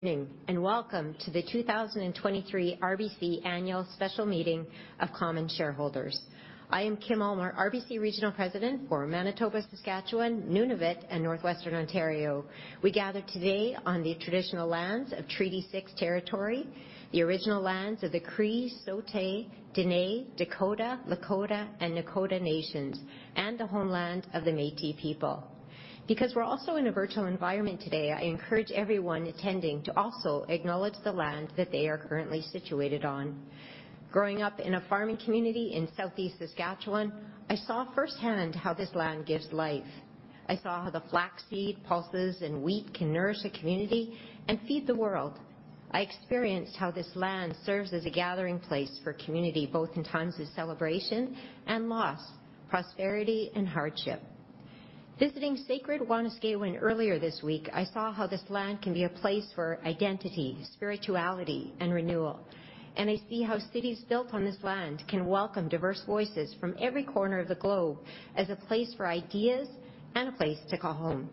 Good evening, and welcome to the 2023 RBC Annual Special Meeting of Common Shareholders. I am Kim Ulmer, RBC Regional President for Manitoba, Saskatchewan, Nunavut, and Northwestern Ontario. We gather today on the traditional lands of Treaty Six territory, the original lands of the Cree, Saulteaux, Dene, Dakota, Lakota, and Nakoda Nations, and the homeland of the Métis people. Because we're also in a virtual environment today, I encourage everyone attending to also acknowledge the land that they are currently situated on. Growing up in a farming community in southeast Saskatchewan, I saw firsthand how this land gives life. I saw how the flaxseed, pulses, and wheat can nourish a community and feed the world. I experienced how this land serves as a gathering place for community, both in times of celebration and loss, prosperity and hardship. Visiting sacred Wanuskewin earlier this week, I saw how this land can be a place for identity, spirituality, and renewal. I see how cities built on this land can welcome diverse voices from every corner of the globe as a place for ideas and a place to call home.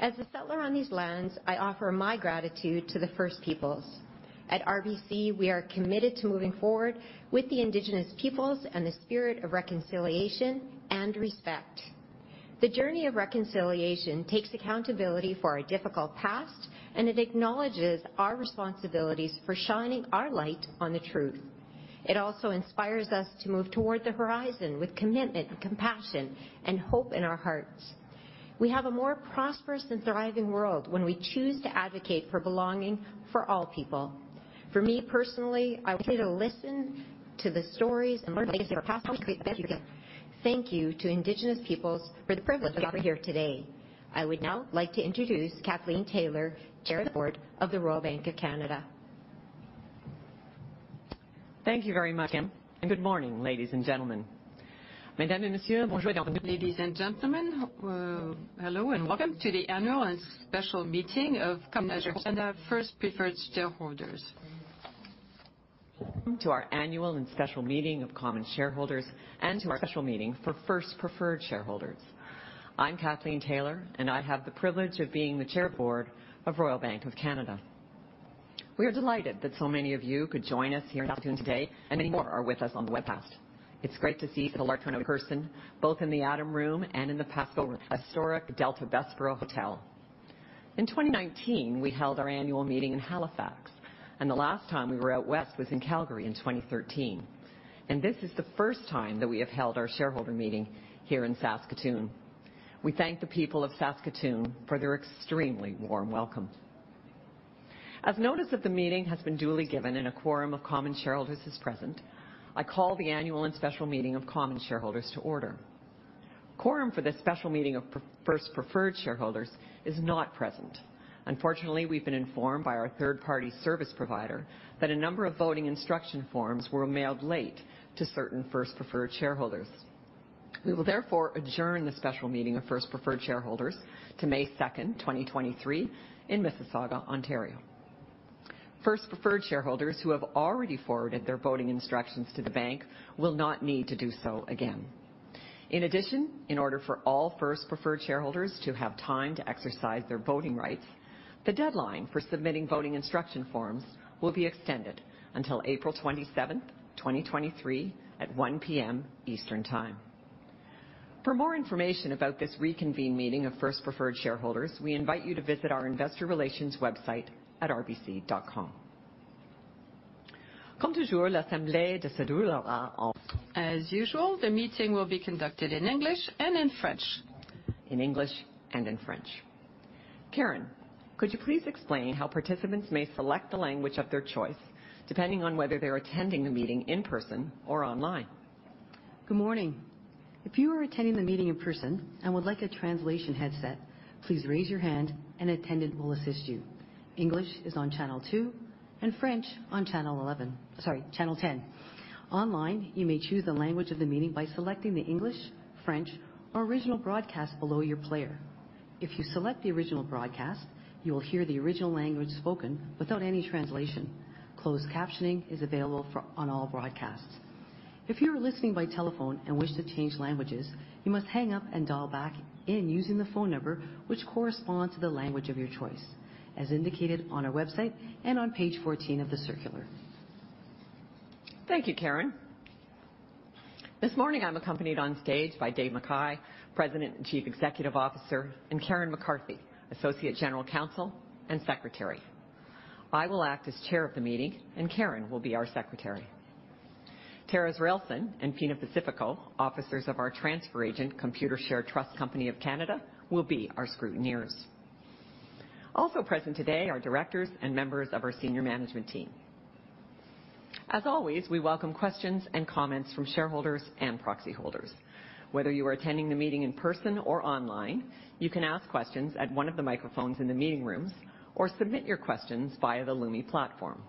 As a settler on these lands, I offer my gratitude to the First Peoples. At RBC, we are committed to moving forward with the Indigenous peoples in the spirit of reconciliation and respect. The journey of reconciliation takes accountability for our difficult past, and it acknowledges our responsibilities for shining our light on the truth. It also inspires us to move toward the horizon with commitment, compassion, and hope in our hearts. We have a more prosperous and thriving world when we choose to advocate for belonging for all people. For me, personally, I want you to listen to the stories and learn from the mistakes of the past how we create a better future. Thank you to Indigenous Peoples for the privilege of being here today. I would now like to introduce Kathleen Taylor, Chair of the Board of the Royal Bank of Canada. Thank you very much, Kim, and good morning, ladies and gentlemen. Ladies and gentlemen, hello, and welcome to the Annual and Special Meeting of Common Shareholders and our First Preferred Shareholders. Welcome to our Annual and Special Meeting of Common Shareholders, and to our special meeting for First Preferred Shareholders. I'm Kathleen Taylor, and I have the privilege of being the Chair of the Board of Royal Bank of Canada. We are delighted that so many of you could join us here in Saskatoon today, and many more are with us on the webcast. It's great to see so large turn out in person, both in the Adam Ballroom and in the William Pascoe at the historic Delta Bessborough Hotel. In 2019, we held our annual meeting in Halifax, and the last time we were out west was in Calgary in 2013. This is the first time that we have held our shareholder meeting here in Saskatoon. We thank the people of Saskatoon for their extremely warm welcome. As notice of the meeting has been duly given and a quorum of common shareholders is present, I call the annual and special meeting of common shareholders to order. Quorum for this special meeting of first preferred shareholders is not present. Unfortunately, we've been informed by our third-party service provider that a number of voting instruction forms were mailed late to certain first preferred shareholders. We will therefore adjourn the special meeting of first preferred shareholders to May 2, 2023 in Mississauga, Ontario. First preferred shareholders who have already forwarded their voting instructions to the Bank will not need to do so again. In addition, in order for all first preferred shareholders to have time to exercise their voting rights, the deadline for submitting voting instruction forms will be extended until April 27, 2023 at 1:00 P.M. Eastern Time. For more information about this reconvened meeting of first preferred shareholders, we invite you to visit our investor relations website at rbc.com. As usual, the meeting will be conducted in English and in French. In English and in French. Karen, could you please explain how participants may select the language of their choice, depending on whether they're attending the meeting in person or online? Good morning. If you are attending the meeting in person and would like a translation headset, please raise your hand, and an attendant will assist you. English is on channel two and French on channel 11. Sorry, channel 10. Online, you may choose the language of the meeting by selecting the English, French, or original broadcast below your player. If you select the original broadcast, you will hear the original language spoken without any translation. Closed captioning is available on all broadcasts. If you are listening by telephone and wish to change languages, you must hang up and dial back in using the phone number which corresponds to the language of your choice, as indicated on our website and on page 14 of the circular. Thank you, Karen. This morning I'm accompanied on stage by Dave McKay, President and Chief Executive Officer, and Karen McCarthy, Associate General Counsel and Secretary. I will act as Chair of the meeting, and Karen will be our secretary. Tara Zralison and Pina Pacifico, officers of our transfer agent, Computershare Trust Company of Canada, will be our scrutineers. Also present today are directors and members of our senior management team. As always, we welcome questions and comments from shareholders and proxy holders. Whether you are attending the meeting in person or online, you can ask questions at one of the microphones in the meeting rooms or submit your questions via the Lumi platform.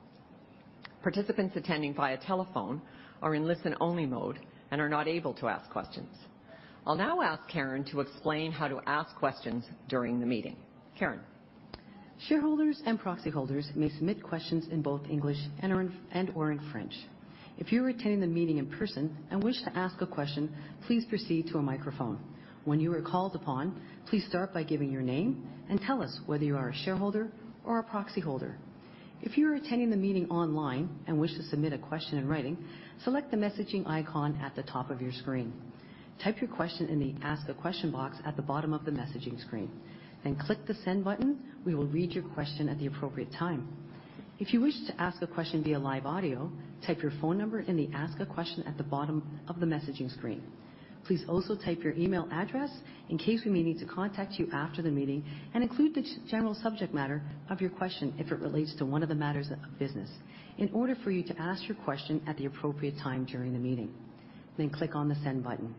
Participants attending via telephone are in listen-only mode and are not able to ask questions. I'll now ask Karen to explain how to ask questions during the meeting. Karen. Shareholders and proxy holders may submit questions in both English and/or in French. If you're attending the meeting in person and wish to ask a question, please proceed to a microphone. When you are called upon, please start by giving your name and tell us whether you are a shareholder or a proxy holder. If you are attending the meeting online and wish to submit a question in writing, select the messaging icon at the top of your screen. Type your question in the Ask a Question box at the bottom of the messaging screen. Then click the Send button. We will read your question at the appropriate time. If you wish to ask a question via live audio, type your phone number in the Ask a Question at the bottom of the messaging screen. Please also type your email address in case we may need to contact you after the meeting, and include the general subject matter of your question if it relates to one of the matters of business in order for you to ask your question at the appropriate time during the meeting. Then click on the Send button.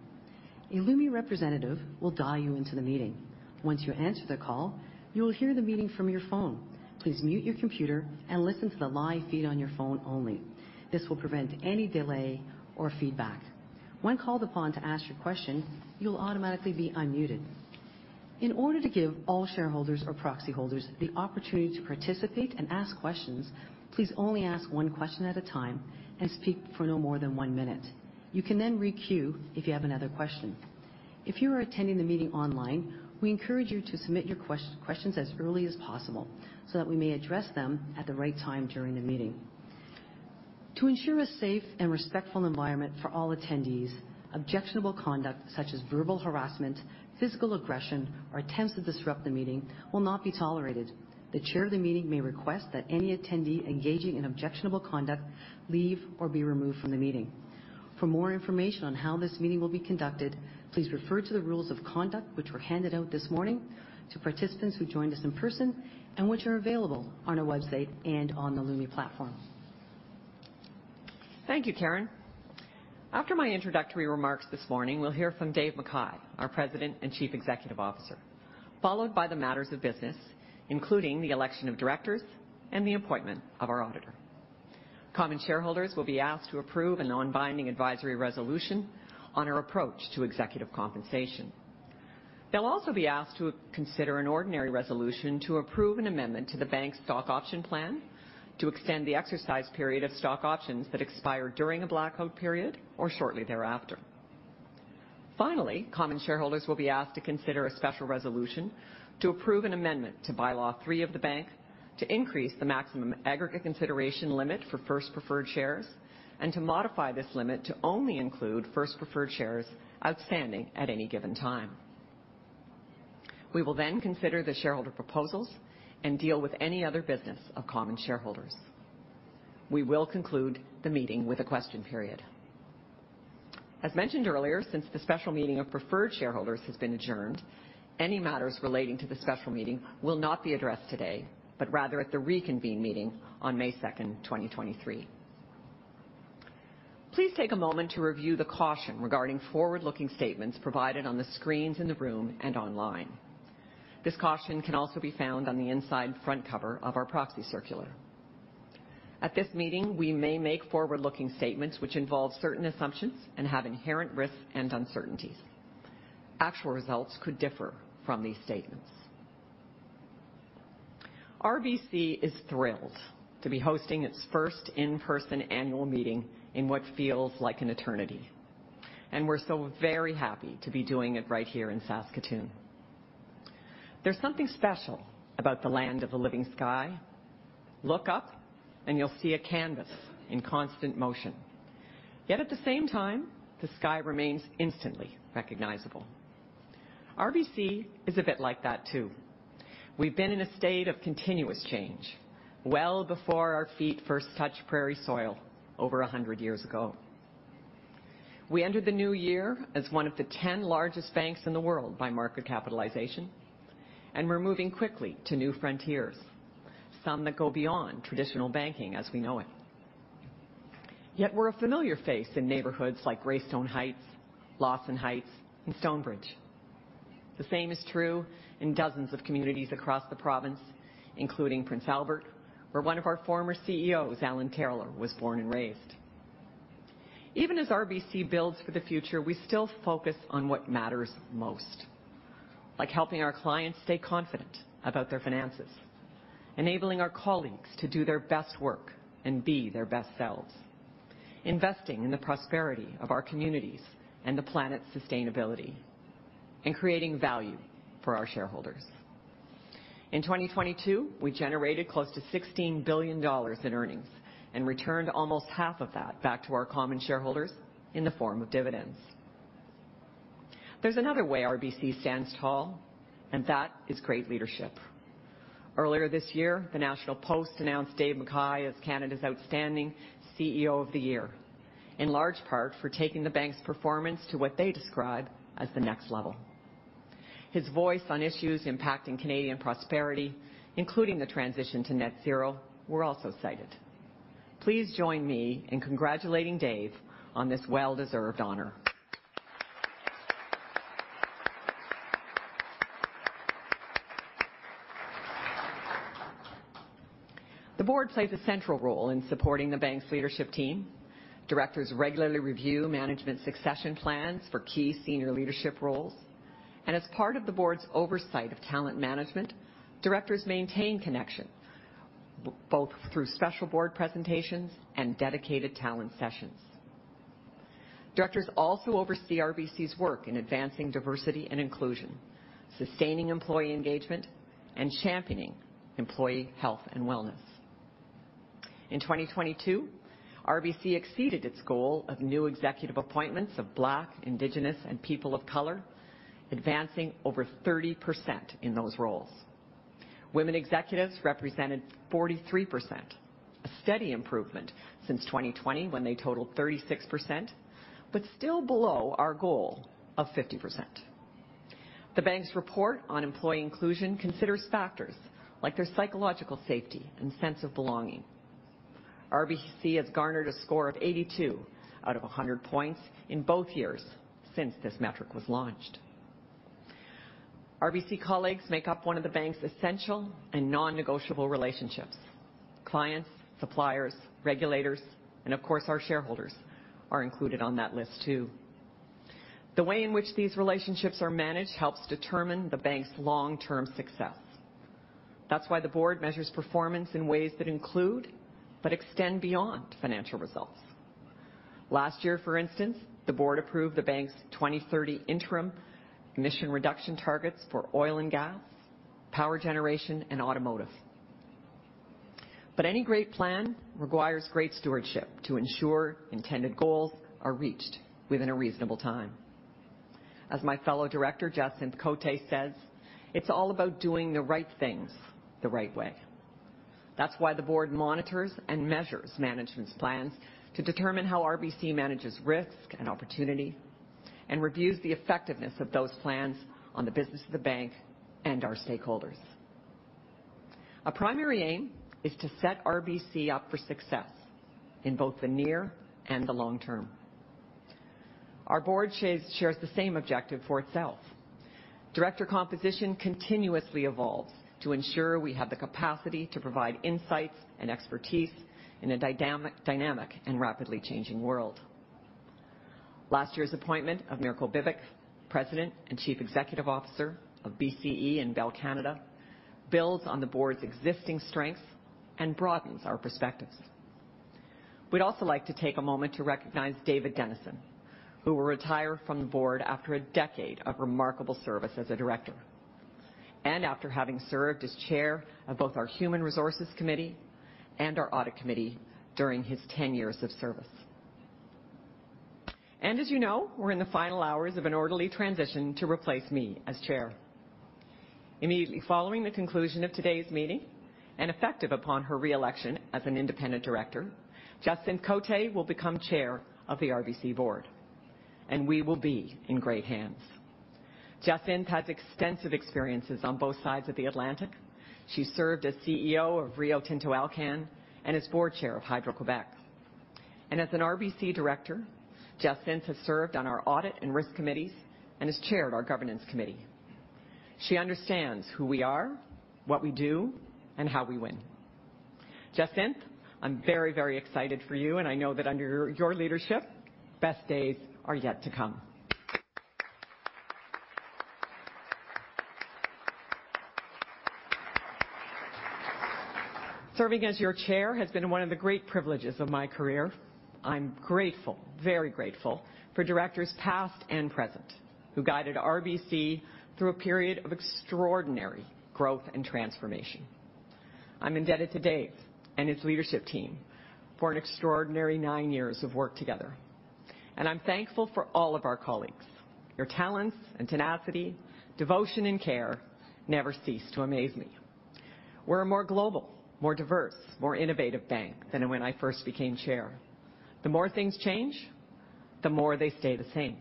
A Lumi representative will dial you into the meeting. Once you answer the call, you will hear the meeting from your phone. Please mute your computer and listen to the live feed on your phone only. This will prevent any delay or feedback. When called upon to ask your question, you will automatically be unmuted. In order to give all shareholders or proxy holders the opportunity to participate and ask questions, please only ask one question at a time and speak for no more than one minute. You can then re-queue if you have another question. If you are attending the meeting online, we encourage you to submit your questions as early as possible so that we may address them at the right time during the meeting. To ensure a safe and respectful environment for all attendees, objectionable conduct such as verbal harassment, physical aggression, or attempts to disrupt the meeting will not be tolerated. The chair of the meeting may request that any attendee engaging in objectionable conduct leave or be removed from the meeting. For more information on how this meeting will be conducted, please refer to the rules of conduct which were handed out this morning to participants who joined us in person, and which are available on our website and on the Lumi platform. Thank you, Karen. After my introductory remarks this morning, we'll hear from Dave McKay, our President and Chief Executive Officer, followed by the matters of business, including the election of directors and the appointment of our auditor. Common shareholders will be asked to approve a non-binding advisory resolution on our approach to executive compensation. They'll also be asked to consider an ordinary resolution to approve an amendment to the bank's stock option plan to extend the exercise period of stock options that expire during a blackout period or shortly thereafter. Finally, common shareholders will be asked to consider a special resolution to approve an amendment to Bylaw 3 of the bank to increase the maximum aggregate consideration limit for first preferred shares and to modify this limit to only include first preferred shares outstanding at any given time. We will then consider the shareholder proposals and deal with any other business of common shareholders. We will conclude the meeting with a question period. As mentioned earlier, since the special meeting of preferred shareholders has been adjourned, any matters relating to the special meeting will not be addressed today, but rather at the reconvened meeting on May second, 2023. Please take a moment to review the caution regarding forward-looking statements provided on the screens in the room and online. This caution can also be found on the inside front cover of our proxy circular. At this meeting, we may make forward-looking statements which involve certain assumptions and have inherent risks and uncertainties. Actual results could differ from these statements. RBC is thrilled to be hosting its first in-person annual meeting in what feels like an eternity. We're so very happy to be doing it right here in Saskatoon. There's something special about the land of the living sky. Look up and you'll see a canvas in constant motion. Yet at the same time, the sky remains instantly recognizable. RBC is a bit like that too. We've been in a state of continuous change well before our feet first touched prairie soil over 100 years ago. We entered the new year as one of the 10 largest banks in the world by market capitalization. We're moving quickly to new frontiers, some that go beyond traditional banking as we know it. Yet we're a familiar face in neighborhoods like Greystone Heights, Lawson Heights, and Stonebridge. The same is true in dozens of communities across the province, including Prince Albert, where one of our former CEOs, Allan Taylor, was born and raised. Even as RBC builds for the future, we still focus on what matters most, like helping our clients stay confident about their finances, enabling our colleagues to do their best work and be their best selves, investing in the prosperity of our communities and the planet's sustainability, and creating value for our shareholders. In 2022, we generated close to 16 billion dollars in earnings and returned almost half of that back to our common shareholders in the form of dividends. There's another way RBC stands tall, and that is great leadership. Earlier this year, the National Post announced Dave McKay as Canada's outstanding CEO of the year, in large part for taking the bank's performance to what they describe as the next level. His voice on issues impacting Canadian prosperity, including the transition to net zero, were also cited. Please join me in congratulating Dave on this well-deserved honor. The board plays a central role in supporting the bank's leadership team. Directors regularly review management succession plans for key senior leadership roles. As part of the board's oversight of talent management, directors maintain connection both through special board presentations and dedicated talent sessions. Directors also oversee RBC's work in advancing diversity and inclusion, sustaining employee engagement, and championing employee health and wellness. In 2022, RBC exceeded its goal of new executive appointments of Black, Indigenous, and people of color, advancing over 30% in those roles. Women executives represented 43%, a steady improvement since 2020 when they totaled 36%, but still below our goal of 50%. The bank's report on employee inclusion considers factors like their psychological safety and sense of belonging. RBC has garnered a score of 82 out of 100 points in both years since this metric was launched. RBC colleagues make up one of the bank's essential and non-negotiable relationships. Clients, suppliers, regulators, and of course, our shareholders are included on that list too. The way in which these relationships are managed helps determine the bank's long-term success. That's why the board measures performance in ways that include but extend beyond financial results. Last year, for instance, the board approved the bank's 2030 interim emission reduction targets for oil and gas, power generation, and automotive. Any great plan requires great stewardship to ensure intended goals are reached within a reasonable time. As my fellow Director, Jacynthe Côté, says, "It's all about doing the right things the right way." That's why the board monitors and measures management's plans to determine how RBC manages risk and opportunity and reviews the effectiveness of those plans on the business of the bank and our stakeholders. A primary aim is to set RBC up for success in both the near and the long term. Our board shares the same objective for itself. Director composition continuously evolves to ensure we have the capacity to provide insights and expertise in a dynamic and rapidly changing world. Last year's appointment of Mirko Bibic, President and Chief Executive Officer of BCE and Bell Canada, builds on the board's existing strengths and broadens our perspectives. We'd also like to take a moment to recognize David Denison, who will retire from the board after a decade of remarkable service as a director. After having served as chair of both our Human Resources committee and our Audit committee during his 10 years of service. As you know, we're in the final hours of an orderly transition to replace me as chair. Immediately following the conclusion of today's meeting and effective upon her re-election as an independent director, Jacynthe Côté will become chair of the RBC board, and we will be in great hands. Jacynthe has extensive experiences on both sides of the Atlantic. She served as CEO of Rio Tinto Alcan and is board chair of Hydro-Québec. As an RBC director, Jacynthe has served on our Audit and Risk committees and has chaired our Governance committee. She understands who we are, what we do, and how we win. Jacinthe, I'm very, very excited for you. I know that under your leadership, best days are yet to come. Serving as your chair has been one of the great privileges of my career. I'm grateful, very grateful for directors past and present who guided RBC through a period of extraordinary growth and transformation. I'm indebted to Dave and his leadership team for an extraordinary 9 years of work together. I'm thankful for all of our colleagues. Your talents and tenacity, devotion, and care never cease to amaze me. We're a more global, more diverse, more innovative bank than when I first became chair. The more things change, the more they stay the same.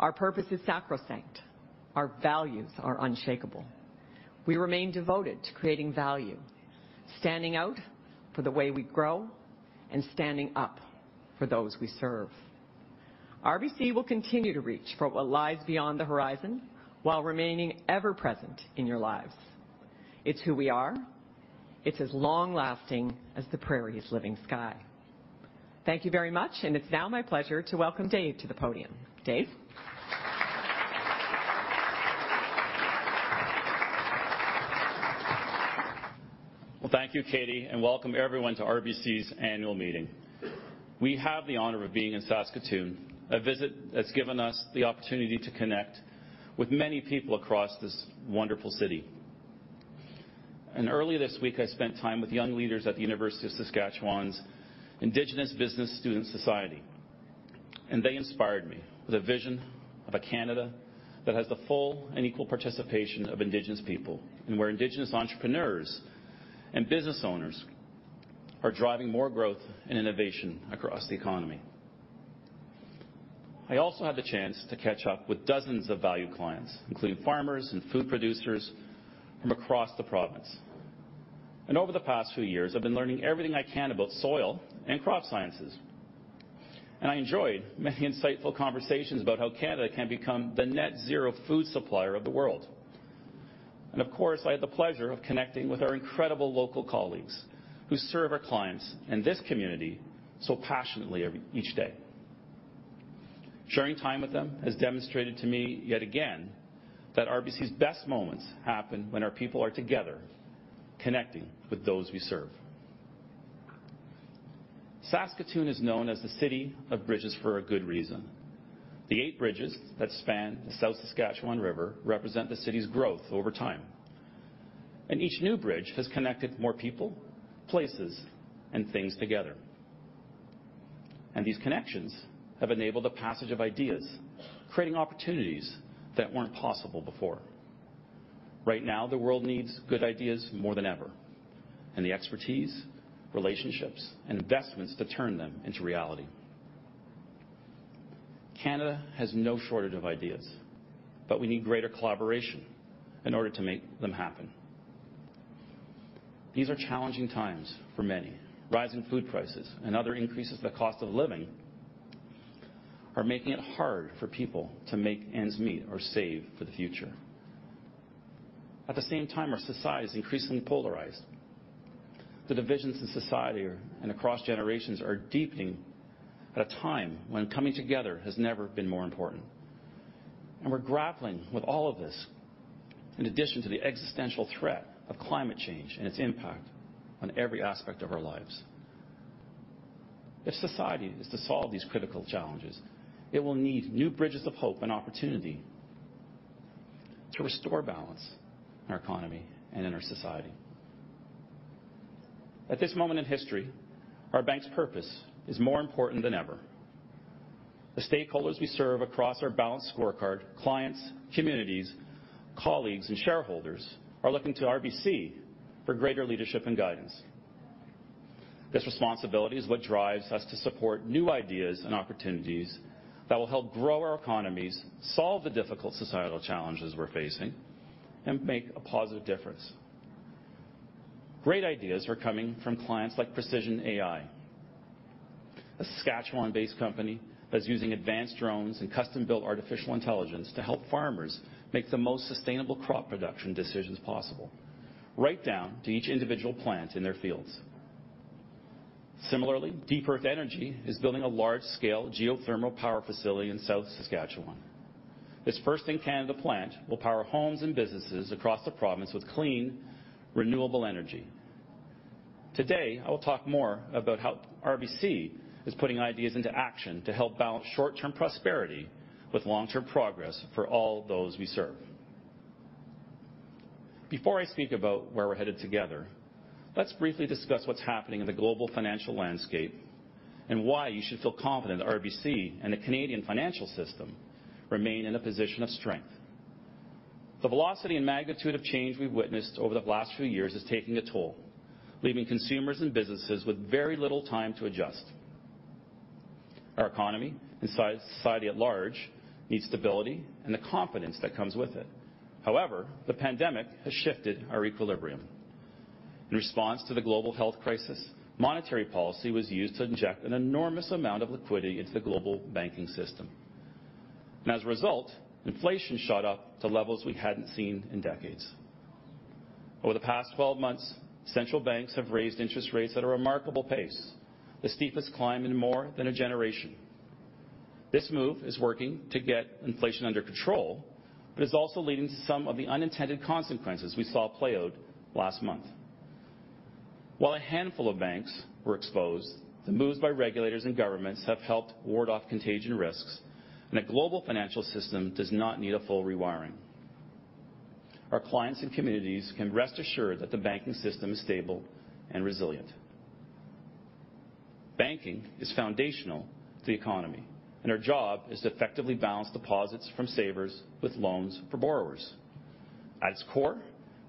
Our purpose is sacrosanct. Our values are unshakable. We remain devoted to creating value, standing out for the way we grow, and standing up for those we serve. RBC will continue to reach for what lies beyond the horizon while remaining ever present in your lives. It's who we are. It's as long-lasting as the prairie's living sky. Thank you very much. It's now my pleasure to welcome Dave to the podium. Dave. Well, thank you, Katie, and welcome everyone to RBC's annual meeting. A visit that's given us the opportunity to connect with many people across this wonderful city. Earlier this week, I spent time with young leaders at the University of Saskatchewan's Indigenous Business Students' Society, and they inspired me with a vision of a Canada that has the full and equal participation of Indigenous people, and where Indigenous entrepreneurs and business owners are driving more growth and innovation across the economy. I also had the chance to catch up with dozens of valued clients, including farmers and food producers from across the province. Over the past few years, I've been learning everything I can about soil and crop sciences, and I enjoyed many insightful conversations about how Canada can become the net zero food supplier of the world. Of course, I had the pleasure of connecting with our incredible local colleagues who serve our clients in this community so passionately each day. Sharing time with them has demonstrated to me yet again that RBC's best moments happen when our people are together, connecting with those we serve. Saskatoon is known as the City of Bridges for a good reason. The eight bridges that span the South Saskatchewan River represent the city's growth over time, and each new bridge has connected more people, places, and things together. These connections have enabled the passage of ideas, creating opportunities that weren't possible before. Right now, the world needs good ideas more than ever, and the expertise, relationships, and investments to turn them into reality. Canada has no shortage of ideas, but we need greater collaboration in order to make them happen. These are challenging times for many. Rising food prices and other increases to the cost of living are making it hard for people to make ends meet or save for the future. At the same time, our society is increasingly polarized. The divisions in society and across generations are deepening at a time when coming together has never been more important. We're grappling with all of this in addition to the existential threat of climate change and its impact on every aspect of our lives. If society is to solve these critical challenges, it will need new bridges of hope and opportunity to restore balance in our economy and in our society. At this moment in history, our bank's purpose is more important than ever. The stakeholders we serve across our balanced scorecard, clients, communities, colleagues, and shareholders are looking to RBC for greater leadership and guidance. This responsibility is what drives us to support new ideas and opportunities that will help grow our economies, solve the difficult societal challenges we're facing, and make a positive difference. Great ideas are coming from clients like Precision AI, a Saskatchewan-based company that's using advanced drones and custom-built artificial intelligence to help farmers make the most sustainable crop production decisions possible right down to each individual plant in their fields. Similarly, DEEP Earth Energy is building a large-scale geothermal power facility in South Saskatchewan. This first-in-Canada plant will power homes and businesses across the province with clean, renewable energy. Today, I will talk more about how RBC is putting ideas into action to help balance short-term prosperity with long-term progress for all those we serve. Before I speak about where we're headed together, let's briefly discuss what's happening in the global financial landscape and why you should feel confident that RBC and the Canadian financial system remain in a position of strength. The velocity and magnitude of change we've witnessed over the last few years is taking a toll, leaving consumers and businesses with very little time to adjust. Our economy and society at large needs stability and the confidence that comes with it. However, the pandemic has shifted our equilibrium. In response to the global health crisis, monetary policy was used to inject an enormous amount of liquidity into the global banking system. As a result, inflation shot up to levels we hadn't seen in decades. Over the past 12 months, central banks have raised interest rates at a remarkable pace, the steepest climb in more than a generation. This move is working to get inflation under control, but it's also leading to some of the unintended consequences we saw play out last month. While a handful of banks were exposed, the moves by regulators and governments have helped ward off contagion risks, and a global financial system does not need a full rewiring. Our clients and communities can rest assured that the banking system is stable and resilient. Banking is foundational to the economy, and our job is to effectively balance deposits from savers with loans for borrowers. At its core,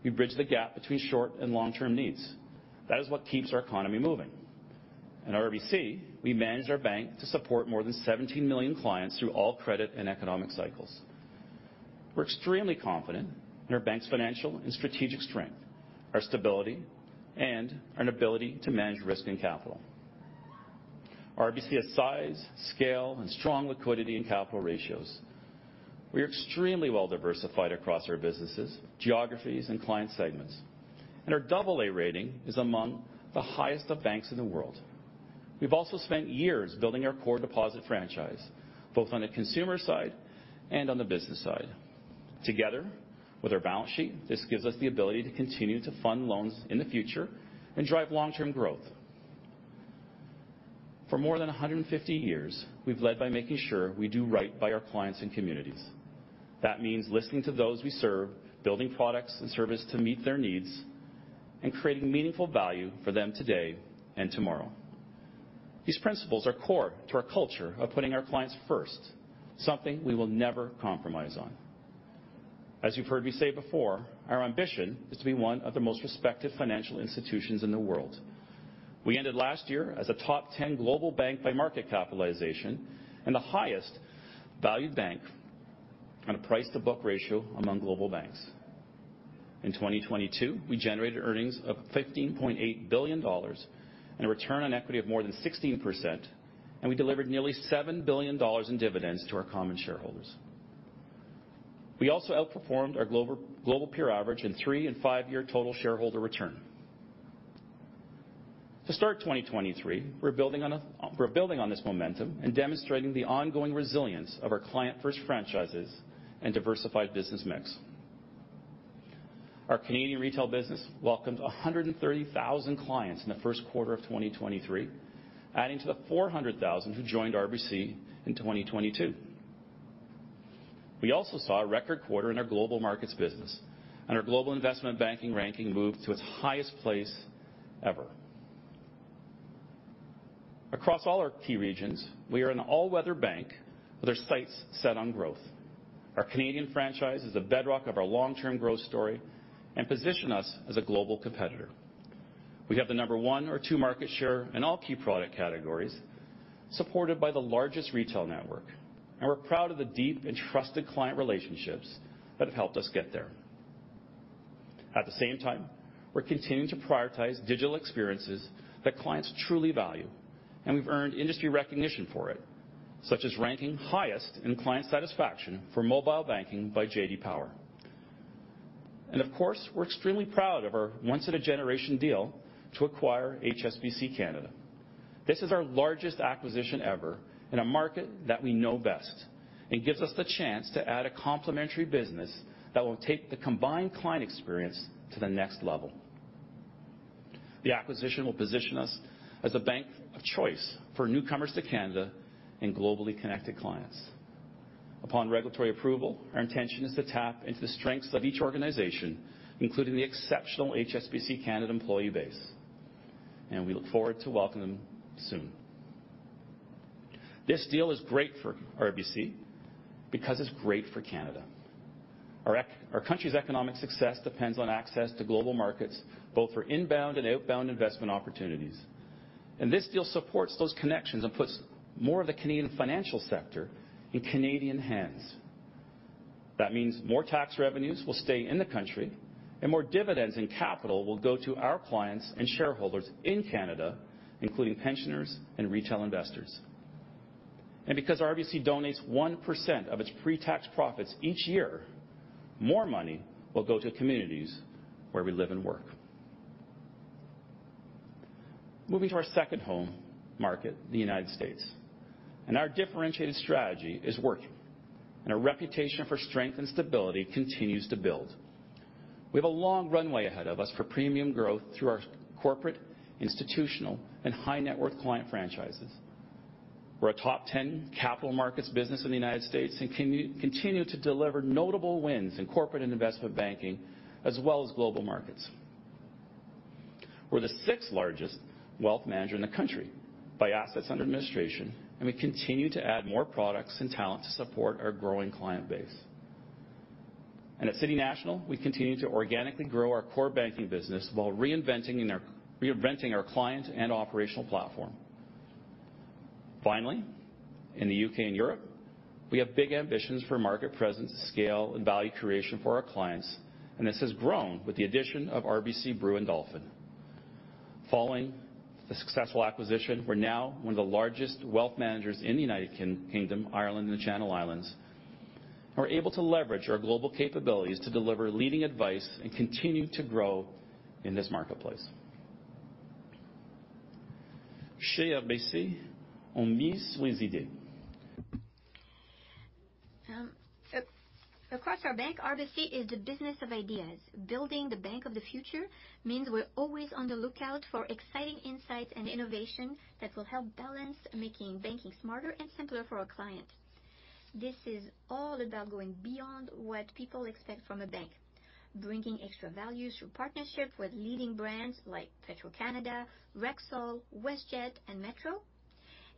we bridge the gap between short and long-term needs. That is what keeps our economy moving. At RBC, we manage our bank to support more than 17 million clients through all credit and economic cycles. We're extremely confident in our bank's financial and strategic strength, our stability, and our ability to manage risk and capital. RBC has size, scale, and strong liquidity and capital ratios. We are extremely well diversified across our businesses, geographies, and client segments, and our AA rating is among the highest of banks in the world. We've also spent years building our core deposit franchise, both on the consumer side and on the business side. Together with our balance sheet, this gives us the ability to continue to fund loans in the future and drive long-term growth. For more than 150 years, we've led by making sure we do right by our clients and communities. That means listening to those we serve, building products and service to meet their needs, and creating meaningful value for them today and tomorrow. These principles are core to our culture of putting our clients first, something we will never compromise on. As you've heard me say before, our ambition is to be one of the most respected financial institutions in the world. We ended last year as a top 10 global bank by market capitalization and the highest valued bank on a price-to-book ratio among global banks. In 2022, we generated earnings of 15.8 billion dollars and a return on equity of more than 16%. We delivered nearly 7 billion dollars in dividends to our common shareholders. We also outperformed our global peer average in 3- and 5-year total shareholder return. To start 2023, we're building on this momentum and demonstrating the ongoing resilience of our client-first franchises and diversified business mix. Our Canadian retail business welcomed 130,000 clients in the first quarter of 2023, adding to the 400,000 who joined RBC in 2022. We also saw a record quarter in our global markets business and our global investment banking ranking moved to its highest place ever. Across all our key regions, we are an all-weather bank with our sights set on growth. Our Canadian franchise is the bedrock of our long-term growth story and position us as a global competitor. We have the number one or two market share in all key product categories, supported by the largest retail network, and we're proud of the deep and trusted client relationships that have helped us get there. At the same time, we're continuing to prioritize digital experiences that clients truly value, and we've earned industry recognition for it, such as ranking highest in client satisfaction for mobile banking by J.D. Power. Of course, we're extremely proud of our once in a generation deal to acquire HSBC Canada. This is our largest acquisition ever in a market that we know best and gives us the chance to add a complementary business that will take the combined client experience to the next level. The acquisition will position us as a bank of choice for newcomers to Canada and globally connected clients. Upon regulatory approval, our intention is to tap into the strengths of each organization, including the exceptional HSBC Canada employee base, we look forward to welcome them soon. This deal is great for RBC because it's great for Canada. Our country's economic success depends on access to global markets, both for inbound and outbound investment opportunities. This deal supports those connections and puts more of the Canadian financial sector in Canadian hands. That means more tax revenues will stay in the country and more dividends and capital will go to our clients and shareholders in Canada, including pensioners and retail investors. Because RBC donates 1% of its pre-tax profits each year, more money will go to communities where we live and work. Moving to our second home market, the United States. Our differentiated strategy is working, and our reputation for strength and stability continues to build. We have a long runway ahead of us for premium growth through our corporate, institutional, and high net worth client franchises. We're a top 10 capital markets business in the United States, continue to deliver notable wins in corporate and investment banking as well as global markets. We're the sixth-largest wealth manager in the country by assets under administration. We continue to add more products and talent to support our growing client base. At City National, we continue to organically grow our core banking business while reinventing our client and operational platform. Finally, in the U.K. and Europe, we have big ambitions for market presence, scale, and value creation for our clients. This has grown with the addition of RBC Brewin Dolphin. Following the successful acquisition, we're now one of the largest wealth managers in the United Kingdom, Ireland, and the Channel Islands. We're able to leverage our global capabilities to deliver leading advice and continue to grow in this marketplace. Chez RBC, on mise sur les idées. Across our bank, RBC is the business of ideas. Building the bank of the future means we're always on the lookout for exciting insights and innovation that will help balance making banking smarter and simpler for our clients. This is all about going beyond what people expect from a bank, bringing extra value through partnership with leading brands like Petro-Canada, Rexall, WestJet, and Metro,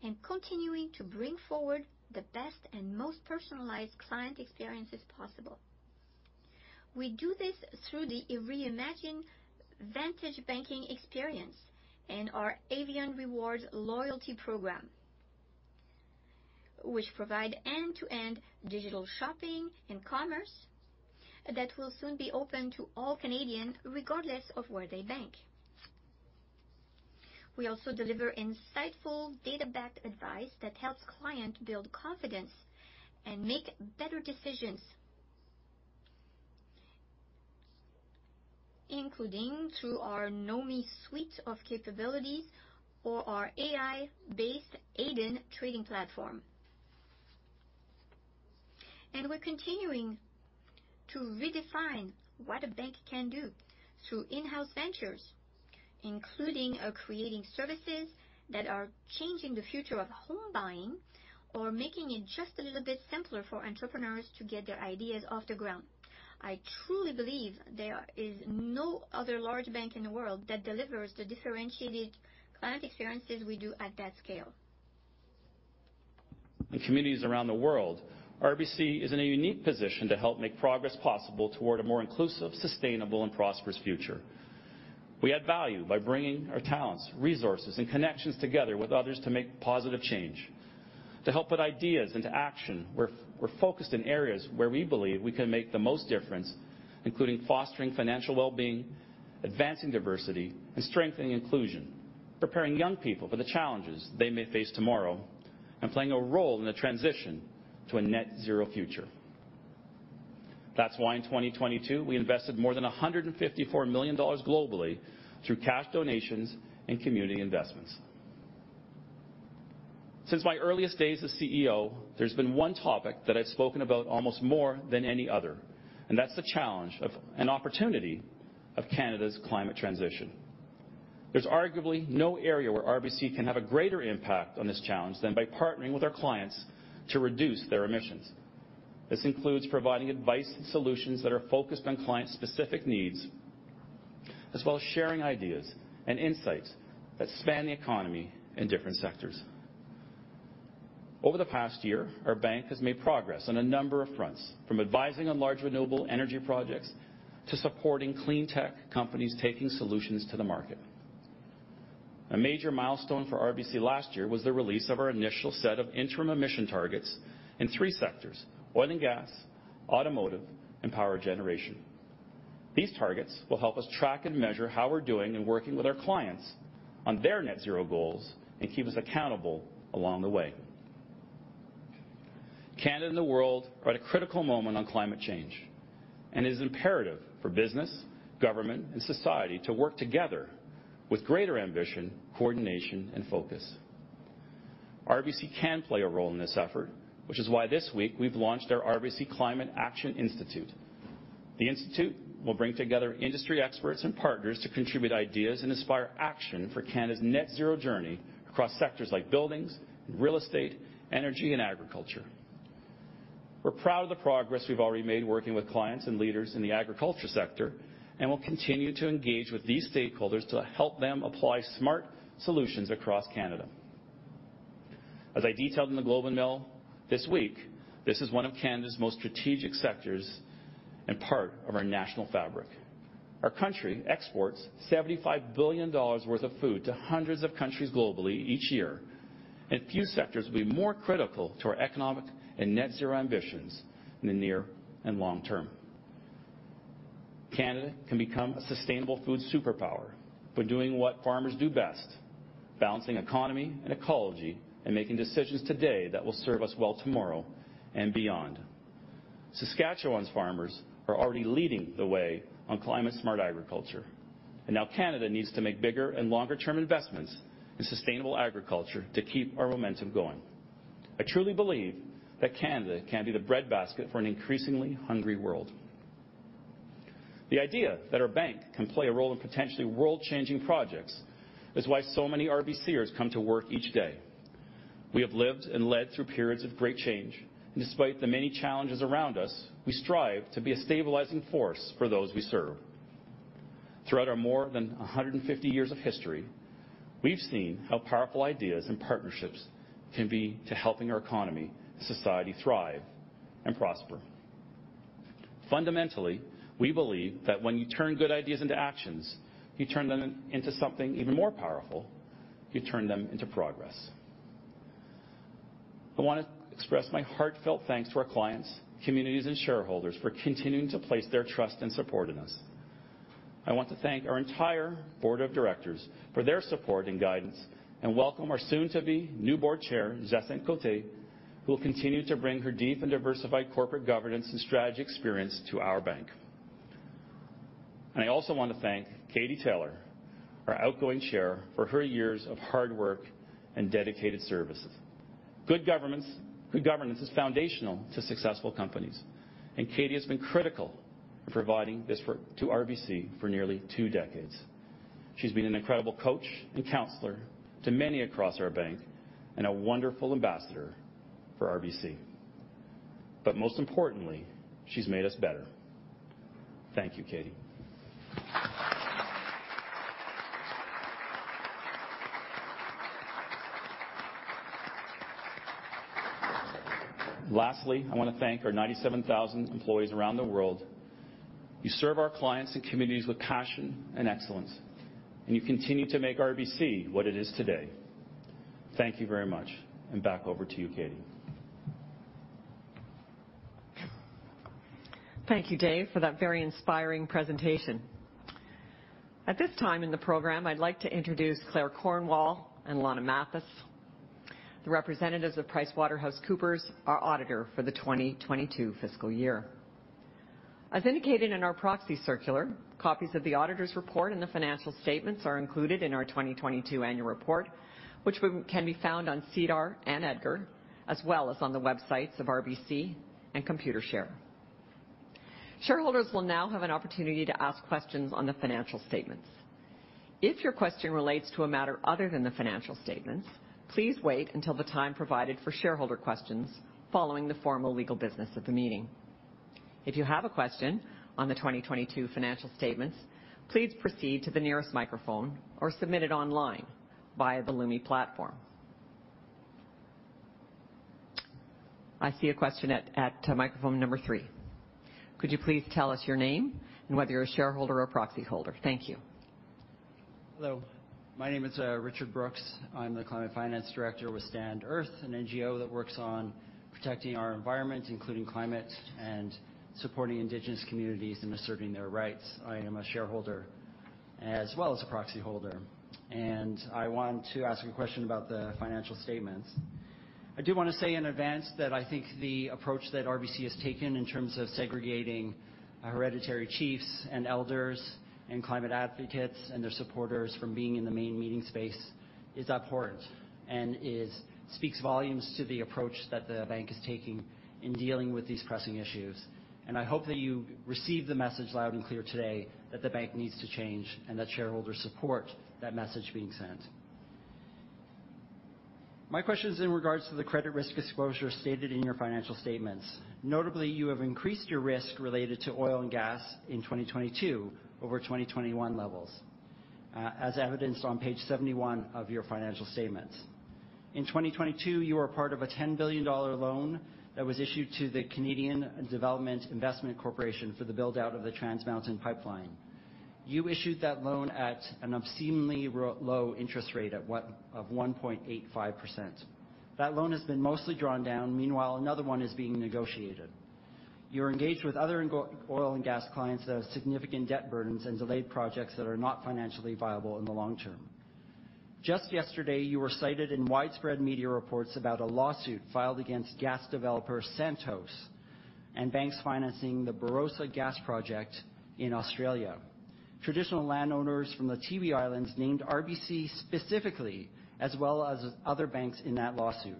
and continuing to bring forward the best and most personalized client experiences possible. We do this through the reimagined Vantage banking experience and our Avion Rewards loyalty program, which provide end-to-end digital shopping and commerce that will soon be open to all Canadians, regardless of where they bank. We also deliver insightful data-backed advice that helps clients build confidence and make better decisions, including through our NOMI suite of capabilities or our AI-based Aiden trading platform. We're continuing to redefine what a bank can do through in-house ventures, including, creating services that are changing the future of home buying or making it just a little bit simpler for entrepreneurs to get their ideas off the ground. I truly believe there is no other large bank in the world that delivers the differentiated client experiences we do at that scale. In communities around the world, RBC is in a unique position to help make progress possible toward a more inclusive, sustainable, and prosperous future. We add value by bringing our talents, resources, and connections together with others to make positive change. To help put ideas into action, we're focused in areas where we believe we can make the most difference, including fostering financial well-being, advancing diversity, and strengthening inclusion, preparing young people for the challenges they may face tomorrow, and playing a role in the transition to a net zero future. That's why in 2022, we invested more than 154 million dollars globally through cash donations and community investments. Since my earliest days as CEO, there's been one topic that I've spoken about almost more than any other, and that's the challenge of and opportunity of Canada's climate transition. There's arguably no area where RBC can have a greater impact on this challenge than by partnering with our clients to reduce their emissions. This includes providing advice and solutions that are focused on client-specific needs, as well as sharing ideas and insights that span the economy in different sectors. Over the past year, our bank has made progress on a number of fronts, from advising on large renewable energy projects to supporting clean tech companies taking solutions to the market. A major milestone for RBC last year was the release of our initial set of interim emission targets in three sectors: oil and gas, automotive, and power generation. These targets will help us track and measure how we're doing in working with our clients on their net zero goals and keep us accountable along the way. Canada and the world are at a critical moment on climate change, and it is imperative for business, government, and society to work together with greater ambition, coordination, and focus. RBC can play a role in this effort, which is why this week we've launched our RBC Climate Action Institute. The institute will bring together industry experts and partners to contribute ideas and inspire action for Canada's net zero journey across sectors like buildings, real estate, energy, and agriculture. We're proud of the progress we've already made working with clients and leaders in the agriculture sector, and we'll continue to engage with these stakeholders to help them apply smart solutions across Canada. As I detailed in The Globe and Mail this week, this is one of Canada's most strategic sectors and part of our national fabric. Our country exports 75 billion dollars worth of food to hundreds of countries globally each year. A few sectors will be more critical to our economic and net-zero ambitions in the near and long term. Canada can become a sustainable food superpower by doing what farmers do best, balancing economy and ecology, and making decisions today that will serve us well tomorrow and beyond. Saskatchewan's farmers are already leading the way on climate-smart agriculture. Now Canada needs to make bigger and longer-term investments in sustainable agriculture to keep our momentum going. I truly believe that Canada can be the breadbasket for an increasingly hungry world. The idea that our bank can play a role in potentially world-changing projects is why so many RBCers come to work each day. We have lived and led through periods of great change. Despite the many challenges around us, we strive to be a stabilizing force for those we serve. Throughout our more than 150 years of history, we've seen how powerful ideas and partnerships can be to helping our economy, society thrive and prosper. Fundamentally, we believe that when you turn good ideas into actions, you turn them into something even more powerful. You turn them into progress. I wanna express my heartfelt thanks to our clients, communities, and shareholders for continuing to place their trust and support in us. I want to thank our entire board of directors for their support and guidance, and welcome our soon-to-be new Board Chair, Jacinthe Côté, who will continue to bring her deep and diversified corporate governance and strategy experience to our bank. I also want to thank Katie Taylor, our outgoing chair, for her years of hard work and dedicated services. Good governance is foundational to successful companies, and Katie has been critical in providing this to RBC for nearly 2 decades. She's been an incredible coach and counselor to many across our bank and a wonderful ambassador for RBC. Most importantly, she's made us better. Thank you, Katie. Lastly, I wanna thank our 97,000 employees around the world. You serve our clients and communities with passion and excellence, and you continue to make RBC what it is today. Thank you very much. Back over to you, Katie. Thank you, Dave, for that very inspiring presentation. At this time in the program, I'd like to introduce Claire Cornwall and Lana Mathis, the representatives of PricewaterhouseCoopers, our auditor for the 2022 fiscal year. As indicated in our proxy circular, copies of the auditor's report and the financial statements are included in our 2022 annual report, which can be found on SEDAR and EDGAR, as well as on the websites of RBC and Computershare. Shareholders will now have an opportunity to ask questions on the financial statements. If your question relates to a matter other than the financial statements, please wait until the time provided for shareholder questions following the formal legal business of the meeting. If you have a question on the 2022 financial statements, please proceed to the nearest microphone or submit it online via the Lumi platform. I see a question at microphone number three. Could you please tell us your name and whether you're a shareholder or proxy holder? Thank you. Hello. My name is Richard Brooks. I'm the climate finance director with Stand.earth, an NGO that works on protecting our environment, including climate and supporting Indigenous communities in asserting their rights. I am a shareholder. As well as a proxy holder. I want to ask a question about the financial statements. I do wanna say in advance that I think the approach that RBC has taken in terms of segregating hereditary chiefs and elders and climate advocates and their supporters from being in the main meeting space is abhorrent and speaks volumes to the approach that the bank is taking in dealing with these pressing issues. I hope that you receive the message loud and clear today that the bank needs to change and that shareholders support that message being sent. My question is in regards to the credit risk disclosure stated in your financial statements. Notably, you have increased your risk related to oil and gas in 2022 over 2021 levels, as evidenced on page 71 of your financial statements. In 2022, you are part of a 10 billion dollar loan that was issued to the Canada Development Investment Corporation for the build-out of the Trans Mountain pipeline. You issued that loan at an obscenely low interest rate at 1.85%. That loan has been mostly drawn down. Meanwhile, another one is being negotiated. You're engaged with other oil and gas clients that have significant debt burdens and delayed projects that are not financially viable in the long term. Just yesterday, you were cited in widespread media reports about a lawsuit filed against gas developer Santos and banks financing the Barossa gas project in Australia. Traditional landowners from the Tiwi Islands named RBC specifically, as well as other banks in that lawsuit.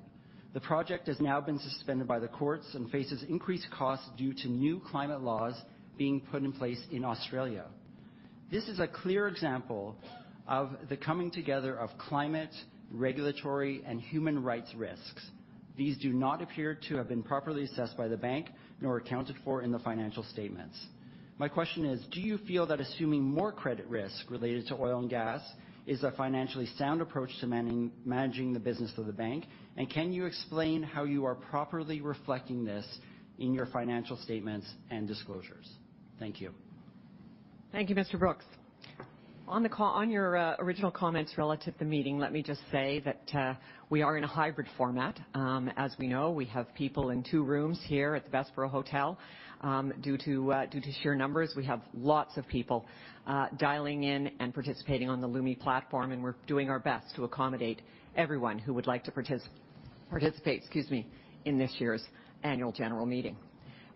The project has now been suspended by the courts and faces increased costs due to new climate laws being put in place in Australia. This is a clear example of the coming together of climate, regulatory, and human rights risks. These do not appear to have been properly assessed by the bank nor accounted for in the financial statements. My question is, do you feel that assuming more credit risk related to oil and gas is a financially sound approach to managing the business of the bank? Can you explain how you are properly reflecting this in your financial statements and disclosures? Thank you. Thank you, Mr. Brooks. On your original comments relative to the meeting, let me just say that we are in a hybrid format. As we know, we have people in two rooms here at the Bessborough Hotel, due to sheer numbers. We have lots of people dialing in and participating on the Lumi platform and we're doing our best to accommodate everyone who would like to participate, excuse me, in this year's annual general meeting.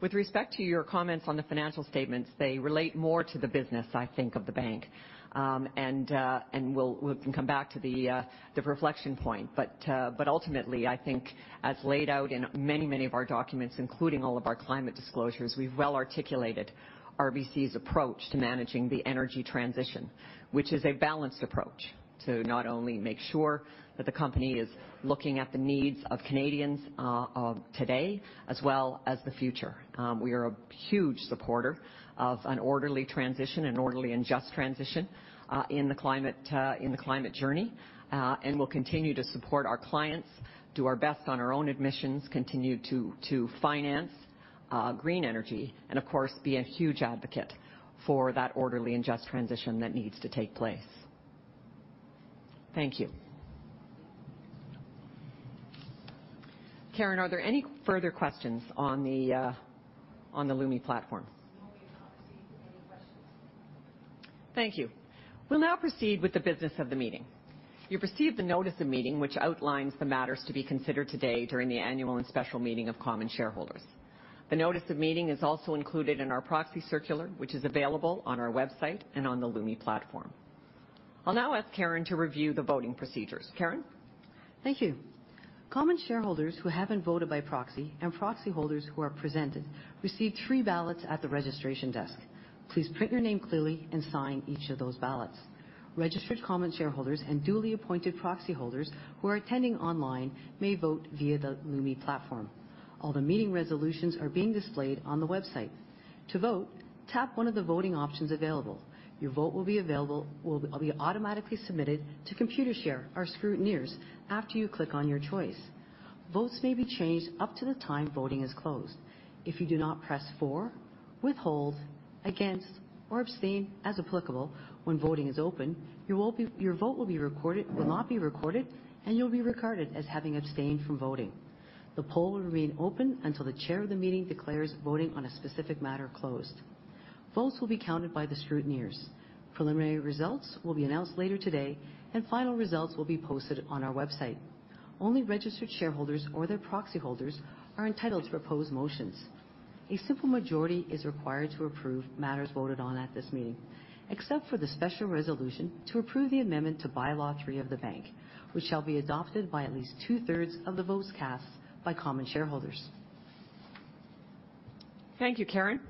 With respect to your comments on the financial statements, they relate more to the business, I think, of the bank. We'll, we can come back to the reflection point. Ultimately, I think as laid out in many of our documents, including all of our climate disclosures, we've well articulated RBC's approach to managing the energy transition. Which is a balanced approach to not only make sure that the company is looking at the needs of Canadians today as well as the future. We are a huge supporter of an orderly transition, an orderly and just transition in the climate journey. We'll continue to support our clients, do our best on our own admissions, continue to finance green energy, and of course, be a huge advocate for that orderly and just transition that needs to take place. Thank you. Karen, are there any further questions on the Lumi platform? No, we've not received any questions. Thank you. We'll now proceed with the business of the meeting. You've received the notice of meeting, which outlines the matters to be considered today during the annual and special meeting of common shareholders. The notice of meeting is also included in our proxy circular, which is available on our website and on the Lumi platform. I'll now ask Karen to review the voting procedures. Karen. Thank you. Common shareholders who haven't voted by proxy and proxy holders who are presented receive three ballots at the registration desk. Please print your name clearly and sign each of those ballots. Registered common shareholders and duly appointed proxy holders who are attending online may vote via the Lumi platform. All the meeting resolutions are being displayed on the website. To vote, tap one of the voting options available. Your vote will be automatically submitted to Computershare, our scrutineers, after you click on your choice. Votes may be changed up to the time voting is closed. If you do not press For, Withhold, Against, or Abstain, as applicable when voting is open, your vote will not be recorded and you'll be recorded as having abstained from voting. The poll will remain open until the chair of the meeting declares voting on a specific matter closed. Votes will be counted by the scrutineers. Preliminary results will be announced later today, and final results will be posted on our website. Only registered shareholders or their proxy holders are entitled to propose motions. A simple majority is required to approve matters voted on at this meeting, except for the special resolution to approve the amendment to Bylaw 3 of the bank, which shall be adopted by at least 2/3 of the votes cast by common shareholders. Thank you, Karen.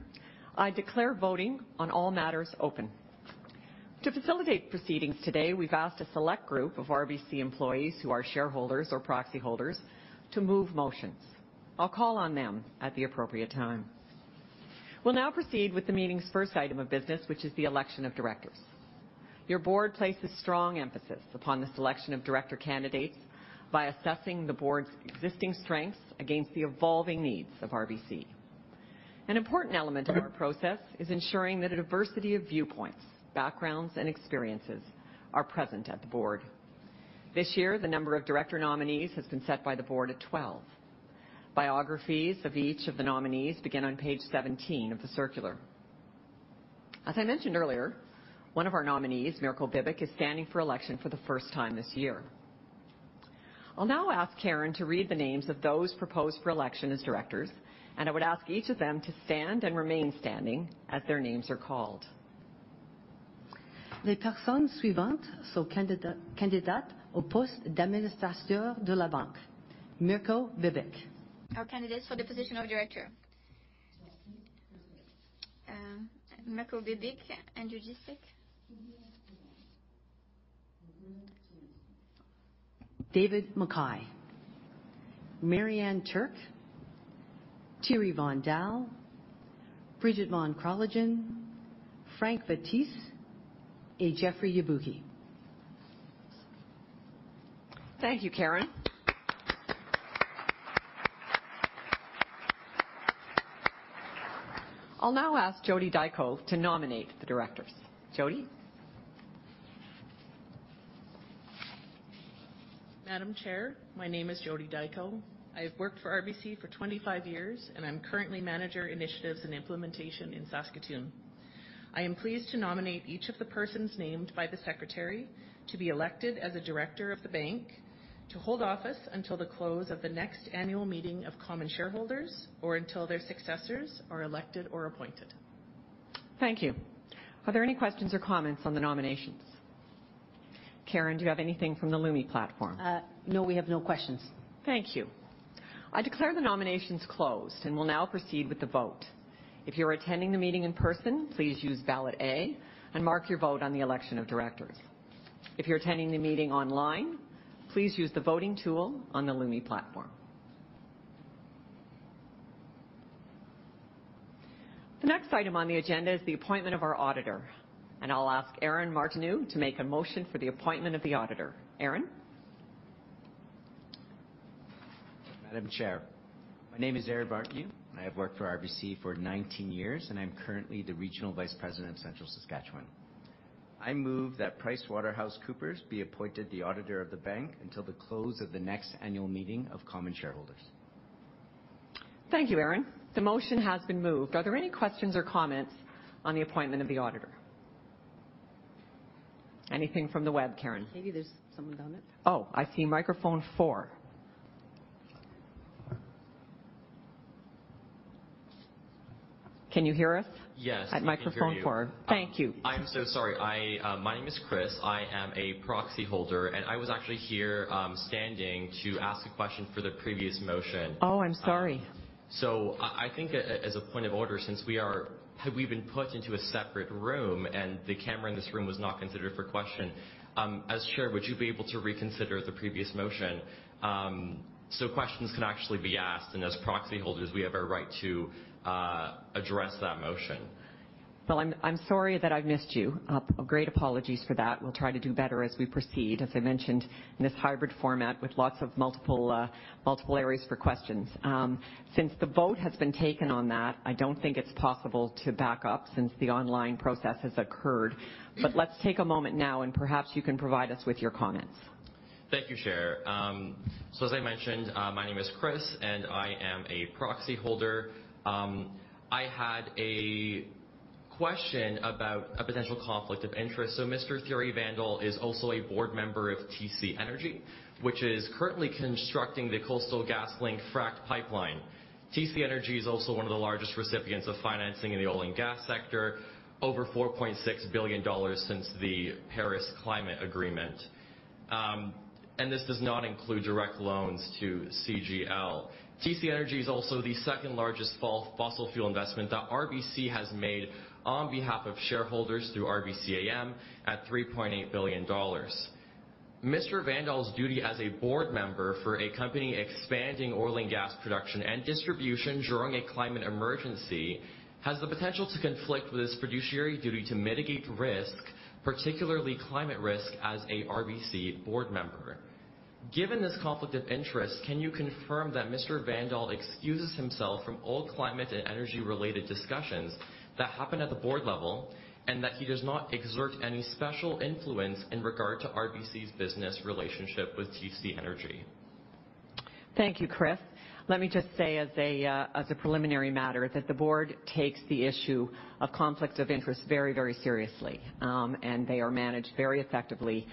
I declare voting on all matters open. To facilitate proceedings today, we've asked a select group of RBC employees who are shareholders or proxy holders to move motions. I'll call on them at the appropriate time. We'll now proceed with the meeting's first item of business, which is the election of directors. Your board places strong emphasis upon the selection of director candidates by assessing the board's existing strengths against the evolving needs of RBC. An important element of our process is ensuring that a diversity of viewpoints, backgrounds, and experiences are present at the board. This year, the number of director nominees has been set by the board at 12. Biographies of each of the nominees begin on page 17 of the circular. As I mentioned earlier, one of our nominees, Mirko Bibic, is standing for election for the first time this year. I'll now ask Karen to read the names of those proposed for election as directors, and I would ask each of them to stand and remain standing as their names are called. Mirko Bibic. Our candidates for the position of director, Mirko Bibic and Judy Sik. David McKay, Mary Ann Turk, Thierry Vandal, Bridget van Kralingen, Frank Vettese, and Jeffery Yabuki. Thank you, Karen. I'll now ask Jody Dyck to nominate the directors. Jody. Madam Chair, my name is Jody Dyck. I have worked for RBC for 25 years, and I'm currently Manager, Initiatives and Implementation in Saskatoon. I am pleased to nominate each of the persons named by the Secretary to be elected as a director of the Bank to hold office until the close of the next annual meeting of common shareholders or until their successors are elected or appointed. Thank you. Are there any questions or comments on the nominations? Karen, do you have anything from the Lumi platform? No, we have no questions. Thank you. I declare the nominations closed and will now proceed with the vote. If you're attending the meeting in person, please use ballot A and mark your vote on the election of directors. If you're attending the meeting online, please use the voting tool on the Lumi platform. The next item on the agenda is the appointment of our auditor. I'll ask Aaron Martineau to make a motion for the appointment of the auditor. Aaron. Madam Chair, my name is Aaron Martineau. I have worked for RBC for 19 years, and I'm currently the Regional Vice President of Central Saskatchewan. I move that PricewaterhouseCoopers be appointed the auditor of the Bank until the close of the next annual meeting of common shareholders. Thank you, Aaron. The motion has been moved. Are there any questions or comments on the appointment of the auditor? Anything from the web, Karen? Maybe there's someone on it. Oh, I see microphone four. Can you hear us? Yes. At microphone 4. Thank you. I am so sorry. I, my name is Chris. I am a proxy holder, and I was actually here, standing to ask a question for the previous motion. Oh, I'm sorry. I think as a point of order, have we been put into a separate room and the camera in this room was not considered for question. As Chair, would you be able to reconsider the previous motion, so questions can actually be asked, and as proxy holders, we have a right to address that motion. Well, I'm sorry that I've missed you. Great apologies for that. We'll try to do better as we proceed. As I mentioned, in this hybrid format with lots of multiple areas for questions. Since the vote has been taken on that, I don't think it's possible to back up since the online process has occurred. Let's take a moment now, and perhaps you can provide us with your comments. Thank you, Chair. As I mentioned, my name is Chris, and I am a proxy holder. I had a question about a potential conflict of interest. Mr. Thierry Vandal is also a board member of TC Energy, which is currently constructing the Coastal GasLink fracked pipeline. TC Energy is also one of the largest recipients of financing in the oil and gas sector, over $4.6 billion since the Paris Agreement. This does not include direct loans to CGL. TC Energy is also the second-largest fossil fuel investment that RBC has made on behalf of shareholders through RBC AM at $3.8 billion. Vandal's duty as a board member for a company expanding oil and gas production and distribution during a climate emergency has the potential to conflict with his fiduciary duty to mitigate risk, particularly climate risk, as a RBC board member. Given this conflict of interest, can you confirm that Mr. Vandal excuses himself from all climate and energy-related discussions that happen at the board level, and that he does not exert any special influence in regard to RBC's business relationship with TC Energy? Thank you, Chris. Let me just say as a preliminary matter, that the board takes the issue of conflict of interest very, very seriously. They are managed very effectively,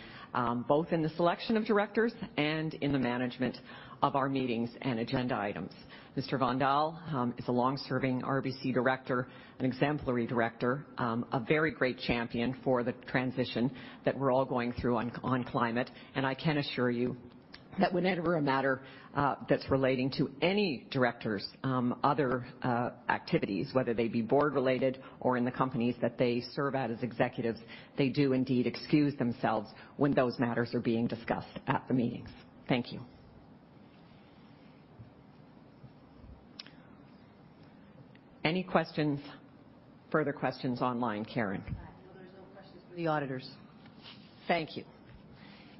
both in the selection of directors and in the management of our meetings and agenda items. Mr. Vandal is a long-serving RBC director, an exemplary director, a very great champion for the transition that we're all going through on climate. I can assure you that whenever a matter that's relating to any director's other activities, whether they be board-related or in the companies that they serve at as executives, they do indeed excuse themselves when those matters are being discussed at the meetings. Thank you. Any questions, further questions online, Karen? No, there's no questions for the auditors. Thank you.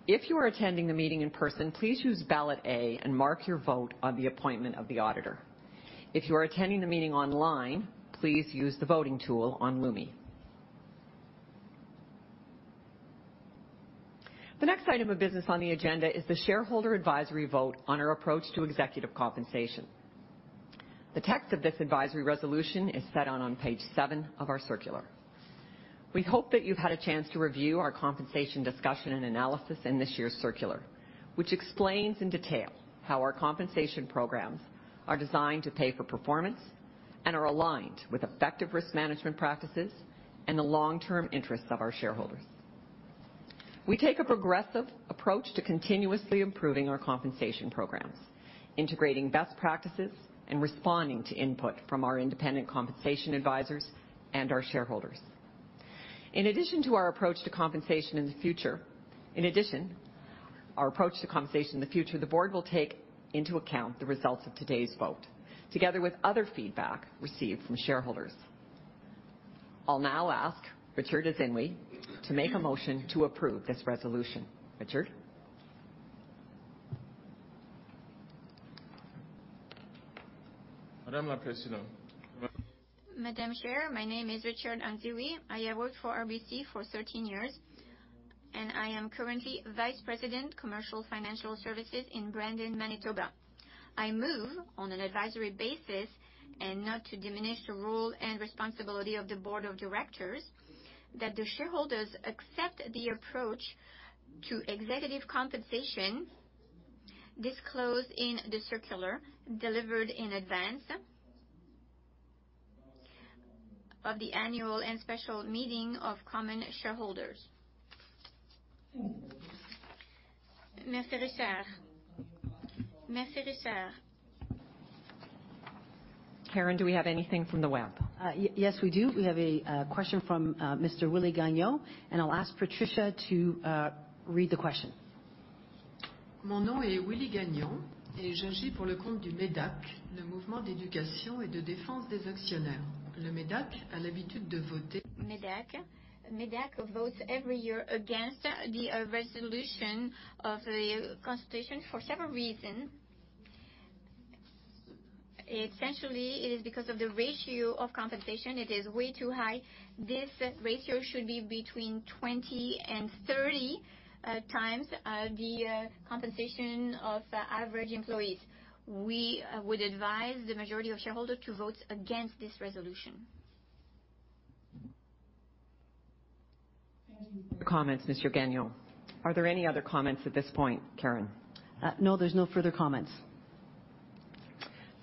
If you are attending the meeting in person, please use ballot A and mark your vote on the appointment of the auditor. If you are attending the meeting online, please use the voting tool on Lumi. The next item of business on the agenda is the shareholder advisory vote on our approach to executive compensation. The text of this advisory resolution is set out on page 7 of our circular. We hope that you've had a chance to review our compensation discussion and analysis in this year's circular, which explains in detail how our compensation programs are designed to pay for performance and are aligned with effective risk management practices and the long-term interests of our shareholders. We take a progressive approach to continuously improving our compensation programs, integrating best practices, and responding to input from our independent compensation advisors and our shareholders. In addition, our approach to compensation in the future, the board will take into account the results of today's vote, together with other feedback received from shareholders. I'll now ask Richard Anziwe to make a motion to approve this resolution. Richard? Madam La Présidente. Madam Chair, my name is Richard Anziwe. I have worked for RBC for 13 years, and I am currently Vice President, Commercial Financial Services in Brandon, Manitoba. I move on an advisory basis and not to diminish the role and responsibility of the board of directors, that the shareholders accept the approach to executive compensation disclosed in the circular delivered in advance of the annual and special meeting of common shareholders. Karen, do we have anything from the web? yes, we do. We have a question from Mr. Willy Gagnon, and I'll ask Patricia to read the question. Mon nom est Willy Gagnon, et j'agis pour le compte du MÉDAC, le Mouvement d'éducation et de défense des actionnaires. Le MÉDAC a l'habitude de voter, MÉDAC. MÉDAC votes every year against the resolution of the consultation for several reason. Essentially, it is because of the ratio of compensation. It is way too high. This ratio should be between 20 and 30 times the compensation of average employees. We would advise the majority of shareholder to vote against this resolution. Thank you for your comments, Monsieur Gagnon. Are there any other comments at this point, Karen? no, there's no further comments.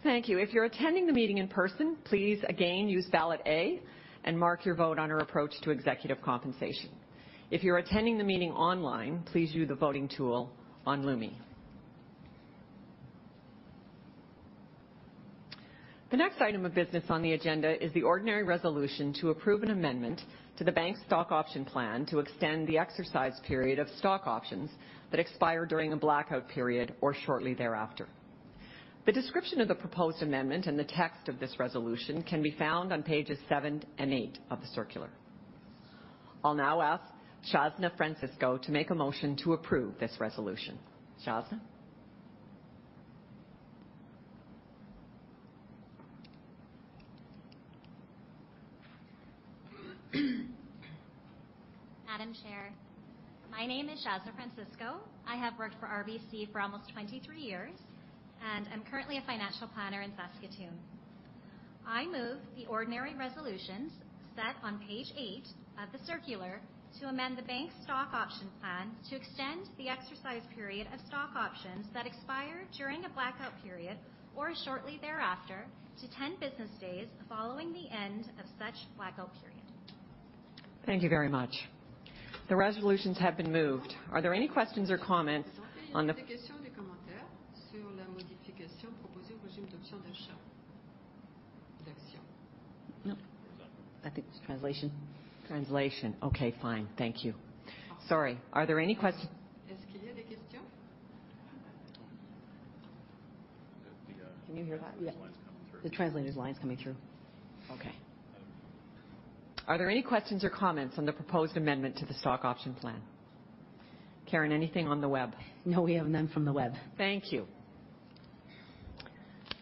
Thank you. If you're attending the meeting in person, please again use ballot A and mark your vote on our approach to executive compensation. If you're attending the meeting online, please use the voting tool on Lumi. The next item of business on the agenda is the ordinary resolution to approve an amendment to the bank's stock option plan to extend the exercise period of stock options that expire during a blackout period or shortly thereafter. The description of the proposed amendment and the text of this resolution can be found on pages seven and eight of the circular. I'll now ask Shazna Francisco to make a motion to approve this resolution. Shazna? Madam Chair, my name is Shazna Francisco. I have worked for RBC for almost 23 years, and I'm currently a financial planner in Saskatoon. I move the ordinary resolutions set on page eight of the circular to amend the bank's stock option plan to extend the exercise period of stock options that expire during a blackout period or shortly thereafter to 10 business days following the end of such blackout period. Thank you very much. The resolutions have been moved. Are there any questions or comments? Y a-t-il des questions ou des commentaires sur la modification proposée au régime d'options d'achat d'actions? No. I think it's translation. Translation. Okay, fine. Thank you. Sorry, are there any? Est-ce qu'il y a des questions? Can you hear that? The translator's line's coming through. Are there any questions or comments on the proposed amendment to the stock option plan? Karen, anything on the web? No, we have none from the web. Thank you.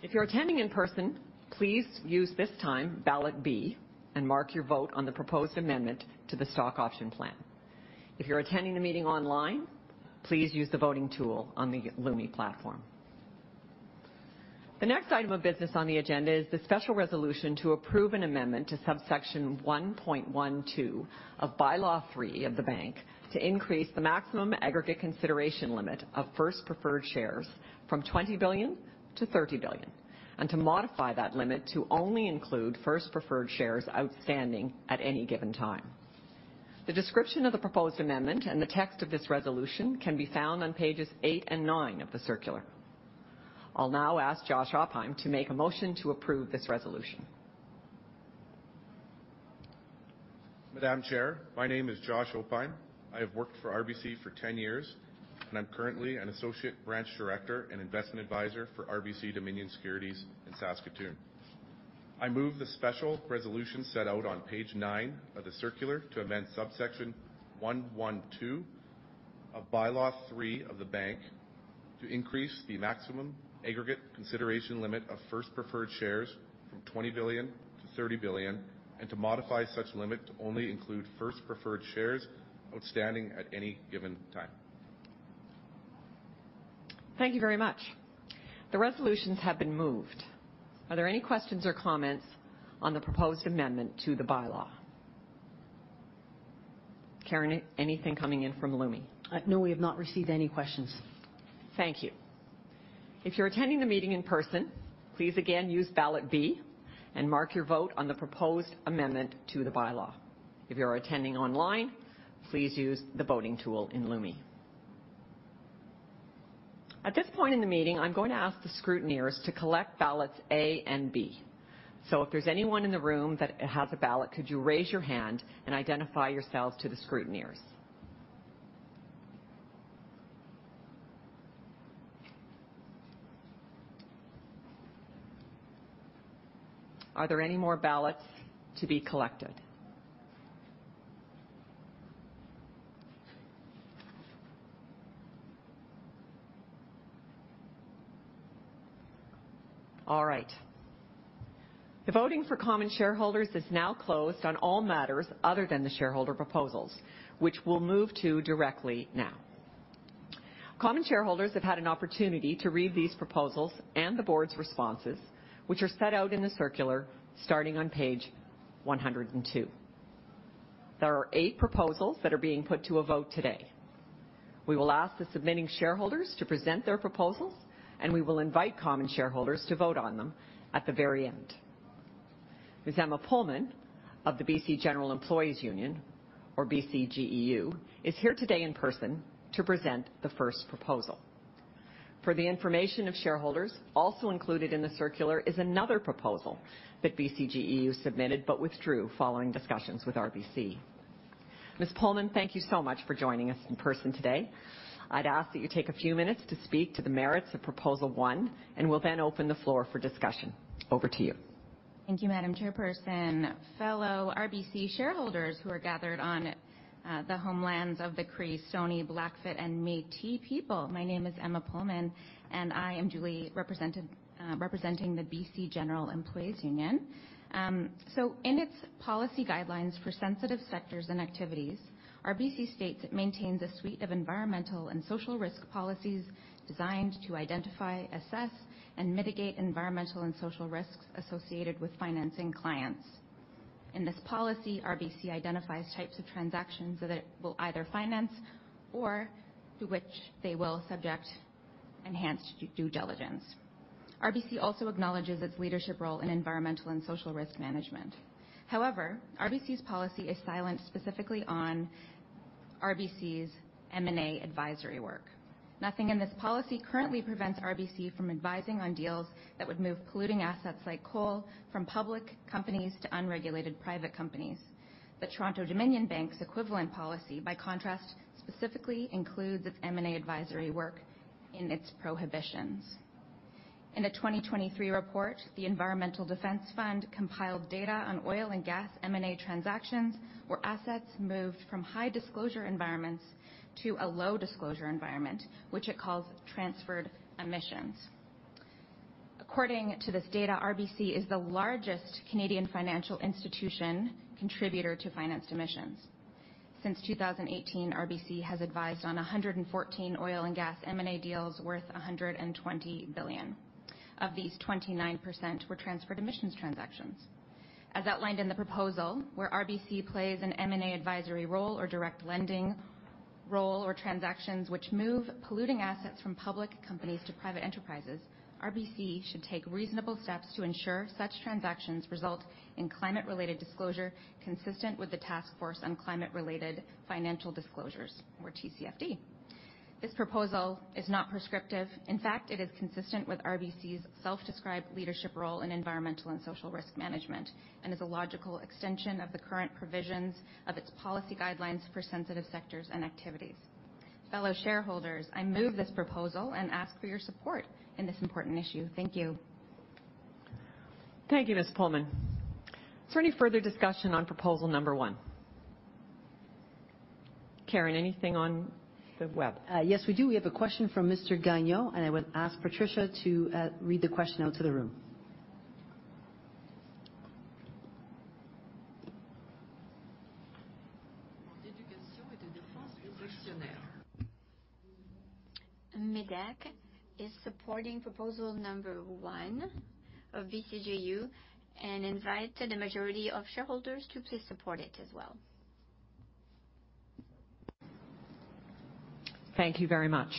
If you're attending in person, please use this time ballot B and mark your vote on the proposed amendment to the stock option plan. If you're attending the meeting online, please use the voting tool on the Lumi platform. The next item of business on the agenda is the special resolution to approve an amendment to subsection 1.12 of Bylaw 3 of the bank to increase the maximum aggregate consideration limit of first preferred shares from $20 billion to $30 billion, and to modify that limit to only include first preferred shares outstanding at any given time. The description of the proposed amendment and the text of this resolution can be found on pages 8 and 9 of the circular. I'll now ask Josh Oppheim to make a motion to approve this resolution. Madam Chair, my name is Josh Oppheim. I have worked for RBC for 10 years, and I'm currently an associate branch director and investment advisor for RBC Dominion Securities in Saskatoon. I move the special resolution set out on page 9 of the circular to amend subsection 112 of Bylaw 3 of the bank to increase the maximum aggregate consideration limit of first preferred shares from 20 billion to 30 billion, and to modify such limit to only include first preferred shares outstanding at any given time. Thank you very much. The resolutions have been moved. Are there any questions or comments on the proposed amendment to the bylaw? Karen, anything coming in from Lumi? No, we have not received any questions. Thank you. If you're attending the meeting in person, please again, use ballot B and mark your vote on the proposed amendment to the Bylaw. If you're attending online, please use the voting tool in Lumi. At this point in the meeting, I'm going to ask the scrutineers to collect ballots A and B. If there's anyone in the room that has a ballot, could you raise your hand and identify yourselves to the scrutineers. Are there any more ballots to be collected? All right. The voting for common shareholders is now closed on all matters other than the shareholder proposals, which we'll move to directly now. Common shareholders have had an opportunity to read these proposals and the board's responses, which are set out in the circular starting on page 102. There are 8 proposals that are being put to a vote today. We will ask the submitting shareholders to present their proposals, and we will invite common shareholders to vote on them at the very end. Ms. Emma Pullman of the BC General Employees' Union, or BCGEU, is here today in person to present the first proposal. For the information of shareholders, also included in the circular is another proposal that BCGEU submitted but withdrew following discussions with RBC. Ms. Pullman, thank you so much for joining us in person today. I'd ask that you take a few minutes to speak to the merits of proposal one, and we'll then open the floor for discussion. Over to you. Thank you, Madam Chair. Fellow RBC shareholders who are gathered on the homelands of the Cree, Stoney, Blackfoot, and Métis people. My name is Emma Pullman, and I am duly represented, representing the BC General Employees' Union. In its policy guidelines for sensitive sectors and activities, RBC states it maintains a suite of environmental and social risk policies designed to identify, assess, and mitigate environmental and social risks associated with financing clients. In this policy, RBC identifies types of transactions that it will either finance or to which they will subject enhanced due diligence. RBC also acknowledges its leadership role in environmental and social risk management. However, RBC's policy is silent specifically on RBC's M&A advisory work. Nothing in this policy currently prevents RBC from advising on deals that would move polluting assets like coal from public companies to unregulated private companies. The Toronto-Dominion Bank's equivalent policy, by contrast, specifically includes its M&A advisory work in its prohibitions. In a 2023 report, the Environmental Defense Fund compiled data on oil and gas M&A transactions where assets moved from high-disclosure environments to a low-disclosure environment, which it calls transferred emissions. According to this data, RBC is the largest Canadian financial institution contributor to financed emissions. Since 2018, RBC has advised on 114 oil and gas M&A deals worth 120 billion. Of these, 29% were transferred emissions transactions. As outlined in the proposal, where RBC plays an M&A advisory role or direct lending role or transactions which move polluting assets from public companies to private enterprises, RBC should take reasonable steps to ensure such transactions result in climate-related disclosure consistent with the Task Force on Climate-related Financial Disclosures, or TCFD. This proposal is not prescriptive. In fact, it is consistent with RBC's self-described leadership role in environmental and social risk management and is a logical extension of the current provisions of its policy guidelines for sensitive sectors and activities. Fellow shareholders, I move this proposal and ask for your support in this important issue. Thank you. Thank you, Ms. Pullman. Is there any further discussion on proposal number 1? Karen, anything on the web? Yes, we do. We have a question from Mr. Willy Gagnon, and I would ask Patricia to read the question out to the room. MÉDAC is supporting proposal number 1 of BCGEU and invite the majority of shareholders to please support it as well. Thank you very much.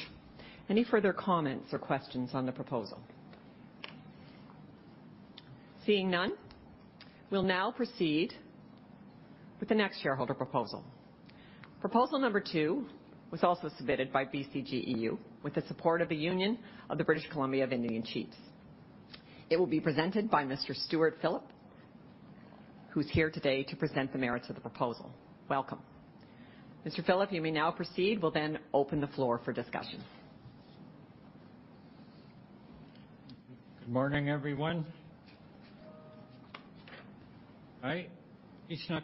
Any further comments or questions on the proposal? Seeing none, we'll now proceed with the next shareholder proposal. Proposal number two was also submitted by BCGEU with the support of the Union of British Columbia Indian Chiefs. It will be presented by Mr. Stewart Phillip, who's here today to present the merits of the proposal. Welcome. Mr. Phillip, you may now proceed. We'll then open the floor for discussion. Good morning, everyone. Right. In our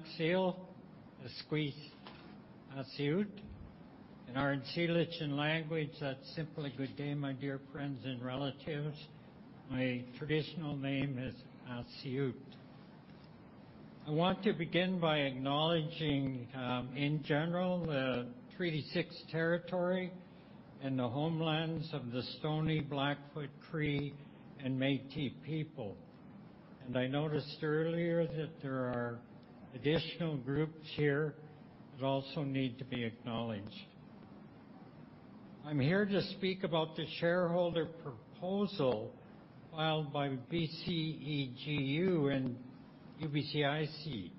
nsyilxcən language, that's simply good day, my dear friends and relatives. My traditional name is Aseut. I want to begin by acknowledging, in general, the Treaty Six territory and the homelands of the Stoney Blackfoot Cree and Métis people. I noticed earlier that there are additional groups here that also need to be acknowledged. I'm here to speak about the shareholder proposal filed by BCGEU and UBCIC.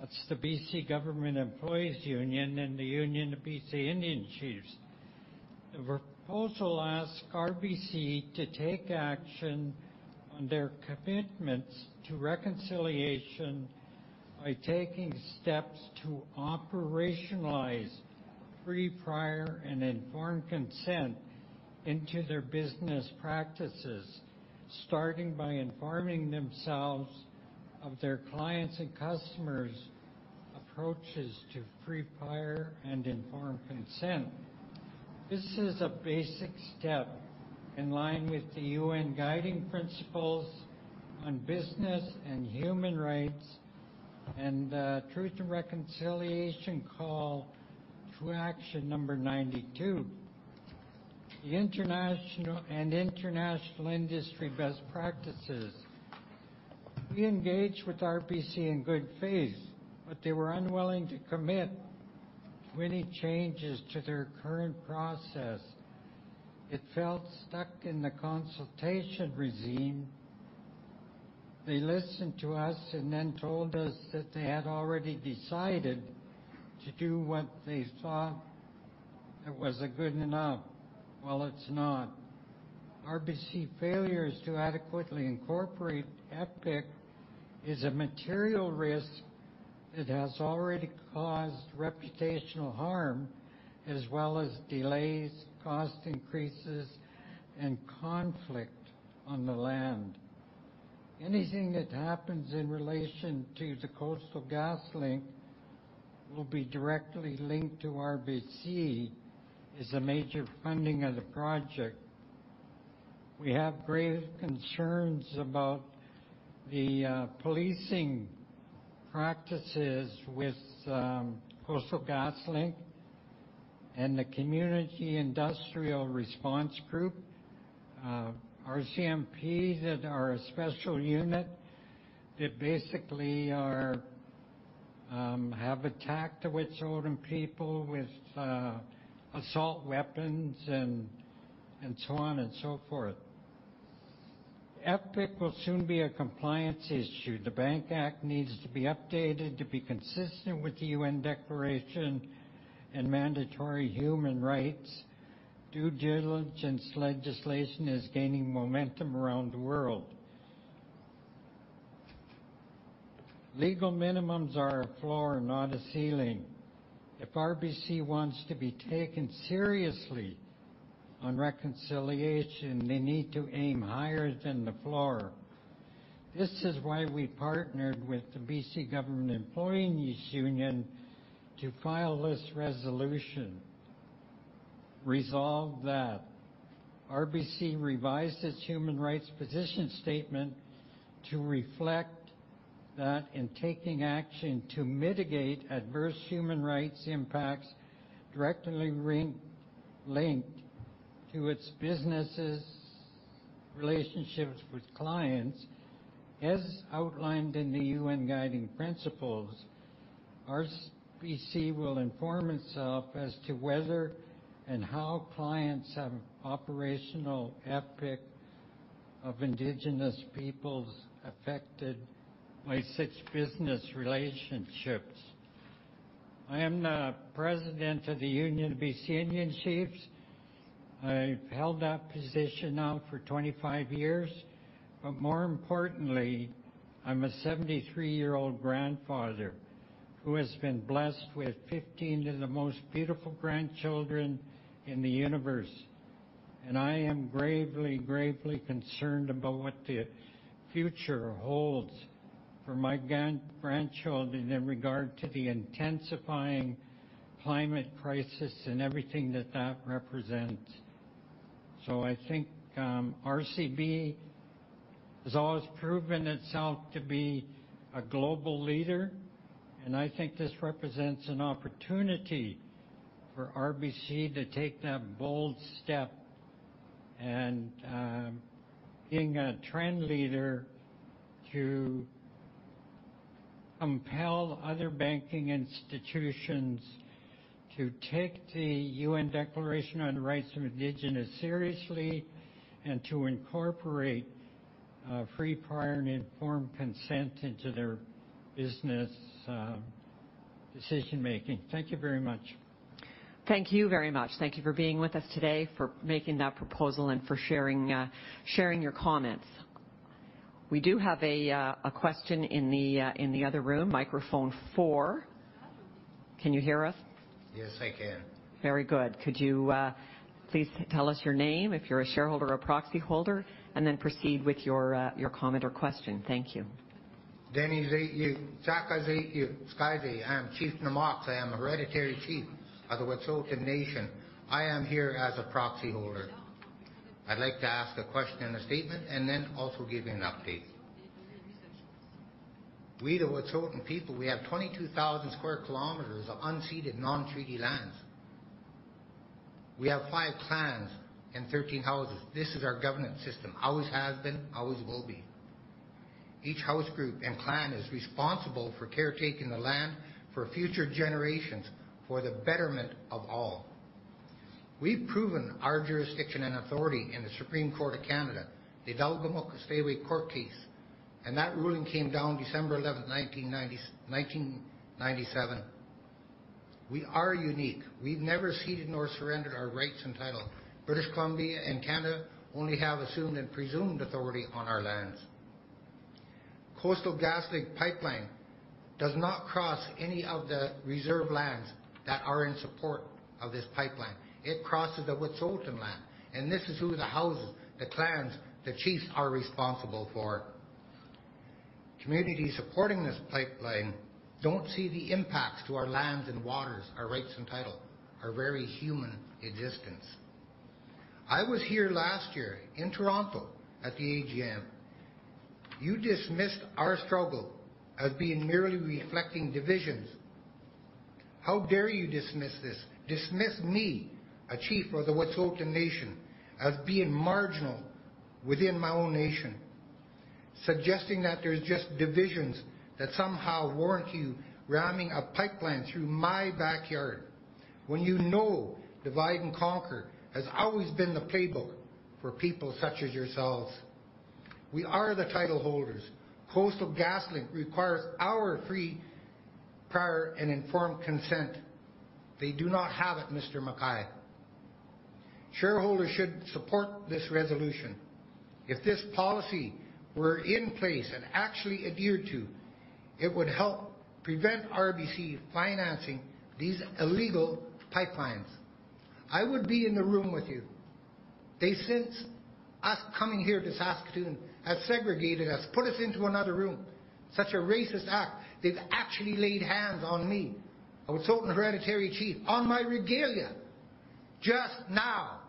That's the BC General Employees' Union and the Union of British Columbia Indian Chiefs. The proposal asks RBC to take action on their commitments to reconciliation by taking steps to operationalize free, prior and informed consent into their business practices, starting by informing themselves of their clients' and customers' approaches to free, prior and informed consent. This is a basic step in line with the UN Guiding Principles on Business and Human Rights and Truth and Reconciliation Commission Call to Action 92 and international industry best practices. We engaged with RBC in good faith, they were unwilling to commit to any changes to their current process. It felt stuck in the consultation regime. They listened to us and then told us that they had already decided to do what they thought it was a good enough. It's not. RBC failures to adequately incorporate FPIC is a material risk that has already caused reputational harm as well as delays, cost increases, and conflict on the land. Anything that happens in relation to the Coastal GasLink will be directly linked to RBC as a major funding of the project. We have grave concerns about the policing practices with Coastal GasLink and the Community-Industry Response Group RCMP that are a special unit that basically are have attacked Wet'suwet'en people with assault weapons and so on and so forth. FPIC will soon be a compliance issue. The Bank Act needs to be updated to be consistent with the UN Declaration and mandatory human rights. Due diligence legislation is gaining momentum around the world. Legal minimums are a floor, not a ceiling. If RBC wants to be taken seriously on reconciliation, they need to aim higher than the floor. This is why we partnered with the BC General Employees' Union to file this resolution. Resolve that RBC revised its human rights position statement to reflect that in taking action to mitigate adverse human rights impacts directly linked to its businesses' relationships with clients. As outlined in the UN Guiding Principles, RBC will inform itself as to whether and how clients have operational FPIC of Indigenous peoples affected by such business relationships. I am the president of the Union of BC Indian Chiefs. I've held that position now for 25 years. More importantly, I'm a 73-year-old grandfather who has been blessed with 15 of the most beautiful grandchildren in the universe. I am gravely concerned about what the future holds for my grand-grandchildren in regard to the intensifying climate crisis and everything that that represents. I think, RBC has always proven itself to be a global leader, and I think this represents an opportunity for RBC to take that bold step and, being a trend leader to compel other banking institutions to take the UN Declaration on the Rights of Indigenous Peoples seriously and to incorporate, free, prior, and informed consent into their business decision-making. Thank you very much. Thank you very much. Thank you for being with us today, for making that proposal and for sharing your comments. We do have a question in the other room, microphone 4. Can you hear us? Yes, I can. Very good. Could you please tell us your name if you're a shareholder or proxy holder, and then proceed with your comment or question. Thank you. My name is Danny Zayac. Z-A-Y-A-C. I am Chief Na'Moks. I am a hereditary chief of the Wet'suwet'en Nation. I am here as a proxy holder. I'd like to ask a question and a statement and then also give you an update. We, the Wet'suwet'en people, have 22,000 square kilometers of unceded, non-treaty lands. We have five clans and 13 houses. This is our governance system. Always has been, always will be. Each house group and clan is responsible for caretaking the land for future generations for the betterment of all. We've proven our jurisdiction and authority in the Supreme Court of Canada, the Delgamuukw-Gisdewe court case, and that ruling came down December 11, 1997. We are unique. We've never ceded nor surrendered our rights and title. British Columbia and Canada only have assumed and presumed authority on our lands. Coastal GasLink pipeline does not cross any of the reserve lands that are in support of this pipeline. It crosses the Wet'suwet'en land, and this is who the houses, the clans, the Chiefs are responsible for. Communities supporting this pipeline don't see the impacts to our lands and waters, our rights and title, our very human existence. I was here last year in Toronto at the AGM. You dismissed our struggle as being merely reflecting divisions. How dare you dismiss this, dismiss me, a Chief of the Wet'suwet'en Nation, as being marginal within my own nation. Suggesting that there's just divisions that somehow warrant you ramming a pipeline through my backyard when you know divide and conquer has always been the playbook for people such as yourselves. We are the title holders. Coastal GasLink requires our free, prior and informed consent. They do not have it, Mr. McKay. Shareholders should support this resolution. If this policy were in place and actually adhered to, it would help prevent RBC financing these illegal pipelines. I would be in the room with you. They since us coming here to Saskatoon, have segregated us, put us into another room. Such a racist act. They've actually laid hands on me, a Wet'suwet'en hereditary chief, on my regalia just now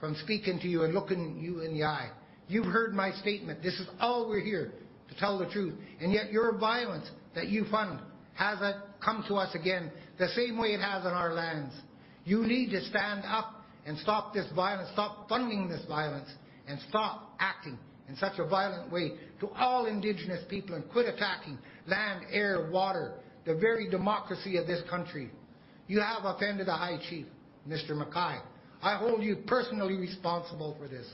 from speaking to you and looking you in the eye. You've heard my statement. This is all we're here, to tell the truth. Your violence that you fund has come to us again the same way it has on our lands. You need to stand up and stop this violence. Stop funding this violence and stop acting in such a violent way to all Indigenous people and quit attacking land, air, water, the very democracy of this country. You have offended a high chief, Mr. McKay. I hold you personally responsible for this.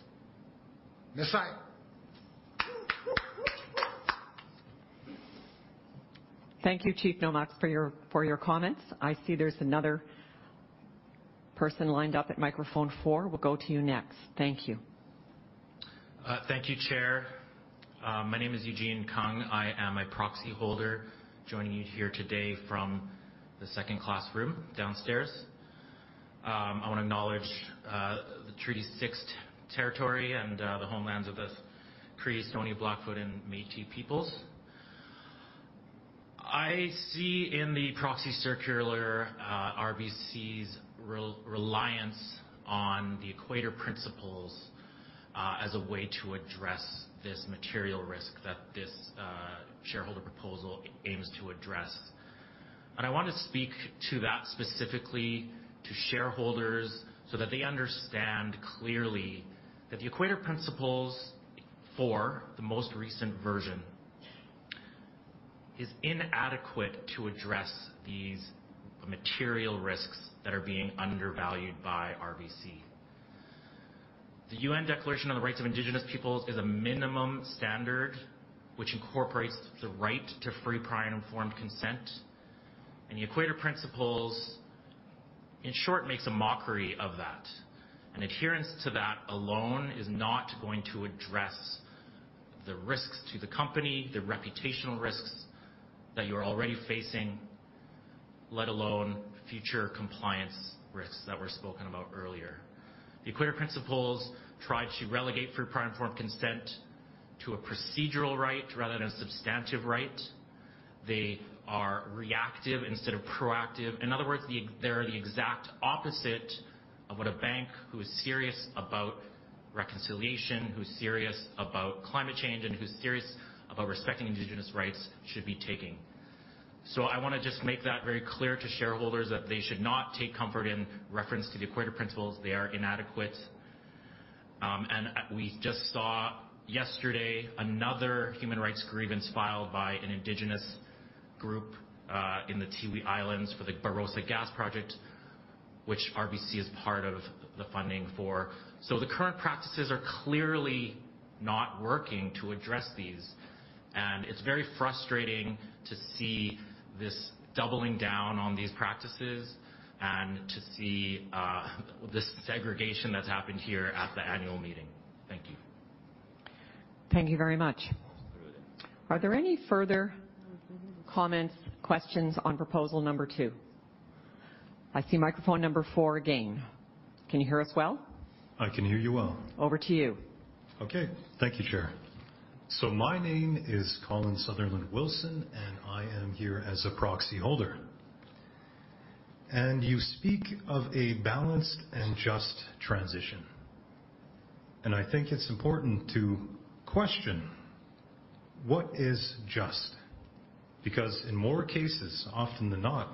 Thank you, Chief Na'Moks, for your comments. I see there's another person lined up at microphone 4. We'll go to you next. Thank you. Thank you, Chair. My name is Eugene Kung. I am a proxy holder joining you here today from the second-class room downstairs. I wanna acknowledge the Treaty 6 territory and the homelands of the Cree, Stoney, Blackfoot, and Métis peoples. I see in the proxy circular, RBC's reliance on the Equator Principles as a way to address this material risk that this shareholder proposal aims to address. I want to speak to that specifically to shareholders so that they understand clearly that the Equator Principles 4, the most recent version, is inadequate to address these material risks that are being undervalued by RBC. The UN Declaration on the Rights of Indigenous Peoples is a minimum standard which incorporates the right to free, prior and informed consent. The Equator Principles, in short, makes a mockery of that. An adherence to that alone is not going to address the risks to the company, the reputational risks that you're already facing, let alone future compliance risks that were spoken about earlier. The Equator Principles try to relegate free, prior and informed consent to a procedural right rather than a substantive right. They are reactive instead of proactive. In other words, they're the exact opposite of what a bank who is serious about reconciliation, who is serious about climate change, and who's serious about respecting indigenous rights should be taking. I wanna just make that very clear to shareholders that they should not take comfort in reference to the Equator Principles. They are inadequate. And we just saw yesterday another human rights grievance filed by an indigenous group in the Tiwi Islands for the Barossa Gas project, which RBC is part of the funding for. The current practices are clearly not working to address these, and it's very frustrating to see this doubling down on these practices and to see this segregation that's happened here at the annual meeting. Thank you. Thank you very much. Are there any further comments, questions on proposal number 2? I see microphone number 4 again. Can you hear us well? I can hear you well. Over to you. Okay. Thank you, Chair. My name is Colin Sutherland Wilson, and I am here as a proxy holder. You speak of a balanced and just transition. I think it's important to question what is just. Because in more cases often than not,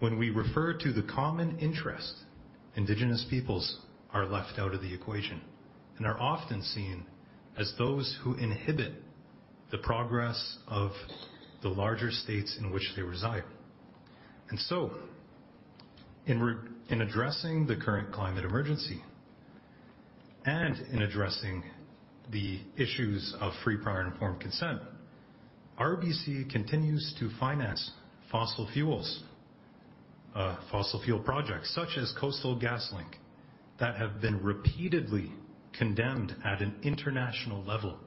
when we refer to the common interest, indigenous peoples are left out of the equation. Are often seen as those who inhibit the progress of the larger states in which they reside. In addressing the current climate emergency, and in addressing the issues of free, prior and informed consent, RBC continues to finance fossil fuels, fossil fuel projects such as Coastal GasLink that have been repeatedly condemned at an international level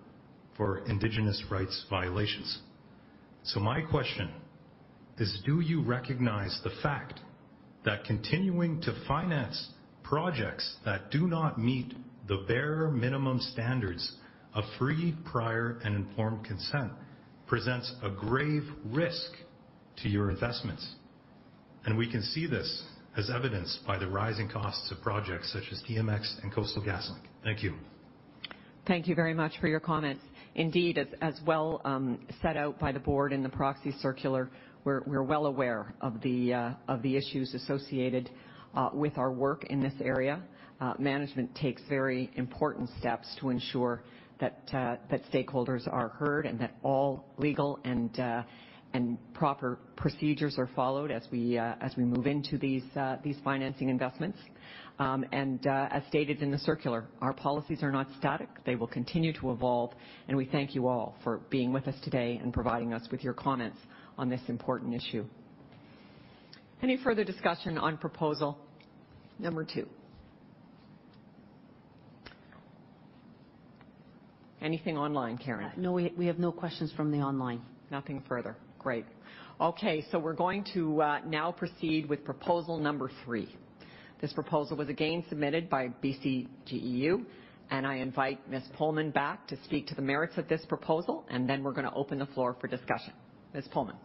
for indigenous rights violations. My question is, do you recognize the fact that continuing to finance projects that do not meet the bare minimum standards of free, prior and informed consent presents a grave risk to your investments? We can see this as evidenced by the rising costs of projects such as TMX and Coastal GasLink. Thank you. Thank you very much for your comments. Indeed, as well set out by the board in the proxy circular, we're well aware of the issues associated with our work in this area. Management takes very important steps to ensure that stakeholders are heard and that all legal and proper procedures are followed as we as we move into these financing investments. As stated in the circular, our policies are not static. They will continue to evolve, and we thank you all for being with us today and providing us with your comments on this important issue. Any further discussion on proposal number 2? Anything online, Karen? No, we have no questions from the online. Nothing further. Great. Okay, we're going to now proceed with proposal number 3. This proposal was again submitted by BCGEU. I invite Ms. Pullman back to speak to the merits of this proposal. Then we're gonna open the floor for discussion. Ms. Pullman.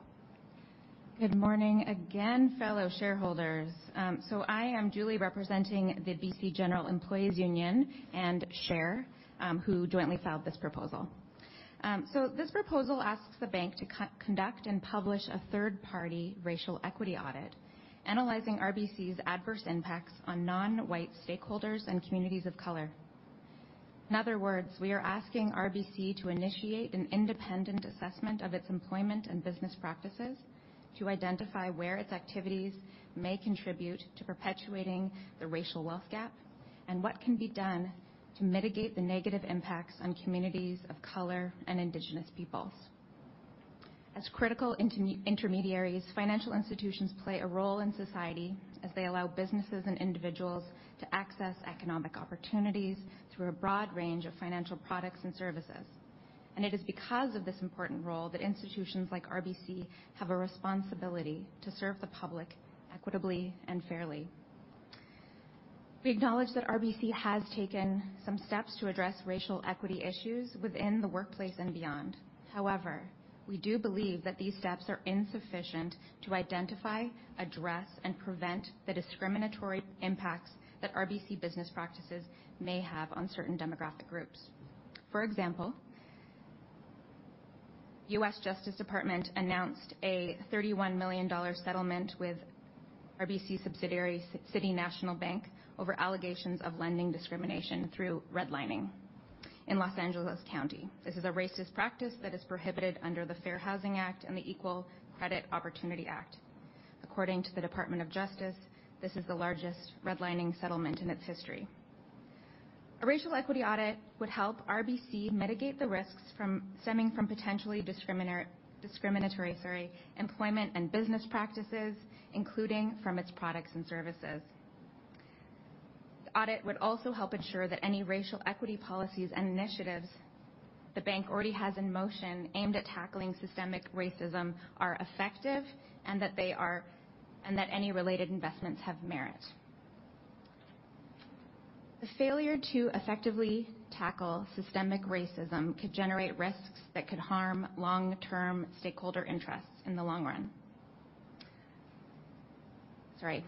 Good morning again, fellow shareholders. I am duly representing the BC General Employees' Union and SHARE, who jointly filed this proposal. This proposal asks the bank to conduct and publish a third-party racial equity audit analyzing RBC's adverse impacts on non-white stakeholders and communities of color. In other words, we are asking RBC to initiate an independent assessment of its employment and business practices to identify where its activities may contribute to perpetuating the racial wealth gap. What can be done to mitigate the negative impacts on communities of color and Indigenous peoples. As critical intermediaries, financial institutions play a role in society as they allow businesses and individuals to access economic opportunities through a broad range of financial products and services. It is because of this important role that institutions like RBC have a responsibility to serve the public equitably and fairly. We acknowledge that RBC has taken some steps to address racial equity issues within the workplace and beyond. However, we do believe that these steps are insufficient to identify, address, and prevent the discriminatory impacts that RBC business practices may have on certain demographic groups. For example, U.S. Department of Justice announced a $31 million settlement with RBC subsidiary City National Bank over allegations of lending discrimination through redlining in Los Angeles County. This is a racist practice that is prohibited under the Fair Housing Act and the Equal Credit Opportunity Act. According to the Department of Justice, this is the largest redlining settlement in its history. A racial equity audit would help RBC mitigate the risks stemming from potentially discriminatory, sorry, employment and business practices, including from its products and services. The audit would also help ensure that any racial equity policies and initiatives the bank already has in motion aimed at tackling systemic racism are effective, and that any related investments have merit. The failure to effectively tackle systemic racism could generate risks that could harm long-term stakeholder interests in the long run. Sorry.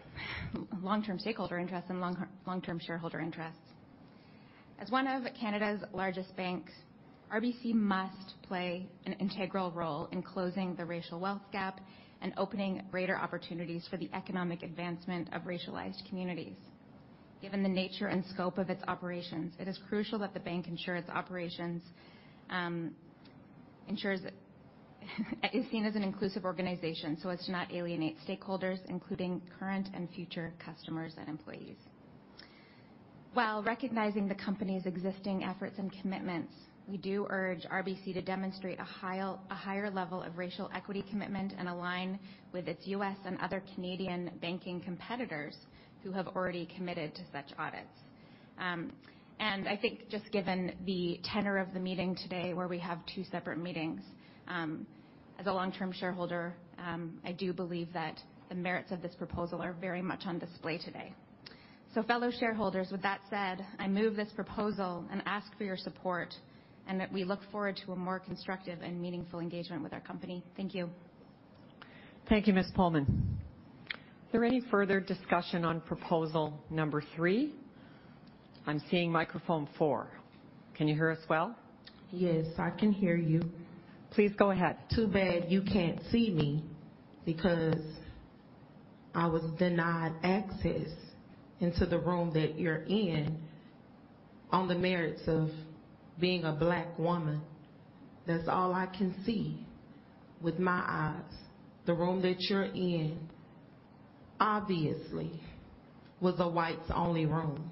Long-term stakeholder interests and long-term shareholder interests. As one of Canada's largest banks, RBC must play an integral role in closing the racial wealth gap and opening greater opportunities for the economic advancement of racialized communities. Given the nature and scope of its operations, it is crucial that the bank ensure its operations ensures is seen as an inclusive organization so as to not alienate stakeholders, including current and future customers and employees. While recognizing the company's existing efforts and commitments, we do urge RBC to demonstrate a higher level of racial equity commitment and align with its US and other Canadian banking competitors who have already committed to such audits. I think just given the tenor of the meeting today where we have two separate meetings, as a long-term shareholder, I do believe that the merits of this proposal are very much on display today. Fellow shareholders, with that said, I move this proposal and ask for your support and that we look forward to a more constructive and meaningful engagement with our company. Thank you. Thank you, Ms. Pullman. Are there any further discussion on proposal number three? I'm seeing microphone four. Can you hear us well? Yes, I can hear you. Please go ahead. Too bad you can't see me because I was denied access into the room that you're in on the merits of being a Black woman. That's all I can see with my eyes. The room that you're in, obviously, was a whites only room.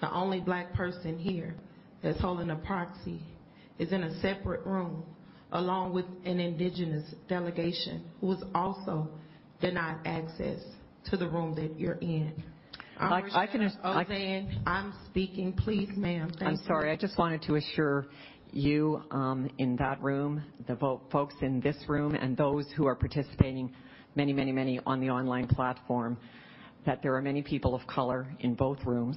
The only Black person here that's holding a proxy is in a separate room along with an Indigenous delegation who was also denied access to the room that you're in. I can-. I'm speaking. Please, ma'am. Thank you. I'm sorry. I just wanted to assure you, in that room, the folks in this room and those who are participating many on the online platform, that there are many people of color in both rooms.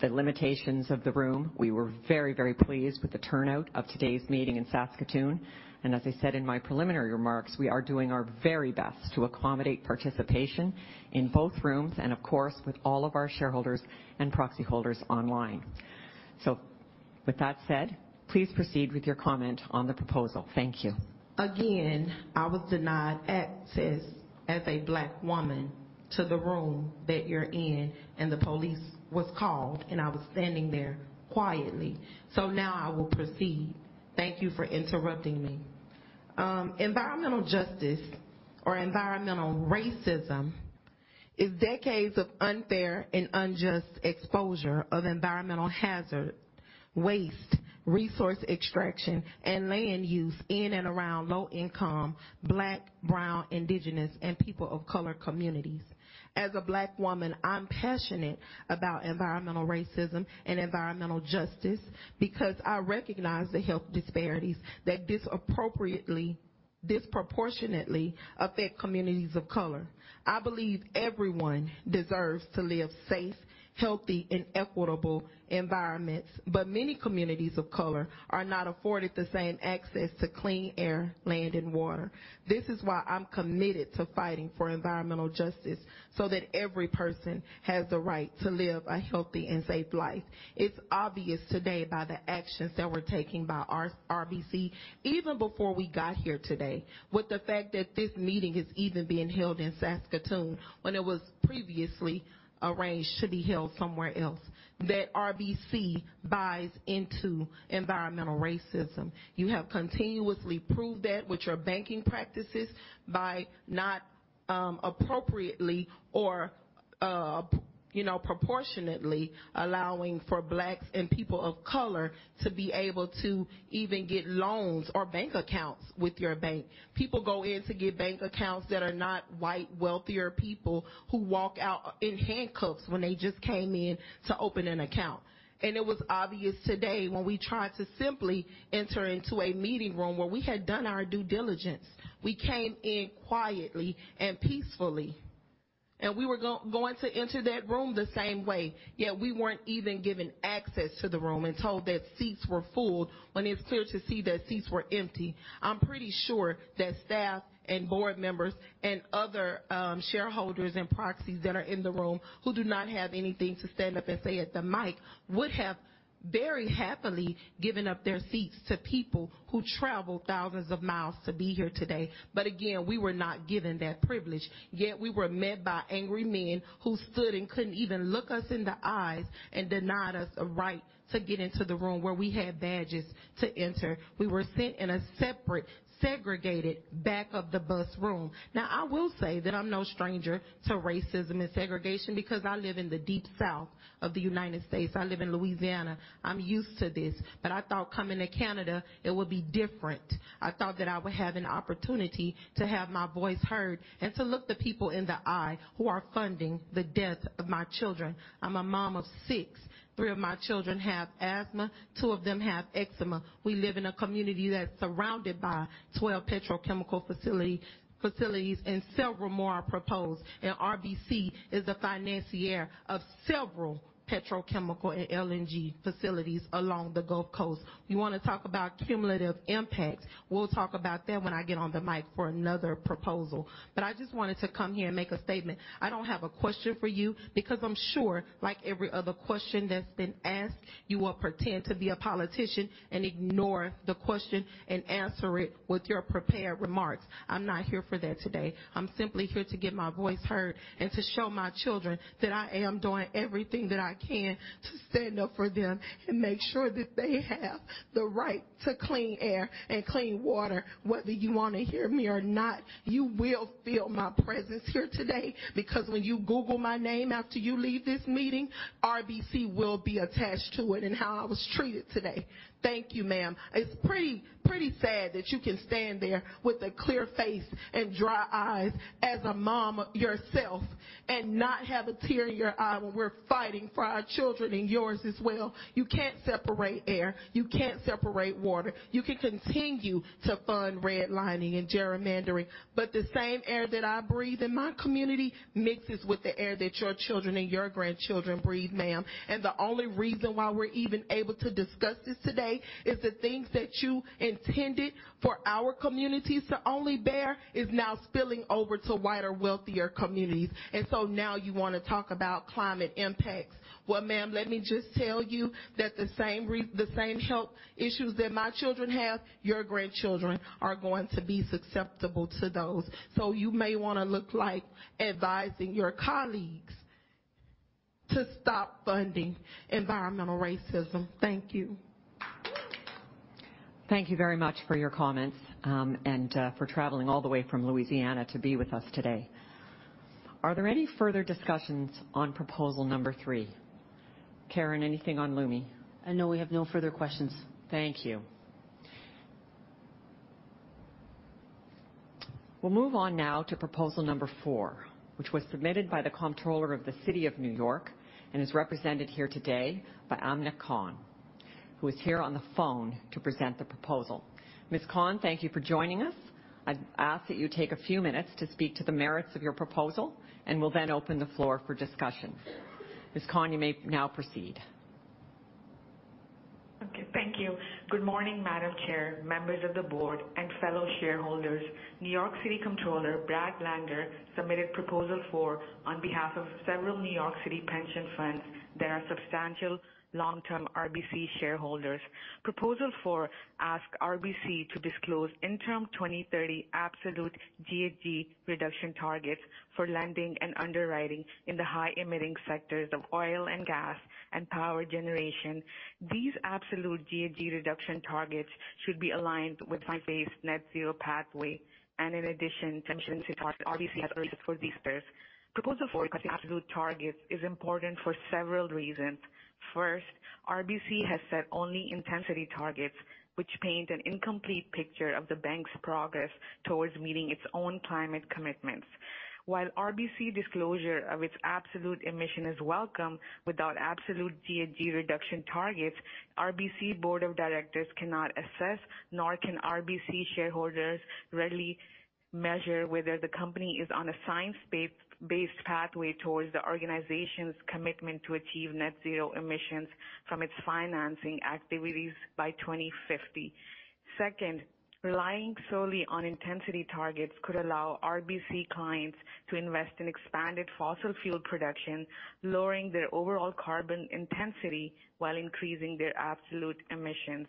The limitations of the room, we were very pleased with the turnout of today's meeting in Saskatoon. As I said in my preliminary remarks, we are doing our very best to accommodate participation in both rooms and, of course, with all of our shareholders and proxy holders online. With that said, please proceed with your comment on the proposal. Thank you. I was denied access as a Black woman to the room that you're in, and the police was called, and I was standing there quietly. Now I will proceed. Thank you for interrupting me. Environmental justice or environmental racism is decades of unfair and unjust exposure of environmental hazard, waste, resource extraction, and land use in and around low-income Black, Brown, Indigenous, and People of Color communities. As a Black woman, I'm passionate about environmental racism and environmental justice because I recognize the health disparities that disproportionately affect communities of Color. I believe everyone deserves to live safe, healthy, and equitable environments. Many communities of Color are not afforded the same access to clean air, land, and water. This is why I'm committed to fighting for environmental justice, so that every person has the right to live a healthy and safe life. It's obvious today by the actions that were taken by RBC even before we got here today. With the fact that this meeting is even being held in Saskatoon when it was previously arranged to be held somewhere else, that RBC buys into environmental racism. You have continuously proved that with your banking practices by not appropriately or, you know, proportionately allowing for Blacks and people of color to be able to even get loans or bank accounts with your bank. People go in to get bank accounts that are not white, wealthier people who walk out in handcuffs when they just came in to open an account. It was obvious today when we tried to simply enter into a meeting room where we had done our due diligence. We came in quietly and peacefully, and we were going to enter that room the same way, yet we weren't even given access to the room and told that seats were full when it's clear to see that seats were empty. I'm pretty sure that staff and board members and other shareholders and proxies that are in the room who do not have anything to stand up and say at the mic would have very happily given up their seats to people who travel thousands of miles to be here today. Again, we were not given that privilege, yet we were met by angry men who stood and couldn't even look us in the eyes and denied us a right to get into the room where we had badges to enter. We were sent in a separate segregated back of the bus room. Now, I will say that I'm no stranger to racism and segregation because I live in the deep South of the United States. I live in Louisiana. I'm used to this, but I thought coming to Canada it would be different. I thought that I would have an opportunity to have my voice heard and to look the people in the eye who are funding the death of my children. I'm a mom of 6. 3 of my children have asthma. 2 of them have eczema. We live in a community that's surrounded by 12 petrochemical facilities, and several more are proposed. RBC is the financier of several petrochemical and LNG facilities along the Gulf Coast. You wanna talk about cumulative impacts, we'll talk about that when I get on the mic for another proposal. I just wanted to come here and make a statement. I don't have a question for you because I'm sure, like every other question that's been asked, you will pretend to be a politician and ignore the question and answer it with your prepared remarks. I'm not here for that today. I'm simply here to get my voice heard and to show my children that I am doing everything that I can to stand up for them and make sure that they have the right to clean air and clean water. Whether you wanna hear me or not, you will feel my presence here today because when you Google my name after you leave this meeting, RBC will be attached to it and how I was treated today. Thank you, ma'am. It's pretty sad that you can stand there with a clear face and dry eyes as a mom yourself and not have a tear in your eye when we're fighting for our children and yours as well. You can't separate air. You can't separate water. You can continue to fund redlining and gerrymandering, but the same air that I breathe in my community mixes with the air that your children and your grandchildren breathe, ma'am. The only reason why we're even able to discuss this today is the things that you intended for our communities to only bear is now spilling over to wider, wealthier communities. Now you wanna talk about climate impacts. Well, ma'am, let me just tell you that the same health issues that my children have, your grandchildren are going to be susceptible to those. you may wanna look like advising your colleagues to stop funding environmental racism. Thank you. Thank you very much for your comments, and for traveling all the way from Louisiana to be with us today. Are there any further discussions on proposal number 3? Karen, anything on LUMI? No, we have no further questions. Thank you. We'll move on now to proposal number four, which was submitted by the Comptroller of the City of New York and is represented here today by Amna Khan, who is here on the phone to present the proposal. Ms. Khan, thank you for joining us. I'd ask that you take a few minutes to speak to the merits of your proposal, and we'll then open the floor for discussion. Ms. Khan, you may now proceed. Okay, thank you. Good morning, Madam Chair, members of the board, and fellow shareholders. New York City Comptroller, Brad Lander, submitted Proposal 4 on behalf of several New York City pension funds that are substantial long-term RBC shareholders. Proposal 4 asks RBC to disclose interim 2030 absolute GHG reduction targets for lending and underwriting in the high emitting sectors of oil and gas and power generation. These absolute GHG reduction targets should be aligned with my base net zero pathway and in addition to RBC's absolute targets is important for several reasons. First, RBC has set only intensity targets, which paint an incomplete picture of the bank's progress towards meeting its own climate commitments. While RBC disclosure of its absolute emission is welcome, without absolute GHG reduction targets, RBC Board of Directors cannot assess, nor can RBC shareholders readily measure whether the company is on a science-based pathway towards the organization's commitment to achieve net zero emissions from its financing activities by 2050. Second, relying solely on intensity targets could allow RBC clients to invest in expanded fossil fuel production, lowering their overall carbon intensity while increasing their absolute emissions.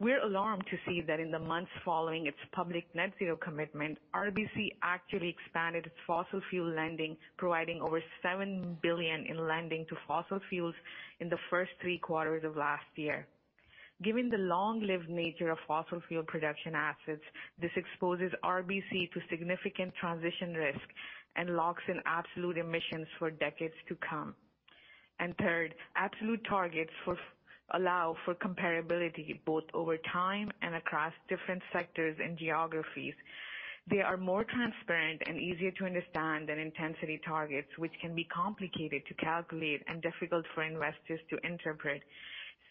We're alarmed to see that in the months following its public net zero commitment, RBC actually expanded its fossil fuel lending, providing over 7 billion in lending to fossil fuels in the first three quarters of last year. Given the long-lived nature of fossil fuel production assets, this exposes RBC to significant transition risk and locks in absolute emissions for decades to come. Absolute targets allow for comparability both over time and across different sectors and geographies. They are more transparent and easier to understand than intensity targets, which can be complicated to calculate and difficult for investors to interpret.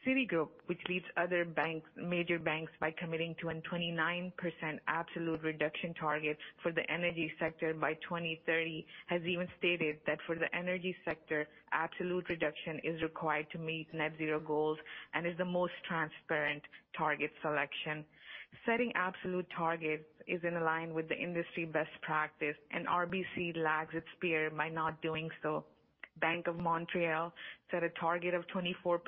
Citigroup, which leads other banks, major banks by committing to a 29% absolute reduction targets for the energy sector by 2030, has even stated that for the energy sector, absolute reduction is required to meet net zero goals and is the most transparent target selection. Setting absolute targets is in line with the industry best practice, and RBC lags its peer by not doing so. Bank of Montreal set a target of 24%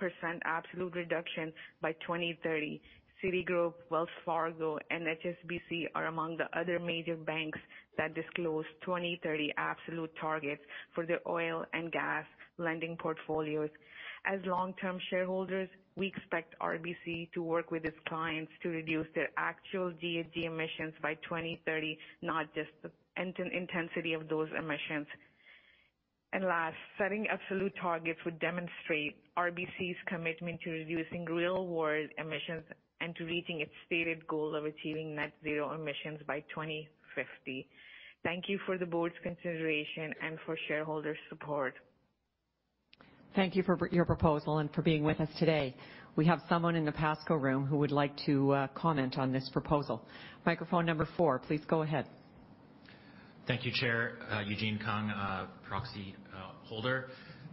absolute reduction by 2030. Citigroup, Wells Fargo, and HSBC are among the other major banks that disclose 2030 absolute targets for their oil and gas lending portfolios. As long-term shareholders, we expect RBC to work with its clients to reduce their actual GHG emissions by 2030, not just the intensity of those emissions. Last, setting absolute targets would demonstrate RBC's commitment to reducing real world emissions and to reaching its stated goal of achieving net zero emissions by 2050. Thank you for the board's consideration and for shareholder support. Thank you for your proposal and for being with us today. We have someone in the Pascoe room who would like to comment on this proposal. Microphone number 4, please go ahead. Thank you, Chair. Eugene Kung, proxy holder.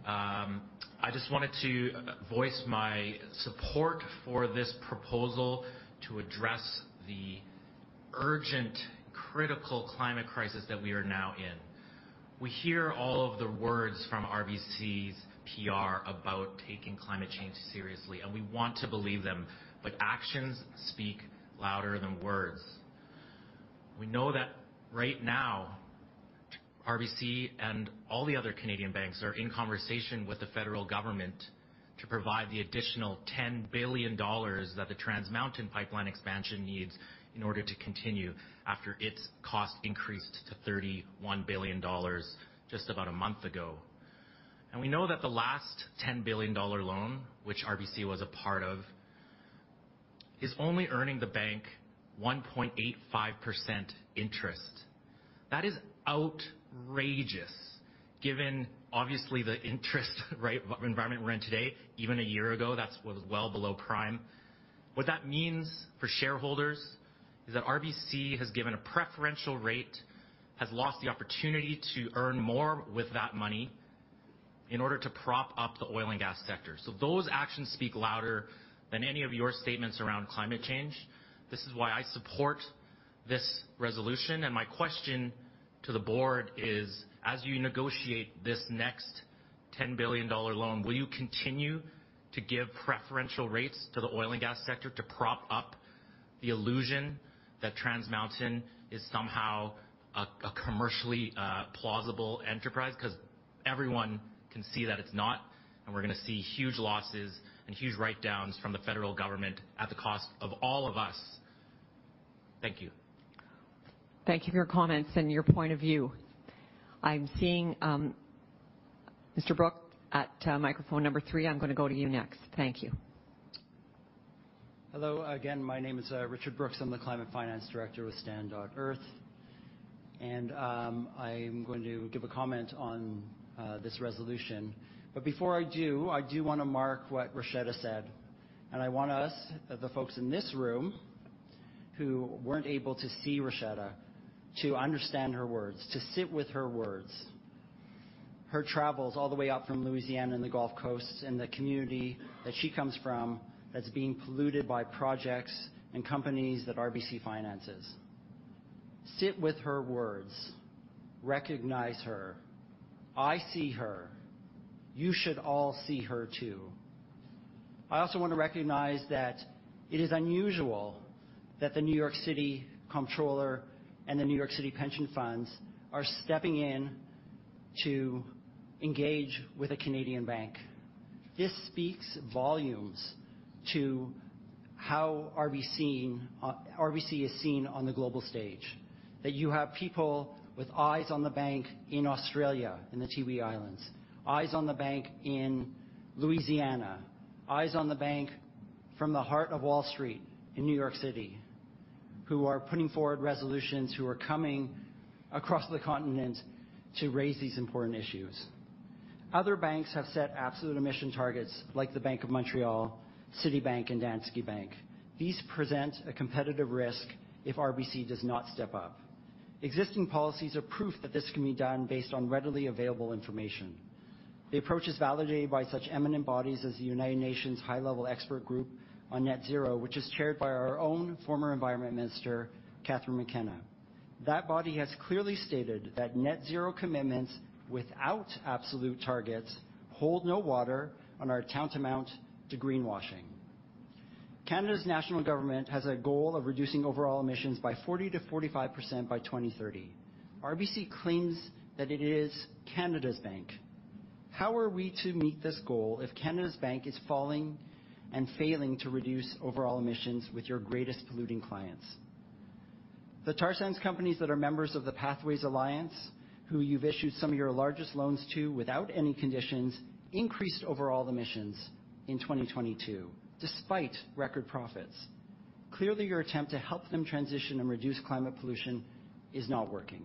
I just wanted to voice my support for this proposal to address the urgent, critical climate crisis that we are now in. We hear all of the words from RBC's PR about taking climate change seriously. We want to believe them. Actions speak louder than words. We know that right now, RBC and all the other Canadian banks are in conversation with the federal government to provide the additional 10 billion dollars that the Trans Mountain pipeline expansion needs in order to continue after its cost increased to 31 billion dollars just about a month ago. We know that the last 10 billion dollar loan, which RBC was a part of, is only earning the bank 1.85% interest. That is outrageous given obviously the interest, right, of environment we're in today. Even a year ago, that's was well below prime. What that means for shareholders is that RBC has given a preferential rate, has lost the opportunity to earn more with that money in order to prop up the oil and gas sector. Those actions speak louder than any of your statements around climate change. This is why I support this resolution. My question to the board is, as you negotiate this next 10 billion dollar loan, will you continue to give preferential rates to the oil and gas sector to prop up-The illusion that Trans Mountain is somehow a commercially plausible enterprise, because everyone can see that it's not, and we're gonna see huge losses and huge writedowns from the federal government at the cost of all of us. Thank you. Thank you for your comments and your point of view. I'm seeing Mr. Brook at microphone number 3. I'm gonna go to you next. Thank you. Hello again, my name is Richard Brooks. I'm the Climate Finance Director with Stand.earth. I'm going to give a comment on this resolution. Before I do, I do wanna mark what Roishetta said. I want us, the folks in this room who weren't able to see Roishetta, to understand her words, to sit with her words. Her travels all the way up from Louisiana and the Gulf Coast and the community that she comes from that's being polluted by projects and companies that RBC finances. Sit with her words. Recognize her. I see her. You should all see her too. I also want to recognize that it is unusual that the New York City Comptroller and the New York City pension funds are stepping in to engage with a Canadian bank. This speaks volumes to how RBC is seen on the global stage. That you have people with eyes on the bank in Australia and the Tiwi Islands, eyes on the bank in Louisiana, eyes on the bank from the heart of Wall Street in New York City, who are putting forward resolutions, who are coming across the continent to raise these important issues. Other banks have set absolute emission targets, like the Bank of Montreal, Citibank, and Danske Bank. These present a competitive risk if RBC does not step up. Existing policies are proof that this can be done based on readily available information. The approach is validated by such eminent bodies as the United Nations High-Level Expert Group on Net Zero, which is chaired by our own former Environment minister, Catherine McKenna. That body has clearly stated that net zero commitments without absolute targets hold no water and are tantamount to greenwashing. Canada's national government has a goal of reducing overall emissions by 40%-45% by 2030. RBC claims that it is Canada's bank. How are we to meet this goal if Canada's bank is falling and failing to reduce overall emissions with your greatest polluting clients? The tar sands companies that are members of the Pathways Alliance, who you've issued some of your largest loans to without any conditions, increased overall emissions in 2022, despite record profits. Clearly, your attempt to help them transition and reduce climate pollution is not working.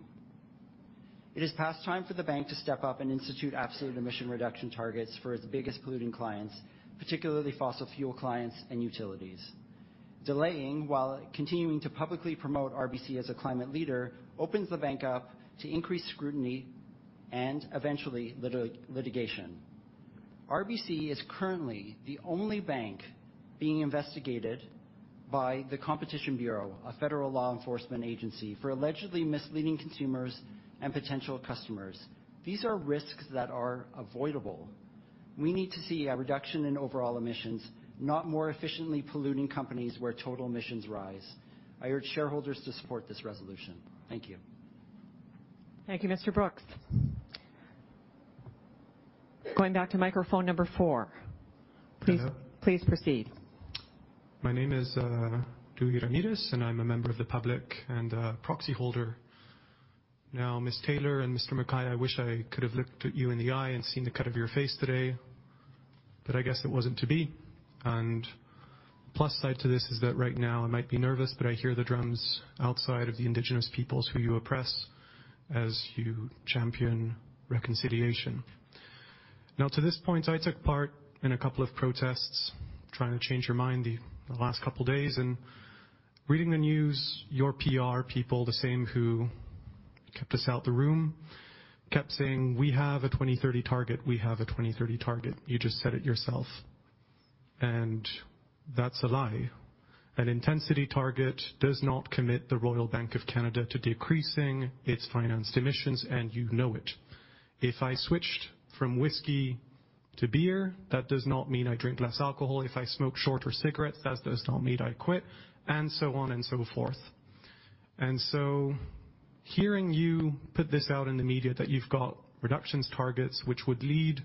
It is past time for the bank to step up and institute absolute emission reduction targets for its biggest polluting clients, particularly fossil fuel clients and utilities. Delaying while continuing to publicly promote RBC as a climate leader opens the bank up to increased scrutiny and eventually litigation. RBC is currently the only bank being investigated by the Competition Bureau, a federal law enforcement agency, for allegedly misleading consumers and potential customers. These are risks that are avoidable. We need to see a reduction in overall emissions, not more efficiently polluting companies where total emissions rise. I urge shareholders to support this resolution. Thank you. Thank you, Mr. Brooks. Going back to microphone number four. Hello. Please, please proceed. My name is Louis Ramirez, and I'm a member of the public and a proxy holder. Ms. Taylor and Mr. McKay, I wish I could have looked at you in the eye and seen the cut of your face today, but I guess it wasn't to be. Plus side to this is that right now I might be nervous, but I hear the drums outside of the indigenous peoples who you oppress as you champion reconciliation. To this point, I took part in a couple of protests trying to change your mind the last couple days, and reading the news, your PR people, the same who kept us out the room, kept saying, "We have a 2030 target. We have a 2030 target." You just said it yourself. That's a lie. An intensity target does not commit the Royal Bank of Canada to decreasing its financed emissions, and you know it. If I switched from whiskey to beer, that does not mean I drink less alcohol. If I smoke shorter cigarettes, that does not mean I quit, and so on and so forth. Hearing you put this out in the media that you've got reductions targets which would lead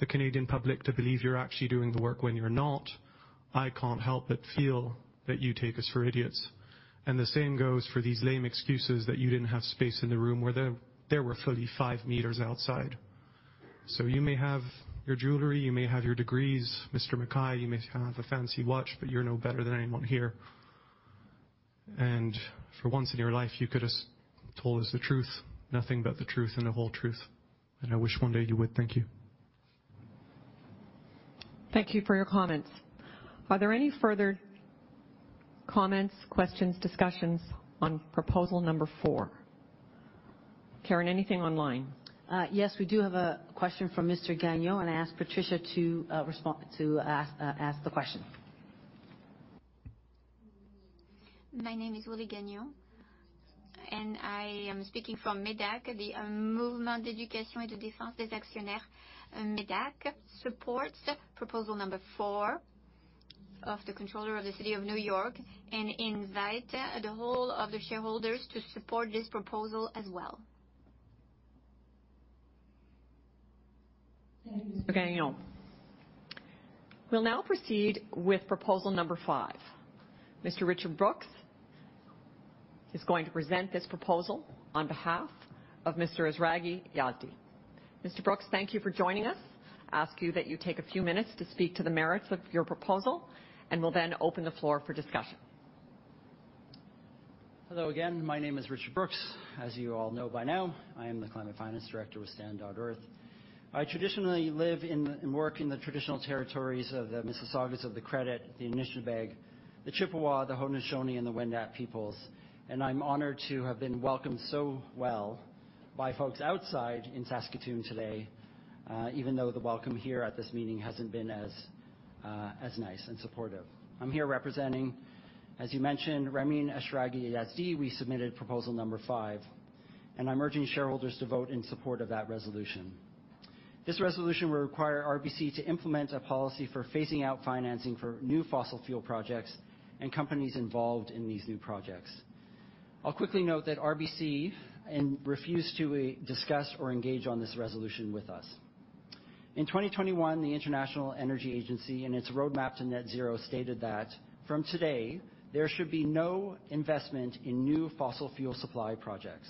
the Canadian public to believe you're actually doing the work when you're not, I can't help but feel that you take us for idiots. The same goes for these lame excuses that you didn't have space in the room where there were fully 5 meters outside. You may have your jewelry, you may have your degrees, Mr. McKay, you may have a fancy watch, but you're no better than anyone here. For once in your life, you could have told us the truth, nothing but the truth and the whole truth, and I wish one day you would. Thank you. Thank you for your comments. Are there any further comments, questions, discussions on proposal number 4? Karen, anything online? Yes, we do have a question from Mr. Gagnon, I ask Patricia to ask the question. My name is Willie Gagnon. I am speaking from MÉDAC, the Movement d'Éducation et de Défense des Actionnaires. MÉDAC supports proposal number 4 of the Comptroller of the city of New York and invite the whole of the shareholders to support this proposal as well. Thank you, Ms. Gagnon. We'll now proceed with proposal number five. Mr. Richard Brooks is going to present this proposal on behalf of Mr. Eshraghi-Yazdi. Mr. Brooks, thank you for joining us. Ask you that you take a few minutes to speak to the merits of your proposal, and we'll then open the floor for discussion. Hello again. My name is Richard Brooks. As you all know by now, I am the climate finance director with Stand.earth. I traditionally live and work in the traditional territories of the Mississaugas of the Credit, the Anishinaabe, the Chippewa, the Haudenosaunee, and the Wendat peoples, and I'm honored to have been welcomed so well by folks outside in Saskatoon today, even though the welcome here at this meeting hasn't been as nice and supportive. I'm here representing, as you mentioned, Ramin Eshraghi-Yazdi. We submitted proposal number 5, and I'm urging shareholders to vote in support of that resolution. This resolution will require RBC to implement a policy for phasing out financing for new fossil fuel projects and companies involved in these new projects. I'll quickly note that RBC refused to discuss or engage on this resolution with us. In 2021, the International Energy Agency, in its roadmap to net zero, stated that from today, there should be no investment in new fossil fuel supply projects.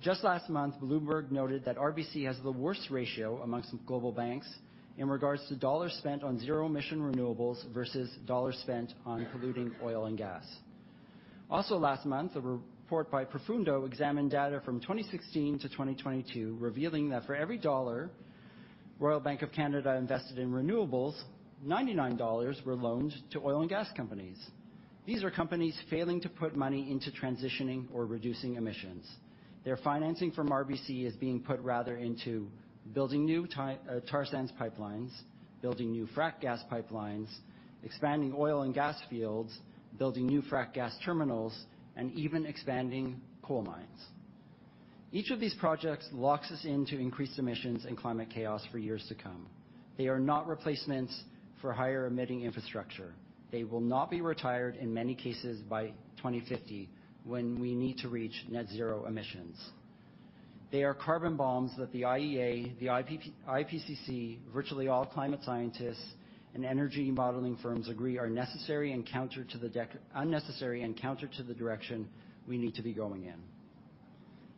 Just last month, Bloomberg noted that RBC has the worst ratio amongst global banks in regards to CAD spent on zero-emission renewables versus CAD spent on polluting oil and gas. Also last month, a report by Profundo examined data from 2016 to 2022, revealing that for every CAD 1 Royal Bank of Canada invested in renewables, 99 dollars were loaned to oil and gas companies. These are companies failing to put money into transitioning or reducing emissions. Their financing from RBC is being put rather into building new tar sands pipelines, building new frack gas pipelines, expanding oil and gas fields, building new frack gas terminals, and even expanding coal mines. Each of these projects locks us into increased emissions and climate chaos for years to come. They are not replacements for higher-emitting infrastructure. They will not be retired in many cases by 2050 when we need to reach net zero emissions. They are carbon bombs that the IEA, the IPCC, virtually all climate scientists and energy modeling firms agree are unnecessary and counter to the direction we need to be going in.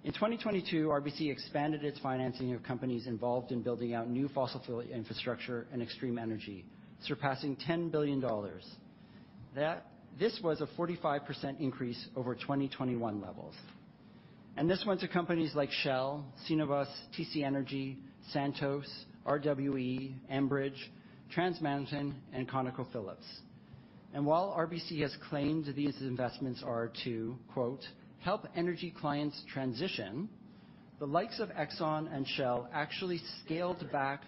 In 2022, RBC expanded its financing of companies involved in building out new fossil fuel infrastructure and extreme energy, surpassing $10 billion. This was a 45% increase over 2021 levels. This went to companies like Shell, Cenovus, TC Energy, Santos, RWE, Enbridge, Trans Mountain, and ConocoPhillips. While RBC has claimed these investments are to, quote, "help energy clients transition," the likes of Exxon and Shell actually scaled back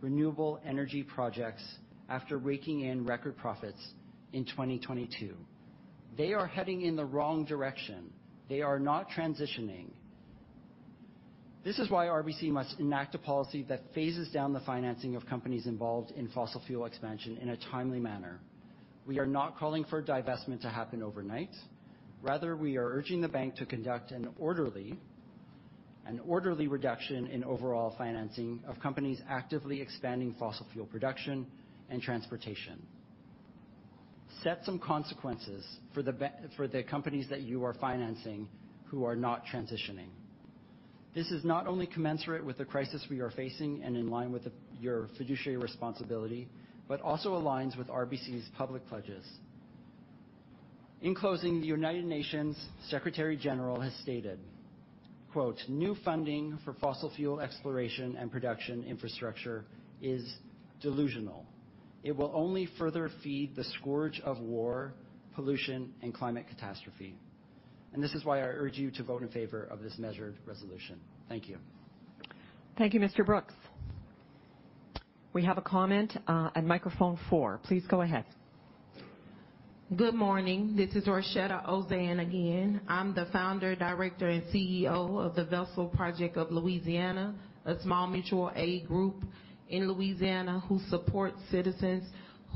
renewable energy projects after raking in record profits in 2022. They are heading in the wrong direction. They are not transitioning. This is why RBC must enact a policy that phases down the financing of companies involved in fossil fuel expansion in a timely manner. We are not calling for divestment to happen overnight. Rather, we are urging the bank to conduct an orderly reduction in overall financing of companies actively expanding fossil fuel production and transportation. Set some consequences for the companies that you are financing who are not transitioning. This is not only commensurate with the crisis we are facing and in line with the, your fiduciary responsibility, but also aligns with RBC's public pledges. In closing, the United Nations Secretary-General has stated, quote, "New funding for fossil fuel exploration and production infrastructure is delusional. It will only further feed the scourge of war, pollution, and climate catastrophe." This is why I urge you to vote in favor of this measured resolution. Thank you. Thank you, Mr. Brooks. We have a comment at microphone four. Please go ahead. Good morning. This is Roishetta Ozane again. I'm the founder, director, and CEO of The Vessel Project of Louisiana, a small mutual aid group in Louisiana who supports citizens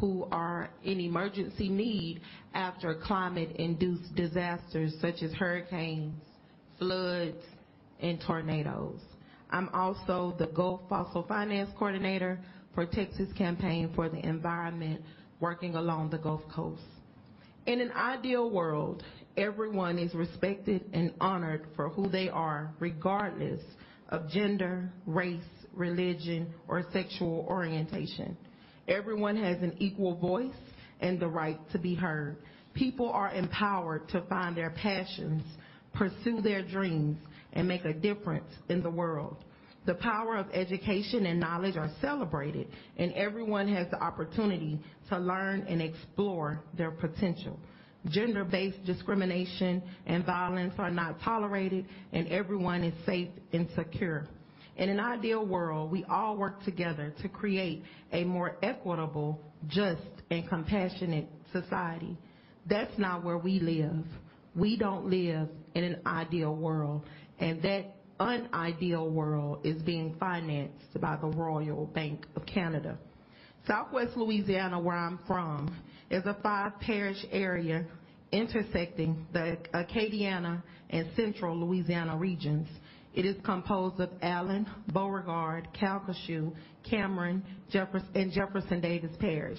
who are in emergency need after climate-induced disasters such as hurricanes, floods, and tornadoes. I'm also the Gulf Fossil Finance Coordinator for Texas Campaign for the Environment, working along the Gulf Coast. In an ideal world, everyone is respected and honored for who they are, regardless of gender, race, religion, or sexual orientation. Everyone has an equal voice and the right to be heard. People are empowered to find their passions, pursue their dreams, and make a difference in the world. The power of education and knowledge are celebrated, and everyone has the opportunity to learn and explore their potential. Gender-based discrimination and violence are not tolerated, and everyone is safe and secure. In an ideal world, we all work together to create a more equitable, just, and compassionate society. That's not where we live. We don't live in an ideal world, and that unideal world is being financed by the Royal Bank of Canada. Southwest Louisiana, where I'm from, is a five-parish area intersecting the Acadiana and Central Louisiana regions. It is composed of Allen, Beauregard, Calcasieu, Cameron, and Jefferson Davis Parish.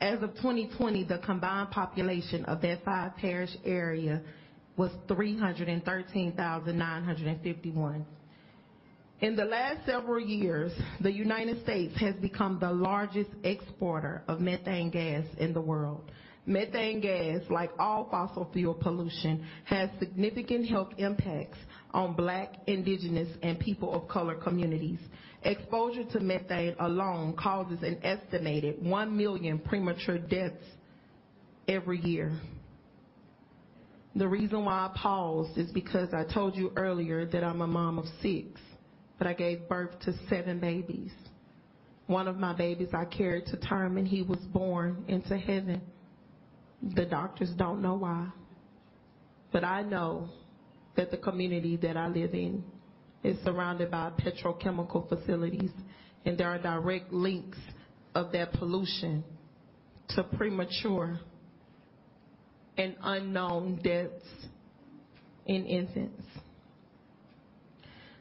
As of 2020, the combined population of that five-parish area was 313,951. In the last several years, the United States has become the largest exporter of methane gas in the world. Methane gas, like all fossil fuel pollution, has significant health impacts on Black, Indigenous, and people of color communities. Exposure to methane alone causes an estimated 1 million premature deaths every year. The reason why I paused is because I told you earlier that I'm a mom of 6, but I gave birth to 7 babies. One of my babies I carried to term, and he was born into heaven. The doctors don't know why, but I know that the community that I live in is surrounded by petrochemical facilities, and there are direct links of that pollution to premature and unknown deaths in infants.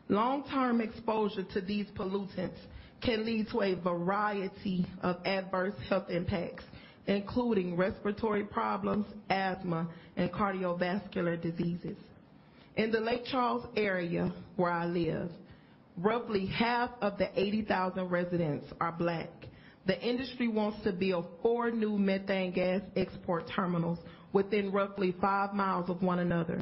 Long-term exposure to these pollutants can lead to a variety of adverse health impacts, including respiratory problems, asthma, and cardiovascular diseases. In the Lake Charles area, where I live, roughly half of the 80,000 residents are Black. The industry wants to build 4 new methane gas export terminals within roughly 5 miles of one another.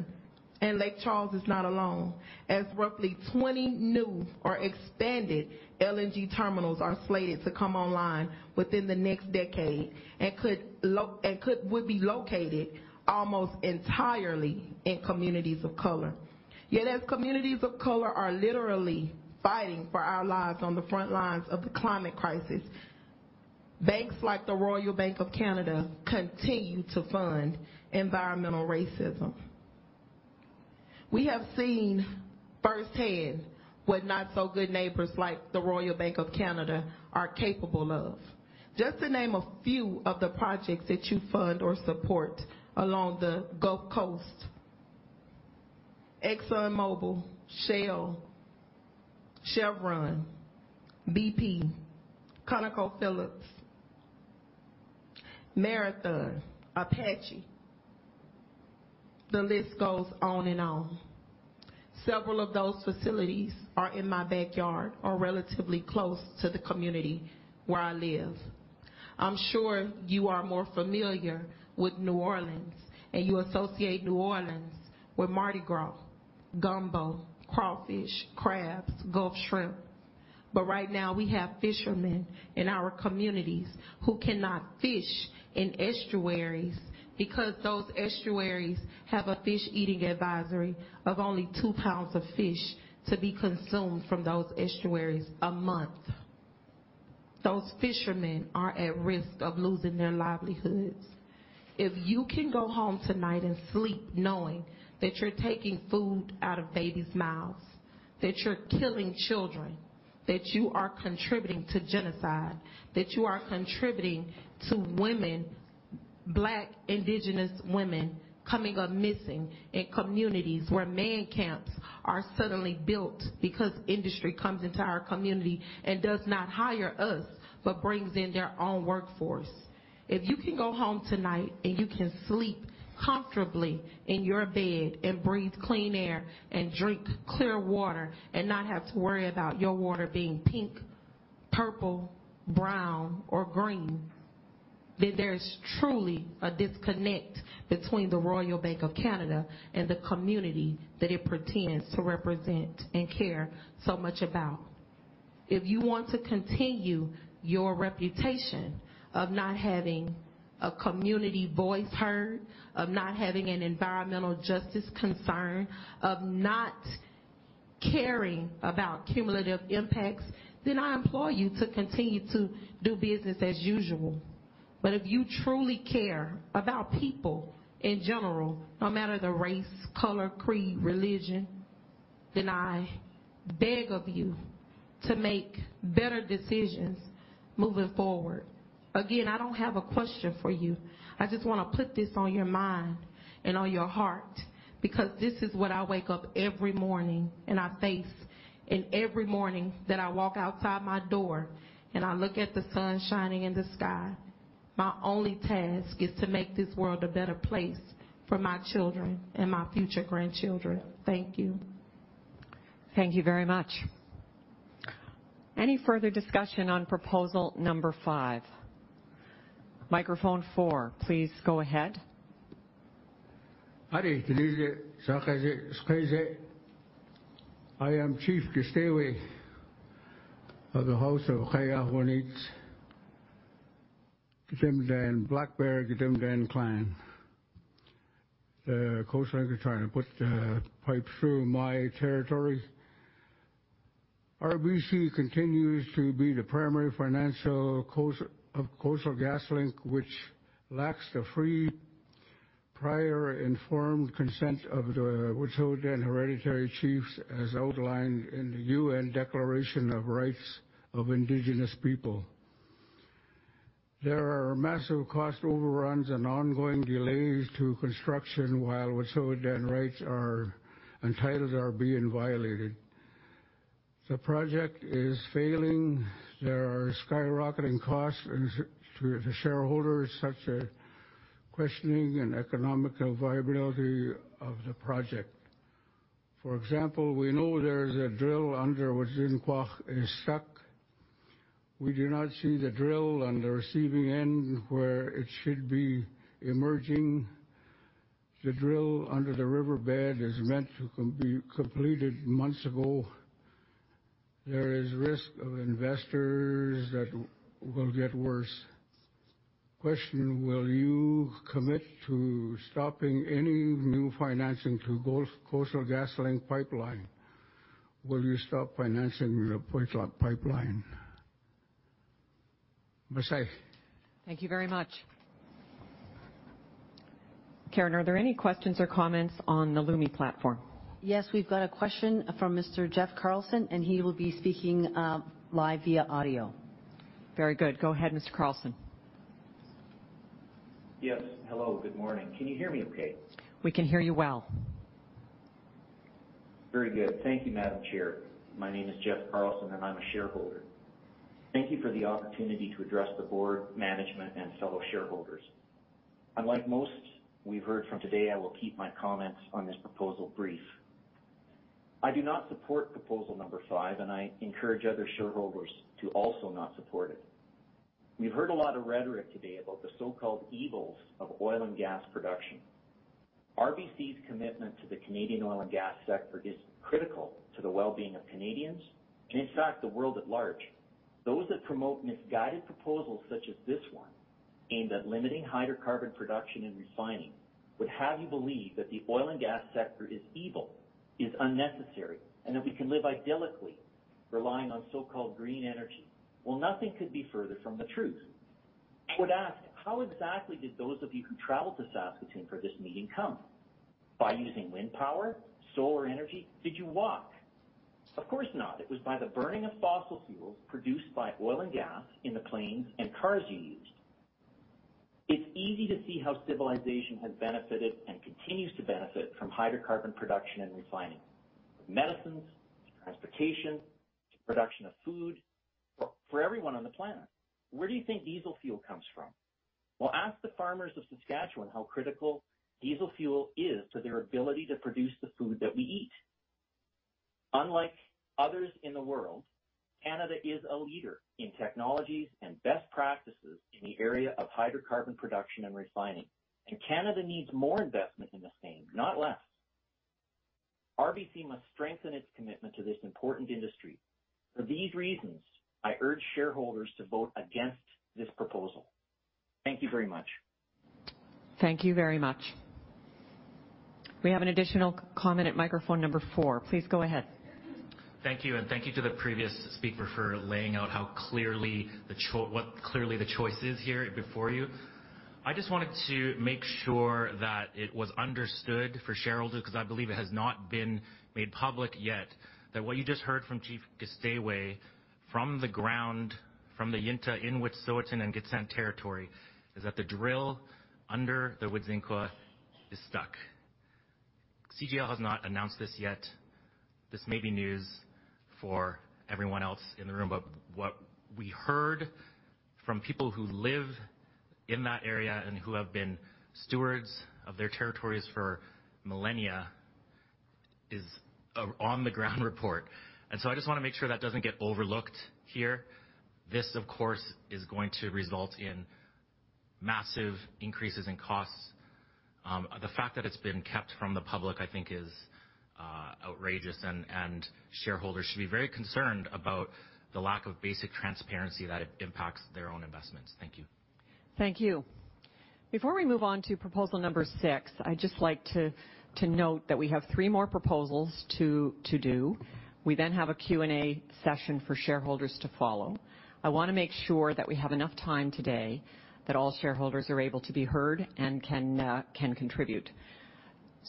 Lake Charles is not alone, as roughly 20 new or expanded LNG terminals are slated to come online within the next decade and would be located almost entirely in communities of color. As communities of color are literally fighting for our lives on the front lines of the climate crisis, banks like the Royal Bank of Canada continue to fund environmental racism. We have seen firsthand what not-so-good neighbors like the Royal Bank of Canada are capable of. Just to name a few of the projects that you fund or support along the Gulf Coast, ExxonMobil, Shell, Chevron, BP, ConocoPhillips, Marathon, Apache. The list goes on and on. Several of those facilities are in my backyard or relatively close to the community where I live. I'm sure you are more familiar with New Orleans, you associate New Orleans with Mardi Gras, gumbo, crawfish, crabs, gulf shrimp. Right now, we have fishermen in our communities who cannot fish in estuaries because those estuaries have a fish eating advisory of only two pounds of fish to be consumed from those estuaries a month. Those fishermen are at risk of losing their livelihoods. If you can go home tonight and sleep knowing that you're taking food out of babies' mouths, that you're killing children, that you are contributing to genocide, that you are contributing to women, Black Indigenous women coming up missing in communities where man camps are suddenly built because industry comes into our community and does not hire us, but brings in their own workforce. If you can go home tonight, and you can sleep comfortably in your bed and breathe clean air and drink clear water and not have to worry about your water being pink, purple, brown, or green, then there's truly a disconnect between the Royal Bank of Canada and the community that it pretends to represent and care so much about. If you want to continue your reputation of not having a community voice heard, of not having an environmental justice concern, of not caring about cumulative impacts, then I implore you to continue to do business as usual. If you truly care about people in general, no matter the race, color, creed, religion, then I beg of you to make better decisions moving forward. Again, I don't have a question for you. I just wanna put this on your mind and on your heart, because this is what I wake up every morning and I face. Every morning that I walk outside my door, and I look at the sun shining in the sky, my only task is to make this world a better place for my children and my future grandchildren. Thank you. Thank you very much. Any further discussion on proposal number 5? Microphone 4, please go ahead. I am Chief of the House of Black Bear Clan. The Coast Guard is trying to put the pipes through my territory. RBC continues to be the primary financial of Coastal GasLink, which lacks the free prior informed consent of the Wet'suwet'en Hereditary Chiefs, as outlined in the UN Declaration on the Rights of Indigenous Peoples. There are massive cost overruns and ongoing delays to construction while Wet'suwet'en rights are, and titles are being violated. The project is failing. There are skyrocketing costs, and shareholders are questioning an economical viability of the project. For example, we know there is a drill under Wedzin Kwa that is stuck. We do not see the drill on the receiving end where it should be emerging. The drill under the riverbed is meant to be completed months ago. There is risk of investors that will get worse. Question: Will you commit to stopping any new financing to Gulf Coastal GasLink pipeline? Will you stop financing the pipeline? Thank you very much. Karen, are there any questions or comments on the Lumi platform? Yes, we've got a question from Mr. Jeff Carlson, and he will be speaking live via audio. Very good. Go ahead, Mr. Carlson. Yes. Hello. Good morning. Can you hear me okay? We can hear you well. Very good. Thank you, Madam Chair. My name is Jeff Carlson, and I'm a shareholder. Thank you for the opportunity to address the board, management, and fellow shareholders. Unlike most we've heard from today, I will keep my comments on this proposal brief. I do not support proposal 5, and I encourage other shareholders to also not support it. We've heard a lot of rhetoric today about the so-called evils of oil and gas production. RBC's commitment to the Canadian oil and gas sector is critical to the well-being of Canadians and, in fact, the world at large. Those that promote misguided proposals such as this one, aimed at limiting hydrocarbon production and refining, would have you believe that the oil and gas sector is evil, is unnecessary, and that we can live idyllically relying on so-called green energy. Nothing could be further from the truth. I would ask, how exactly did those of you who traveled to Saskatoon for this meeting come? By using wind power, solar energy? Did you walk? Of course not. It was by the burning of fossil fuels produced by oil and gas in the planes and cars you used. It's easy to see how civilization has benefited and continues to benefit from hydrocarbon production and refining. Medicines, transportation to production of food for everyone on the planet. Where do you think diesel fuel comes from? Well, ask the farmers of Saskatchewan how critical diesel fuel is to their ability to produce the food that we eat. Unlike others in the world, Canada is a leader in technologies and best practices in the area of hydrocarbon production and refining, Canada needs more investment in this thing, not less. RBC must strengthen its commitment to this important industry. For these reasons, I urge shareholders to vote against this proposal. Thank you very much. Thank you very much. We have an additional comment at microphone number four. Please go ahead. Thank you, thank you to the previous speaker for laying out what clearly the choice is here before you. I just wanted to make sure that it was understood for shareholders, because I believe it has not been made public yet, that what you just heard from Chief Gisdaywa from the ground, from the Yintah in Witsuwit'en and Gitxsan territory, is that the drill under the Wedzin Kwa is stuck. CGL has not announced this yet. This may be news for everyone else in the room, but what we heard from people who live in that area and who have been stewards of their territories for millennia is, a on-the-ground report. So I just want to make sure that doesn't get overlooked here. This, of course, is going to result in massive increases in costs. The fact that it's been kept from the public, I think, is outrageous, and shareholders should be very concerned about the lack of basic transparency that it impacts their own investments. Thank you. Thank you. Before we move on to proposal number 6, I'd just like to note that we have 3 more proposals to do. We have a Q&A session for shareholders to follow. I want to make sure that we have enough time today that all shareholders are able to be heard and can contribute.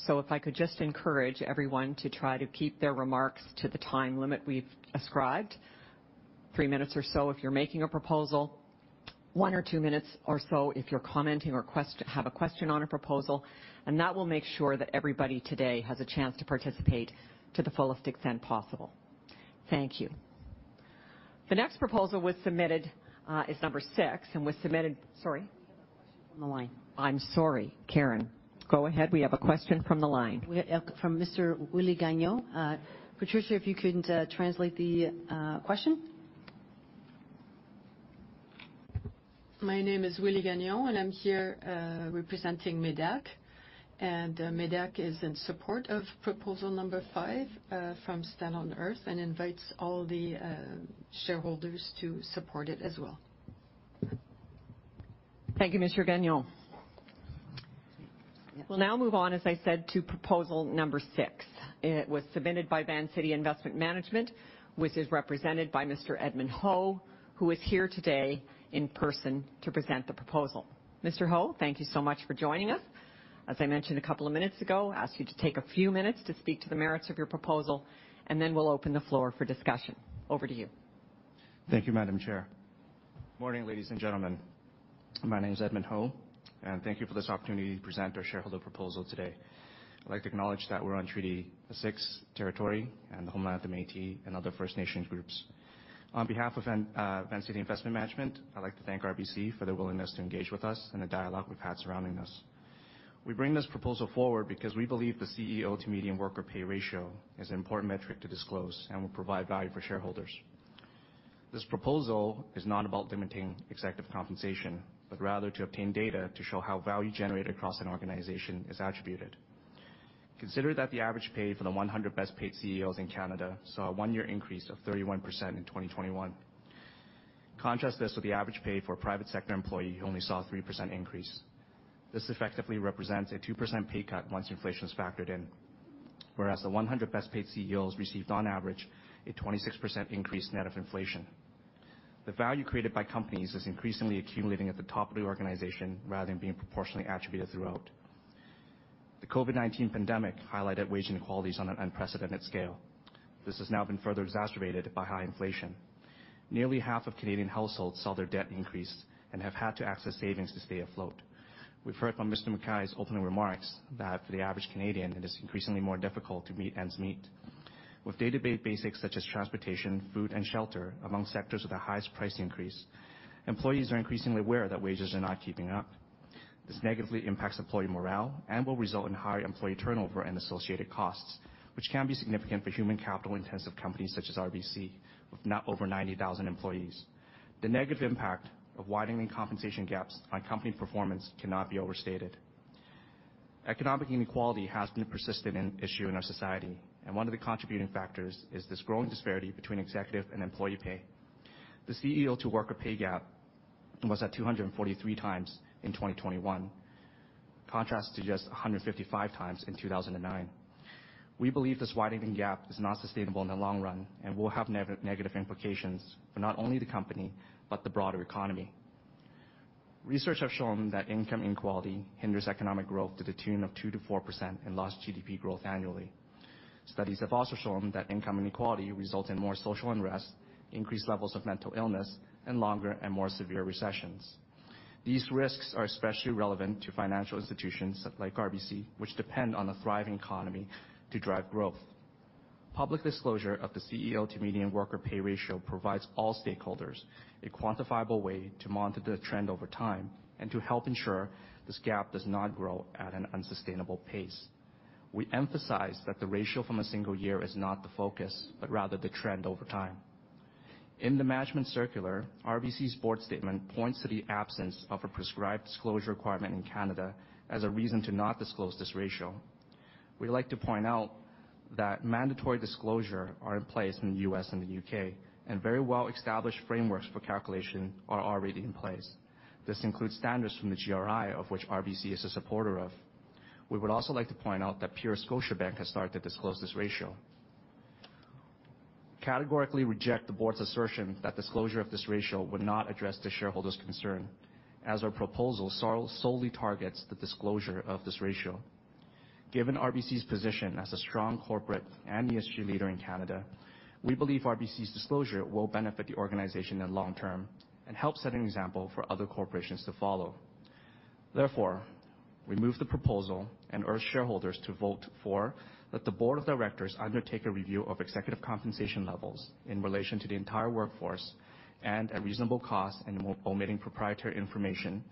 If I could just encourage everyone to try to keep their remarks to the time limit we've ascribed. 3 minutes or so if you're making a proposal, 1 or 2 minutes or so if you're commenting or have a question on a proposal, that will make sure that everybody today has a chance to participate to the fullest extent possible. Thank you. The next proposal was submitted, is number 6. Sorry. We have a question from the line. I'm sorry, Karen. Go ahead. We have a question from the line. We, from Mr. Willy Gagnon. Patricia, if you can, translate the, question. My name is Willy Gagnon, I'm here representing MÉDAC. MÉDAC is in support of proposal number five from Stand.earth and invites all the shareholders to support it as well. Thank you, Mr. Gagnon. We'll now move on, as I said, to proposal number six. It was submitted by Vancity Investment Management, which is represented by Mr. Edmund Ho, who is here today in person to present the proposal. Mr. Ho, thank you so much for joining us. As I mentioned a couple of minutes ago, ask you to take a few minutes to speak to the merits of your proposal, and then we'll open the floor for discussion. Over to you. Thank you, Madam Chair. Morning, ladies and gentlemen. My name is Edmund Ho. Thank you for this opportunity to present our shareholder proposal today. I'd like to acknowledge that we're on Treaty Six territory and the homeland of Métis and other First Nations groups. On behalf of Vancity Investment Management, I'd like to thank RBC for their willingness to engage with us in the dialogue we've had surrounding this. We bring this proposal forward because we believe the CEO-to-median worker pay ratio is an important metric to disclose and will provide value for shareholders. This proposal is not about limiting executive compensation, rather to obtain data to show how value generated across an organization is attributed. Consider that the average pay for the 100 best paid CEOs in Canada saw a 1-year increase of 31% in 2021. Contrast this with the average pay for a private sector employee who only saw a 3% increase. This effectively represents a 2% pay cut once inflation is factored in, whereas the 100 best paid CEOs received on average a 26% increase net of inflation. The value created by companies is increasingly accumulating at the top of the organization rather than being proportionally attributed throughout. The COVID-19 pandemic highlighted wage inequalities on an unprecedented scale. This has now been further exacerbated by high inflation. Nearly half of Canadian households saw their debt increase and have had to access savings to stay afloat. We've heard from Mr. McKay's opening remarks that for the average Canadian, it is increasingly more difficult to meet ends meet. With day-to-day basics such as transportation, food, and shelter among sectors with the highest price increase, employees are increasingly aware that wages are not keeping up. This negatively impacts employee morale and will result in higher employee turnover and associated costs, which can be significant for human capital-intensive companies such as RBC, with now over 90,000 employees. The negative impact of widening compensation gaps on company performance cannot be overstated. Economic inequality has been a persistent issue in our society, and one of the contributing factors is this growing disparity between executive and employee pay. The CEO-to-worker pay gap was at 243 times in 2021. Contrast to just 155 times in 2009. We believe this widening gap is not sustainable in the long run and will have negative implications for not only the company, but the broader economy. Research have shown that income inequality hinders economic growth to the tune of 2% to 4% in lost GDP growth annually. Studies have also shown that income inequality results in more social unrest, increased levels of mental illness, and longer and more severe recessions. These risks are especially relevant to financial institutions like RBC, which depend on a thriving economy to drive growth. Public disclosure of the CEO-to-median worker pay ratio provides all stakeholders a quantifiable way to monitor the trend over time and to help ensure this gap does not grow at an unsustainable pace. We emphasize that the ratio from a single year is not the focus, but rather the trend over time. In the management circular, RBC's board statement points to the absence of a prescribed disclosure requirement in Canada as a reason to not disclose this ratio. We'd like to point out that mandatory disclosure are in place in the U.S. and the U.K., and very well-established frameworks for calculation are already in place. This includes standards from the GRI, of which RBC is a supporter of. We would also like to point out that peer Scotiabank has started to disclose this ratio. Categorically reject the board's assertion that disclosure of this ratio would not address the shareholders' concern, as our proposal solely targets the disclosure of this ratio. Given RBC's position as a strong corporate and ESG leader in Canada, we believe RBC's disclosure will benefit the organization in long term and help set an example for other corporations to follow. We move the proposal and urge shareholders to vote for that the board of directors undertake a review of executive compensation levels in relation to the entire workforce and at reasonable cost, and omitting proprietary information,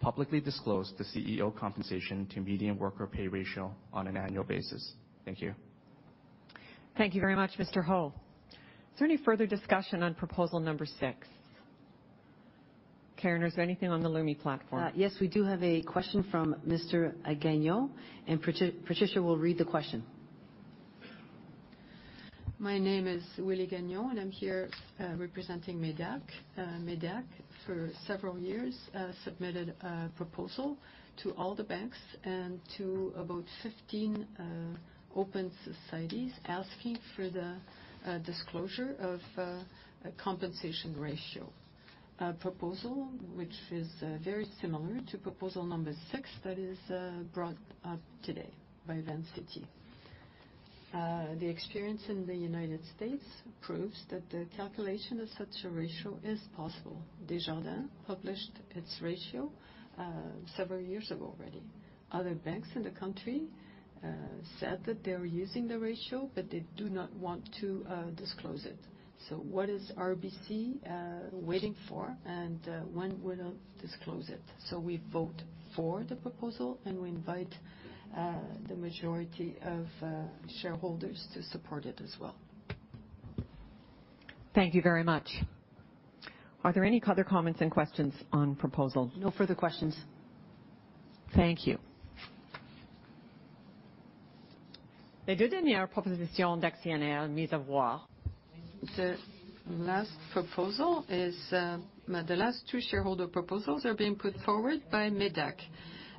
publicly disclose the CEO compensation to median worker pay ratio on an annual basis. Thank you. Thank you very much, Mr. Ho. Is there any further discussion on proposal number 6? Karen, is there anything on the Lumi platform? Yes, we do have a question from Mr. Gagnon, and Patricia will read the question. My name is Willy Gagnon, I'm here representing MÉDAC. MÉDAC for several years submitted a proposal to all the banks and to about 15 open societies asking for the disclosure of a compensation ratio. A proposal which is very similar to proposal number 6 that is brought up today by Vancity. The experience in the United States proves that the calculation of such a ratio is possible. Desjardins published its ratio several years ago already. Other banks in the country said that they're using the ratio, but they do not want to disclose it. What is RBC waiting for and when will disclose it? We vote for the proposal, and we invite the majority of shareholders to support it as well. Thank you very much. Are there any other comments and questions on proposal-? No further questions. Thank you. The last proposal is, the last two shareholder proposals are being put forward by MÉDAC.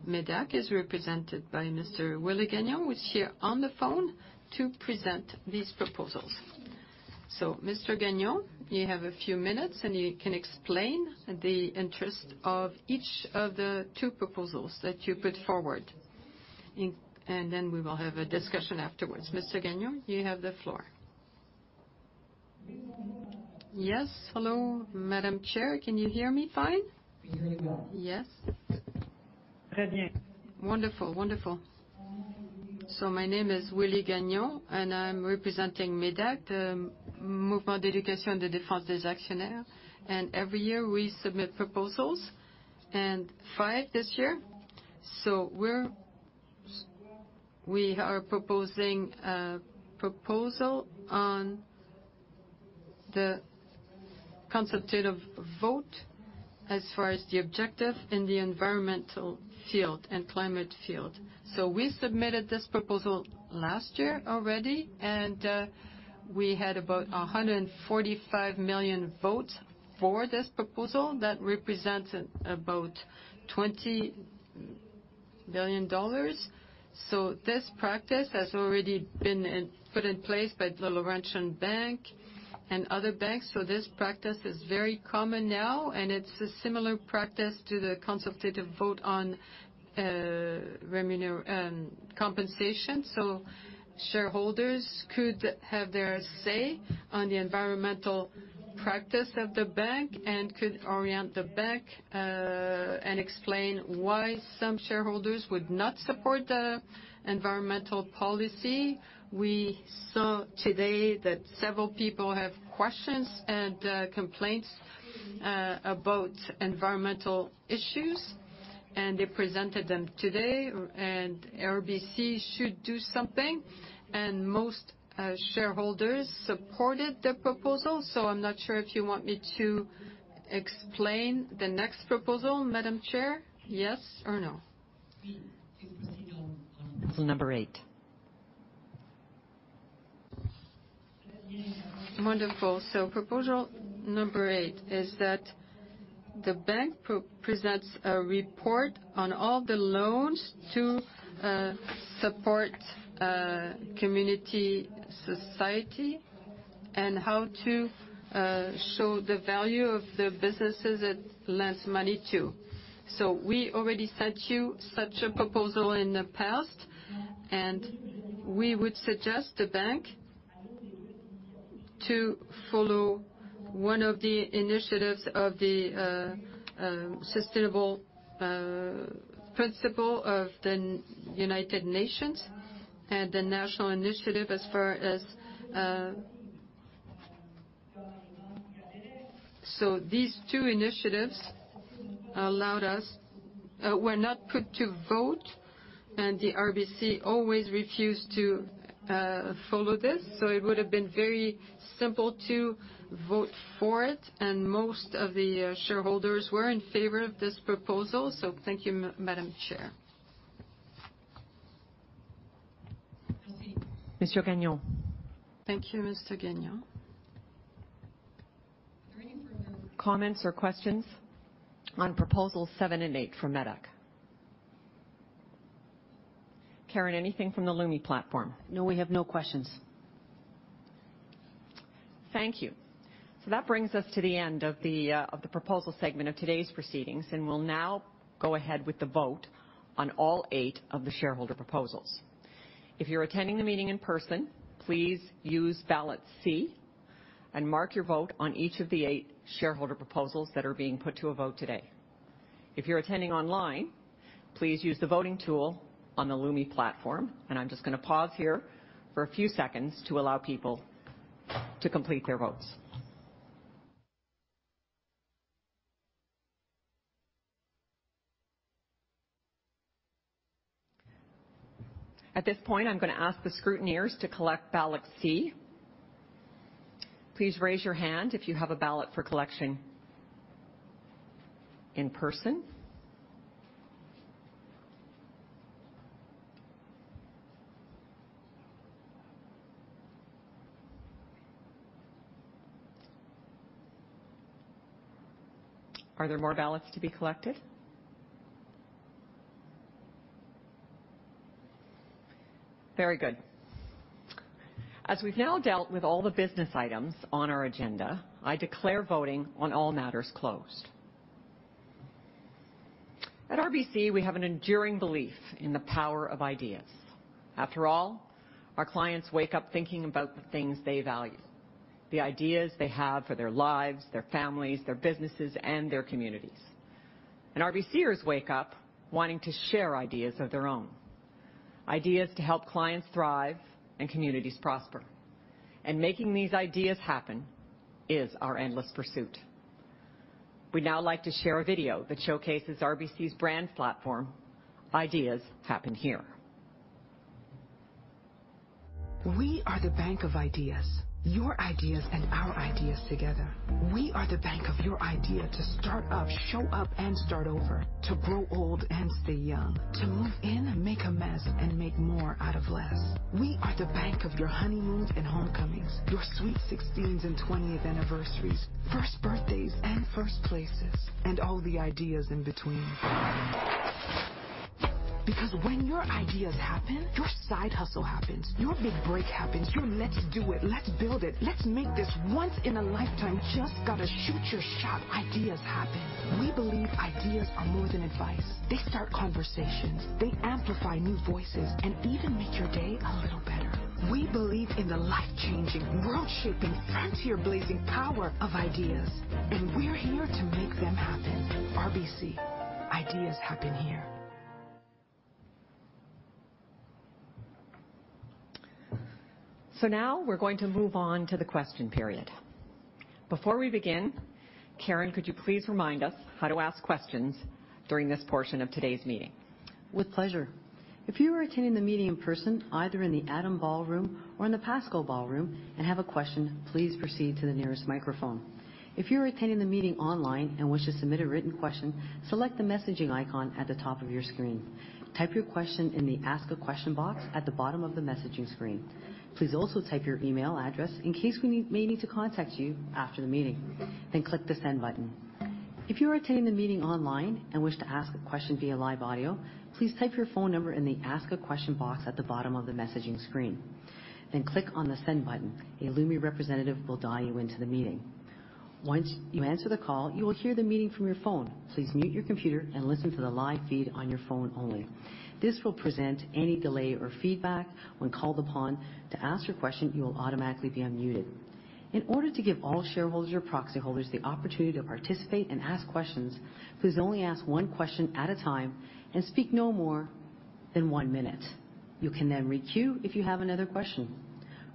MÉDAC is represented by Mr. Willy Gagnon, who is here on the phone to present these proposals. Mr. Gagnon, you have a few minutes, and you can explain the interest of each of the two proposals that you put forward. Then we will have a discussion afterwards. Mr. Gagnon, you have the floor. Yes. Hello, Madam Chair. Can you hear me fine? Very well. Yes. Very well. Wonderful. Wonderful. My name is Willy Gagnon, and I'm representing MÉDAC, the Mouvement d'éducation et de défense des actionnaires. Every year, we submit proposals, and five this year. We are proposing a proposal on the consultative vote as far as the objective in the environmental field and climate field. We submitted this proposal last year already, and we had about 145 million votes for this proposal. That represents about 20 billion dollars. This practice has already been put in place by the Laurentian Bank and other banks. This practice is very common now, and it's a similar practice to the consultative vote on compensation. Shareholders could have their say on the environmental practice of the bank and could orient the bank and explain why some shareholders would not support the environmental policy. We saw today that several people have questions and complaints about environmental issues, and they presented them today. RBC should do something, and most shareholders supported the proposal. I'm not sure if you want me to explain the next proposal, Madam Chair. Yes or no? Number eight. Wonderful. Proposal number eight is that the bank pre-presents a report on all the loans to support community society and how to show the value of the businesses it lends money to. We already sent you such a proposal in the past, and we would suggest the bank to follow one of the initiatives of the sustainable principle of the United Nations and the national initiative as far as. These two initiatives were not put to vote, and the RBC always refused to follow this. It would've been very simple to vote for it, and most of the shareholders were in favor of this proposal. Thank you, Madam Chair. Monsieur Gagnon. Thank you, Mr. Gagnon. Comments or questions on proposal seven and eight from MÉDAC? Karen, anything from the Lumi platform? No, we have no questions. Thank you. That brings us to the end of the proposal segment of today's proceedings, and we'll now go ahead with the vote on all 8 of the shareholder proposals. If you're attending the meeting in person, please use ballot C and mark your vote on each of the 8 shareholder proposals that are being put to a vote today. If you're attending online, please use the voting tool on the Lumi platform, and I'm just gonna pause here for a few seconds to allow people to complete their votes. At this point, I'm gonna ask the scrutineers to collect ballot C. Please raise your hand if you have a ballot for collection in person. Are there more ballots to be collected? Very good. As we've now dealt with all the business items on our agenda, I declare voting on all matters closed. At RBC, we have an enduring belief in the power of ideas. After all, our clients wake up thinking about the things they value, the ideas they have for their lives, their families, their businesses, and their communities. RBCers wake up wanting to share ideas of their own, ideas to help clients thrive and communities prosper. Making these ideas happen is our endless pursuit. We'd now like to share a video that showcases RBC's brand platform, Ideas Happen Here. We are the bank of ideas, your ideas and our ideas together. We are the bank of your idea to start up, show up, and start over, to grow old and stay young, to move in and make a mess and make more out of less. We are the bank of your honeymoon and homecomings, your sweet 16s and 20th anniversaries, first birthdays and first places, and all the ideas in between. Because when your ideas happen, your side hustle happens, your big break happens. Your let's do it, let's build it, let's make this once in a lifetime, just gotta shoot your shot ideas happen. We believe ideas are more than advice. They start conversations. They amplify new voices and even make your day a little better. We believe in the life-changing, world-shaping, frontier-blazing power of ideas, and we're here to make them happen. RBC: Ideas happen here. Now we're going to move on to the question period. Before we begin, Karen, could you please remind us how to ask questions during this portion of today's meeting? With pleasure. If you are attending the meeting in person, either in the Adam Ballroom or in the William Pascoe, and have a question, please proceed to the nearest microphone. If you're attending the meeting online and wish to submit a written question, select the messaging icon at the top of your screen. Type your question in the Ask a Question box at the bottom of the messaging screen. Please also type your email address in case we may need to contact you after the meeting. Click the Send button. If you are attending the meeting online and wish to ask a question via live audio, please type your phone number in the Ask a Question box at the bottom of the messaging screen. Click on the Send button. A Lumi representative will dial you into the meeting. Once you answer the call, you will hear the meeting from your phone. Please mute your computer and listen to the live feed on your phone only. This will prevent any delay or feedback when called upon to ask your question. You will automatically be unmuted. In order to give all shareholders or proxy holders the opportunity to participate and ask questions, please only ask 1 question at a time and speak no more than 1 minute. You can then re-queue if you have another question.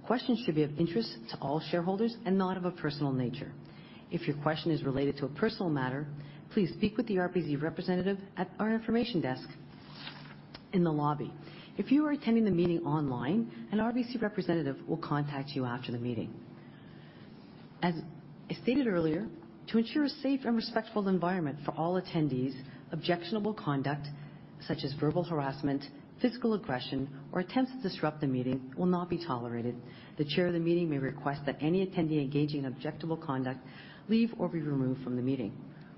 Questions should be of interest to all shareholders and not of a personal nature. If your question is related to a personal matter, please speak with the RBC representative at our information desk in the lobby. If you are attending the meeting online, an RBC representative will contact you after the meeting. As I stated earlier, to ensure a safe and respectful environment for all attendees, objectionable conduct such as verbal harassment, physical aggression, or attempts to disrupt the meeting will not be tolerated. The chair of the meeting may request that any attendee engaging in objectionable conduct leave or be removed from the meeting.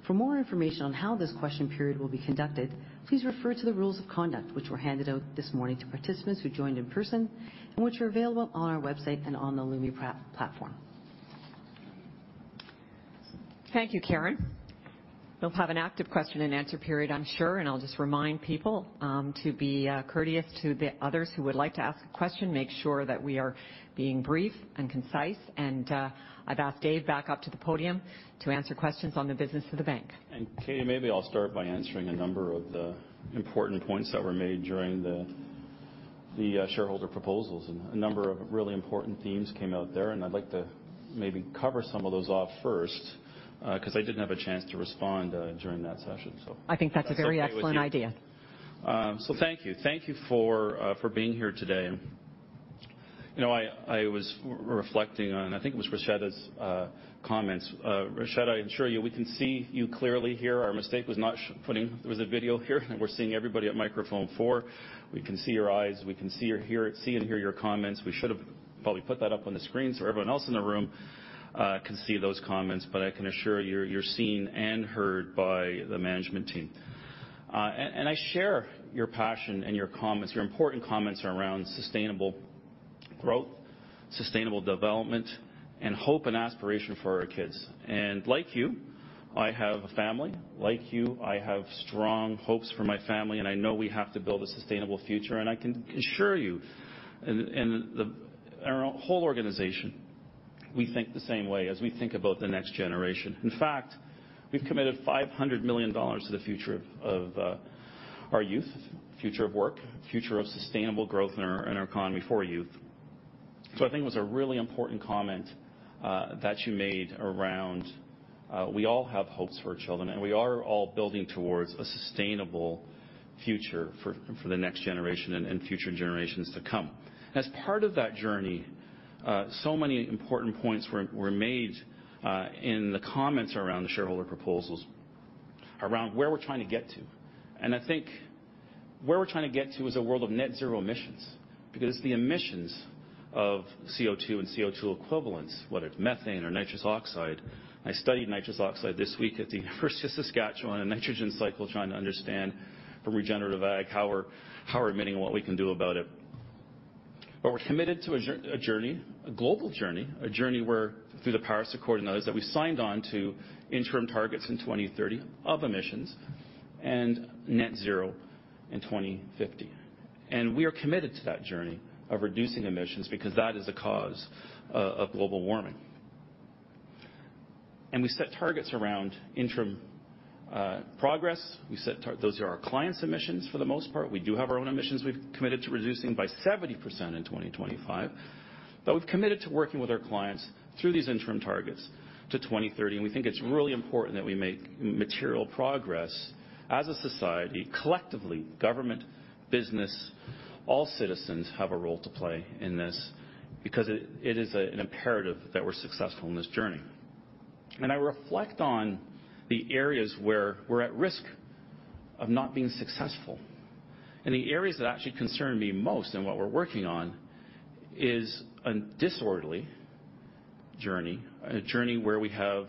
For more information on how this question period will be conducted, please refer to the rules of conduct which were handed out this morning to participants who joined in person and which are available on our website and on the Lumi platform. Thank you, Karen. We'll have an active question and answer period, I'm sure. I'll just remind people to be courteous to the others who would like to ask a question, make sure that we are being brief and concise. I've asked Dave back up to the podium to answer questions on the business of the bank. Katie, maybe I'll start by answering a number of the important points that were made during the shareholder proposals. A number of really important themes came out there, and I'd like to maybe cover some of those off first, 'cause I didn't have a chance to respond during that session, so. I think that's a very excellent idea. Thank you. Thank you for being here today. You know, I was reflecting on, I think it was Rocheda's comments. Rocheda, I assure you, we can see you clearly here. Our mistake was not putting. There was a video here, and we're seeing everybody at microphone four. We can see your eyes. We can see or hear, see and hear your comments. We should have probably put that up on the screen so everyone else in the room can see those comments. I can assure you're seen and heard by the management team. I share your passion and your comments. Your important comments around sustainable growth, sustainable development, and hope and aspiration for our kids. Like you, I have a family. Like you, I have strong hopes for my family, and I know we have to build a sustainable future. I can assure you in our whole organization we think the same way as we think about the next generation. In fact, we've committed 500 million dollars to the future of our youth, future of work, future of sustainable growth in our economy for youth. I think it was a really important comment that you made around we all have hopes for our children, and we are all building towards a sustainable future for the next generation and future generations to come. As part of that journey, so many important points were made in the comments around the shareholder proposals around where we're trying to get to. I think where we're trying to get to is a world of net zero emissions, because the emissions of CO2 and CO2 equivalents, whether it's methane or nitrous oxide. I studied nitrous oxide this week at the University of Saskatchewan in the nitrogen cycle, trying to understand from regenerative ag, how we're emitting and what we can do about it. We're committed to a journey, a global journey, a journey where through the Paris Agreement and others that we signed on to interim targets in 2030 of emissions and net zero in 2050. We are committed to that journey of reducing emissions because that is a cause of global warming. We set targets around interim progress. Those are our clients' emissions for the most part. We do have our own emissions we've committed to reducing by 70% in 2025. We've committed to working with our clients through these interim targets to 2030, and we think it's really important that we make material progress as a society, collectively, government, business, all citizens have a role to play in this because it is an imperative that we're successful in this journey. I reflect on the areas where we're at risk of not being successful. The areas that actually concern me most and what we're working on is a disorderly journey, a journey where we have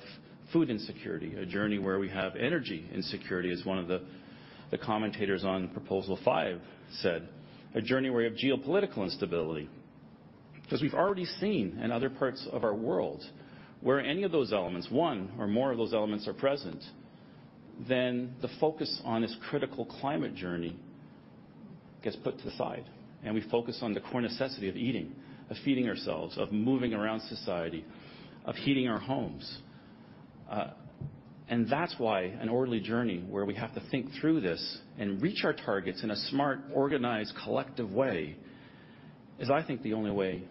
food insecurity, a journey where we have energy insecurity, as one of the commentators on Proposal 5 said. A journey where we have geopolitical instability. 'Cause we've already seen in other parts of our world where any of those elements, one or more of those elements are present, then the focus on this critical climate journey gets put to the side, and we focus on the core necessity of eating, of feeding ourselves, of moving around society, of heating our homes. That's why an orderly journey where we have to think through this and reach our targets in a smart, organized, collective way is, I think, the only way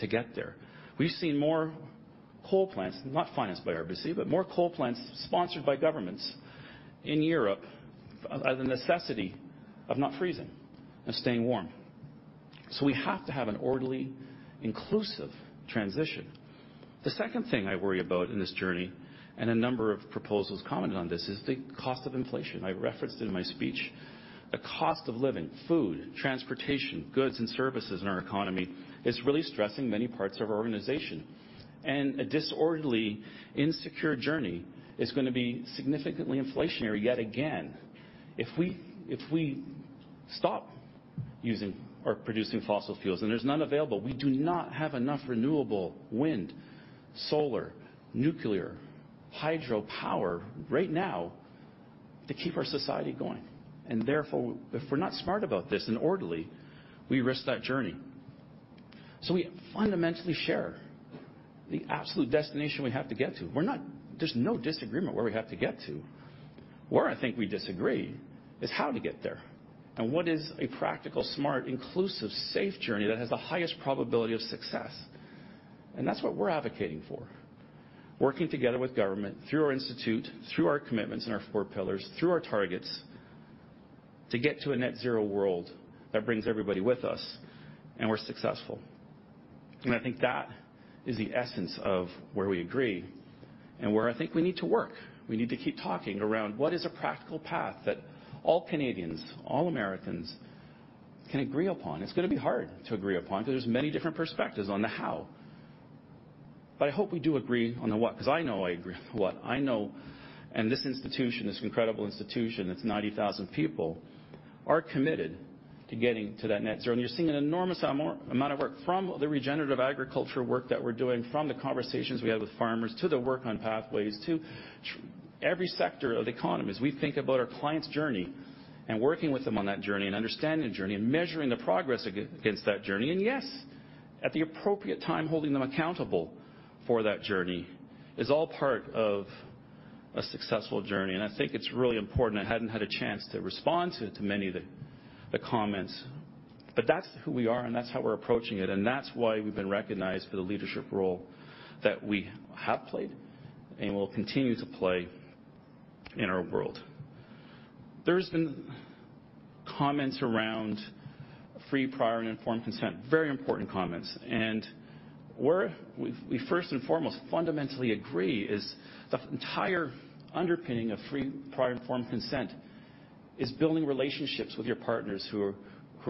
to get there. We've seen more coal plants, not financed by RBC, but more coal plants sponsored by governments in Europe out of the necessity of not freezing, of staying warm. We have to have an orderly, inclusive transition. The second thing I worry about in this journey, and a number of proposals commented on this, is the cost of inflation. I referenced it in my speech. The cost of living, food, transportation, goods and services in our economy is really stressing many parts of our organization. A disorderly, insecure journey is gonna be significantly inflationary yet again. If we stop using or producing fossil fuels and there's none available, we do not have enough renewable wind, solar, nuclear, hydropower right now to keep our society going. Therefore, if we're not smart about this and orderly, we risk that journey. We fundamentally share the absolute destination we have to get to. There's no disagreement where we have to get to. Where I think we disagree is how to get there and what is a practical, smart, inclusive, safe journey that has the highest probability of success. That's what we're advocating for, working together with government through our Institute, through our commitments and our four pillars, through our targets to get to a net zero world that brings everybody with us, and we're successful. I think that is the essence of where we agree and where I think we need to work. We need to keep talking around what is a practical path that all Canadians, all Americans can agree upon. It's gonna be hard to agree upon 'cause there's many different perspectives on the how. I hope we do agree on the what, 'cause I know I agree with the what. I know, and this institution, this incredible institution that's 90,000 people, are committed to getting to that net zero. You're seeing an enormous amount of work from the regenerative agriculture work that we're doing, from the conversations we have with farmers, to the work on pathways, to every sector of the economy. As we think about our clients' journey and working with them on that journey and understanding the journey and measuring the progress against that journey, and yes, at the appropriate time, holding them accountable for that journey, is all part of a successful journey. I think it's really important. I hadn't had a chance to respond to many of the comments, but that's who we are and that's how we're approaching it. That's why we've been recognized for the leadership role that we have played and will continue to play in our world. There's been comments around free, prior and informed consent, very important comments. Where we first and foremost fundamentally agree is the entire underpinning of free, prior and informed consent is building relationships with your partners who are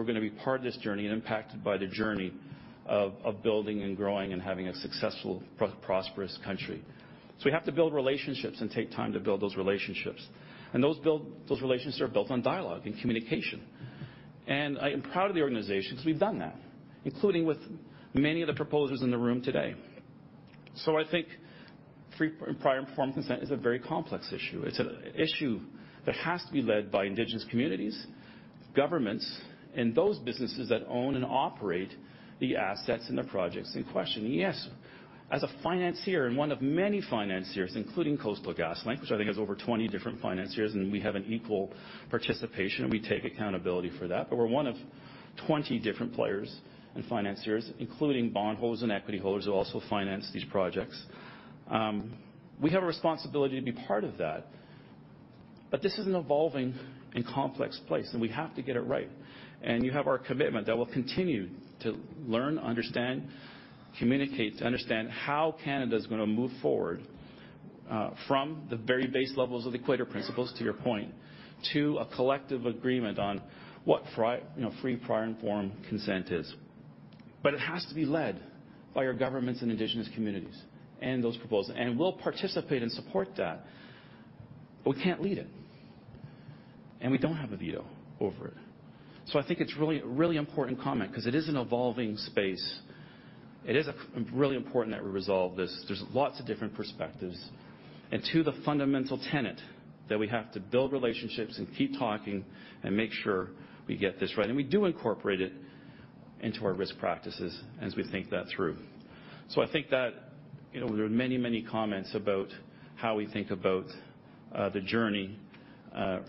gonna be part of this journey and impacted by the journey of building and growing and having a successful, prosperous country. We have to build relationships and take time to build those relationships. Those relationships are built on dialogue and communication. I am proud of the organization 'cause we've done that, including with many of the proposers in the room today. I think free, prior and informed consent is a very complex issue. It's an issue that has to be led by Indigenous communities, governments, and those businesses that own and operate the assets and the projects in question. Yes, as a financier and one of many financiers, including Coastal GasLink, which I think has over 20 different financiers, and we have an equal participation, and we take accountability for that. We're one of 20 different players and financiers, including bondholders and equity holders who also finance these projects. We have a responsibility to be part of that. This is an evolving and complex place, and we have to get it right. You have our commitment that we'll continue to learn, understand, communicate, to understand how Canada's going to move forward, from the very base levels of the Equator Principles, to your point, to a collective agreement on what you know, free, prior and informed consent is. It has to be led by our governments and Indigenous communities and those proposals. We'll participate and support that, but we can't lead it. We don't have a veto over it. I think it's really, a really important comment 'cause it is an evolving space. It is a really important that we resolve this. There's lots of different perspectives. To the fundamental tenet that we have to build relationships and keep talking and make sure we get this right. We do incorporate it into our risk practices as we think that through. I think that, you know, there are many, many comments about how we think about the journey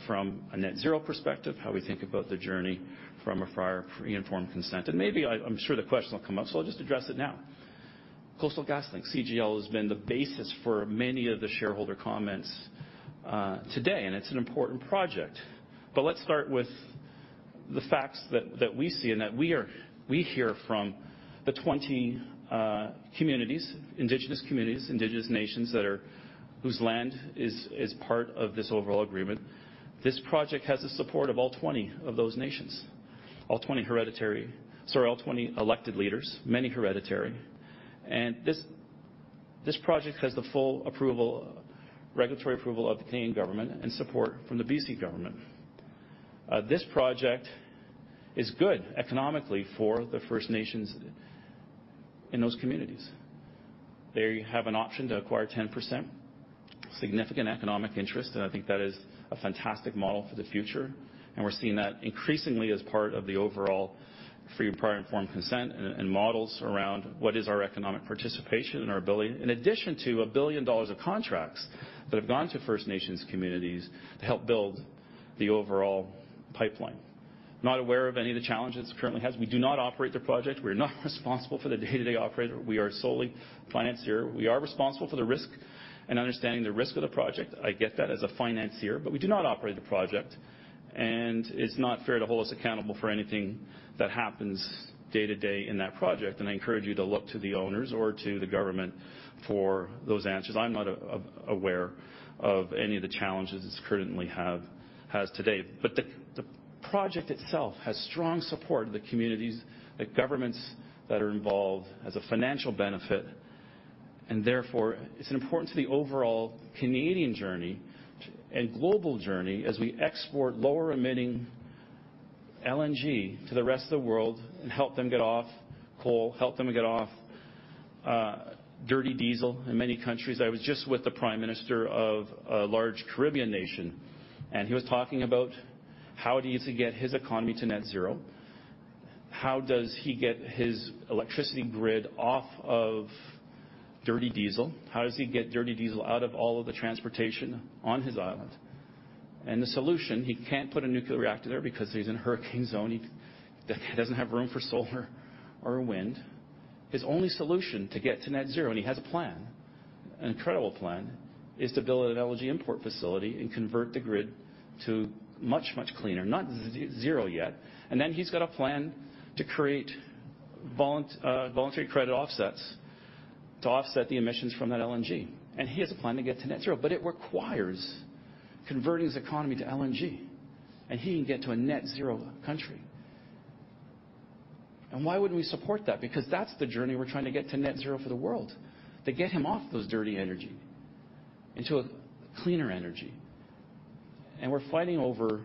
from a net zero perspective, how we think about the journey from a free, informed consent. Maybe I'm sure the question will come up, so I'll just address it now. Coastal GasLink, CGL, has been the basis for many of the shareholder comments today, and it's an important project. Let's start with the facts that we see and that we hear from the 20 communities, indigenous communities, indigenous nations whose land is part of this overall agreement. This project has the support of all 20 of those nations, all 20 hereditary... Sorry, all 20 elected leaders, many hereditary. This project has the full approval, regulatory approval of the Canadian government and support from the BC government. This project is good economically for the First Nations in those communities. They have an option to acquire 10% significant economic interest, and I think that is a fantastic model for the future. We're seeing that increasingly as part of the overall free, prior and informed consent and models around what is our economic participation and our ability, in addition to 1 billion dollars of contracts that have gone to First Nations communities to help build the overall pipeline. Not aware of any of the challenges it currently has. We do not operate the project. We're not responsible for the day-to-day operator. We are solely financier. We are responsible for the risk and understanding the risk of the project. I get that as a financier, but we do not operate the project, and it's not fair to hold us accountable for anything that happens day to day in that project, and I encourage you to look to the owners or to the government for those answers. I'm not aware of any of the challenges this currently has today. The project itself has strong support of the communities, the governments that are involved as a financial benefit, and therefore it's important to the overall Canadian journey and global journey as we export lower emitting LNG to the rest of the world and help them get off coal, help them get off dirty diesel in many countries. I was just with the Prime Minister of a large Caribbean nation, he was talking about how does he get his economy to net zero, how does he get his electricity grid off of dirty diesel, how does he get dirty diesel out of all of the transportation on his island. The solution, he can't put a nuclear reactor there because he's in hurricane zone. He doesn't have room for solar or wind. His only solution to get to net zero, and he has a plan, an incredible plan, is to build an LNG import facility and convert the grid to much, much cleaner, not net zero yet. Then he's got a plan to create voluntary credit offsets to offset the emissions from that LNG. He has a plan to get to net zero, but it requires converting his economy to LNG, and he can get to a net zero country. Why wouldn't we support that? Because that's the journey we're trying to get to net zero for the world, to get him off those dirty energy into a cleaner energy. We're fighting over,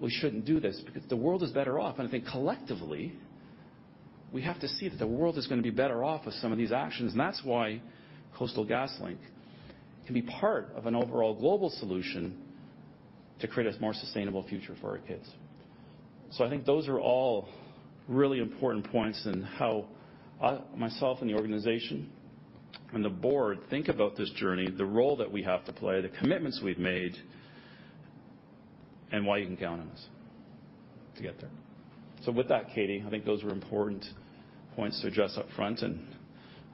we shouldn't do this because the world is better off. I think collectively, we have to see that the world is gonna be better off with some of these actions. That's why Coastal GasLink can be part of an overall global solution to create a more sustainable future for our kids. I think those are all really important points in how I, myself and the organization and the board think about this journey, the role that we have to play, the commitments we've made, and why you can count on us to get there. With that, Katie, I think those were important points to address up front.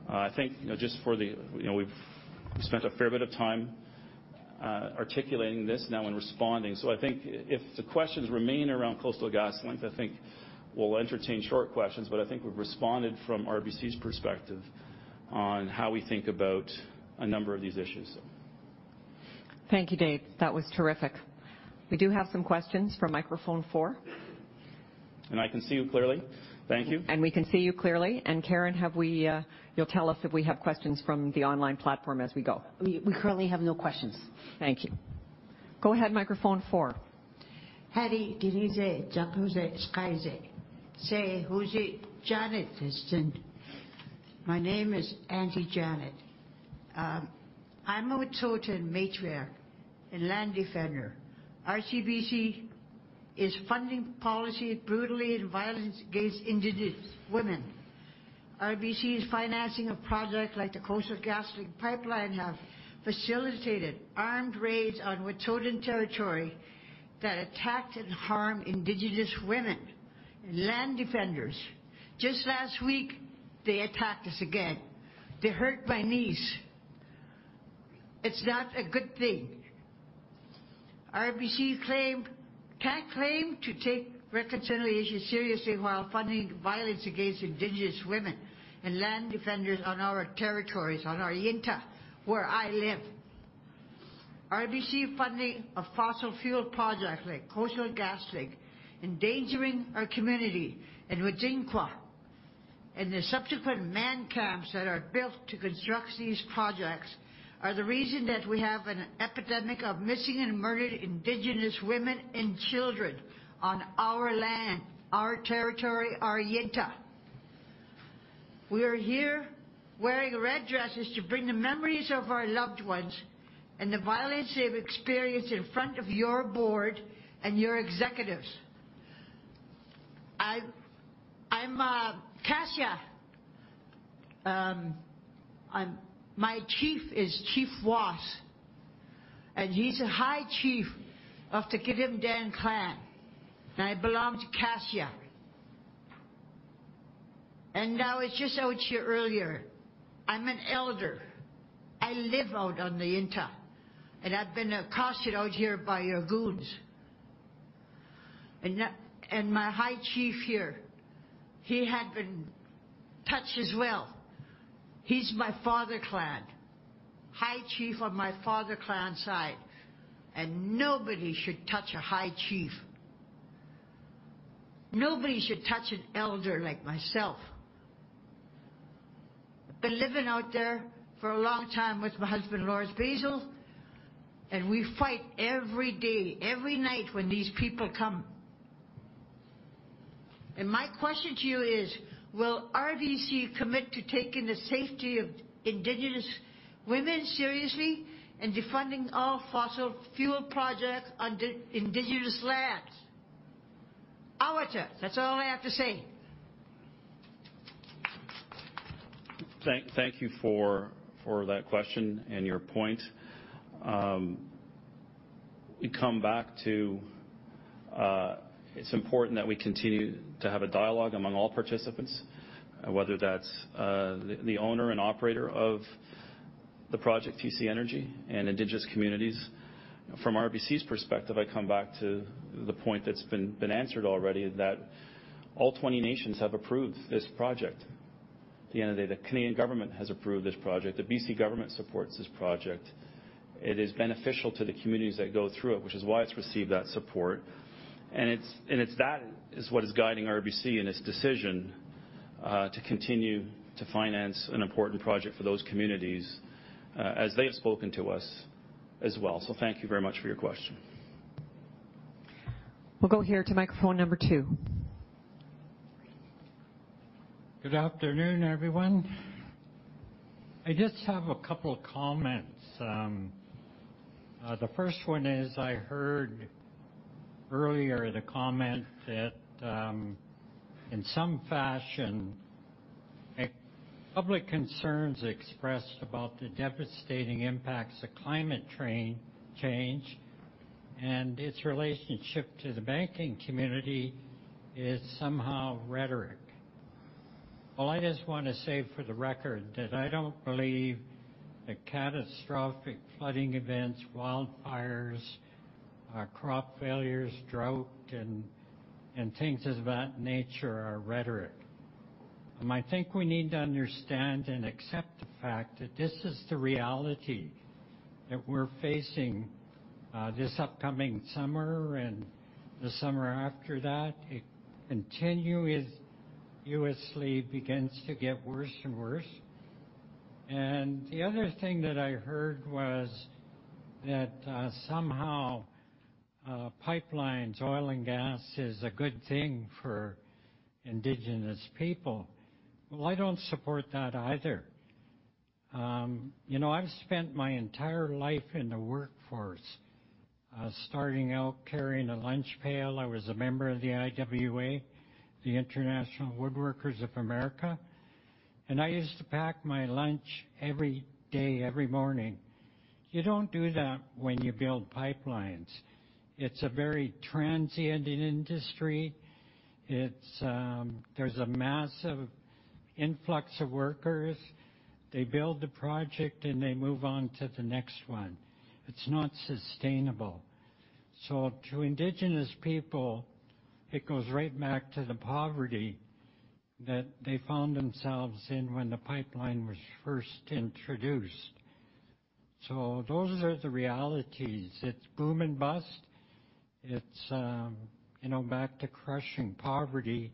I think, you know, just for the, you know, we've spent a fair bit of time articulating this now and responding. I think if the questions remain around Coastal GasLink, I think we'll entertain short questions, but I think we've responded from RBC's perspective on how we think about a number of these issues. Thank you, Dave. That was terrific. We do have some questions from microphone four. I can see you clearly. Thank you. We can see you clearly. Karen, you'll tell us if we have questions from the online platform as we go. We currently have no questions. Thank you. Go ahead, microphone 4. uncertain My name is Auntie Janet. I'm a Wet'suwet'en Matriarch and land defender. RBC is funding policy brutally and violence against Indigenous women. RBC's financing a project like the Coastal GasLink pipeline have facilitated armed raids on Wet'suwet'en territory that attacked and harmed Indigenous women and land defenders. Just last week, they attacked us again. They hurt my niece. It's not a good thing. RBC can't claim to take reconciliation seriously while funding violence against Indigenous women and land defenders on our territories, on our Yintah, where I live. RBC funding a fossil fuel project like Coastal GasLink, endangering our community and Wedzin Kwa, and the subsequent man camps that are built to construct these projects are the reason that we have an epidemic of missing and murdered Indigenous women and children on our land, our territory, our Yintah. We are here wearing red dresses to bring the memories of our loved ones and the violence they've experienced in front of your board and your executives. I'm Cassia. My chief is Chief Woos, and he's a high chief of the Gidimt'en Clan, and I belong to Cas Yikh House. I was just out here earlier. I'm an elder. I live out on the inter, and I've been accosted out here by your goons. My high chief here, he had been touched as well. He's my father clan, high chief on my father clan side, and nobody should touch a high chief. Nobody should touch an elder like myself. Been living out there for a long time with my husband, Lawrence Basil, and we fight every day, every night when these people come. My question to you is, will RBC commit to taking the safety of Indigenous women seriously and defunding all fossil fuel projects on Indigenous lands? That's all I have to say. Thank you for that question and your point. We come back to, it's important that we continue to have a dialogue among all participants, whether that's the owner and operator of the project, TC Energy, and Indigenous communities. From RBC's perspective, I come back to the point that's been answered already that all 20 nations have approved this project at the end of the day. The Canadian government has approved this project. The BC government supports this project. It is beneficial to the communities that go through it, which is why it's received that support. And that is what is guiding RBC in its decision to continue to finance an important project for those communities as they have spoken to us as well. Thank you very much for your question. We'll go here to microphone number 2. Good afternoon, everyone. I just have a couple of comments. The first one is I heard earlier the comment that, in some fashion, public concerns expressed about the devastating impacts of climate change and its relationship to the banking community is somehow rhetoric. I just want to say for the record that I don't believe the catastrophic flooding events, wildfires, crop failures, drought, and things of that nature are rhetoric. I think we need to understand and accept the fact that this is the reality that we're facing this upcoming summer and the summer after that. It continuously begins to get worse and worse. The other thing that I heard was that, somehow, pipelines, oil and gas is a good thing for Indigenous people. I don't support that either. You know, I've spent my entire life in the workforce, starting out carrying a lunch pail. I was a member of the IWA, the International Woodworkers of America, and I used to pack my lunch every day, every morning. You don't do that when you build pipelines. It's a very transient industry. It's, There's a massive influx of workers. They build the project, and they move on to the next one. It's not sustainable. To Indigenous people, it goes right back to the poverty that they found themselves in when the pipeline was first introduced. Those are the realities. It's boom and bust. It's, you know, back to crushing poverty,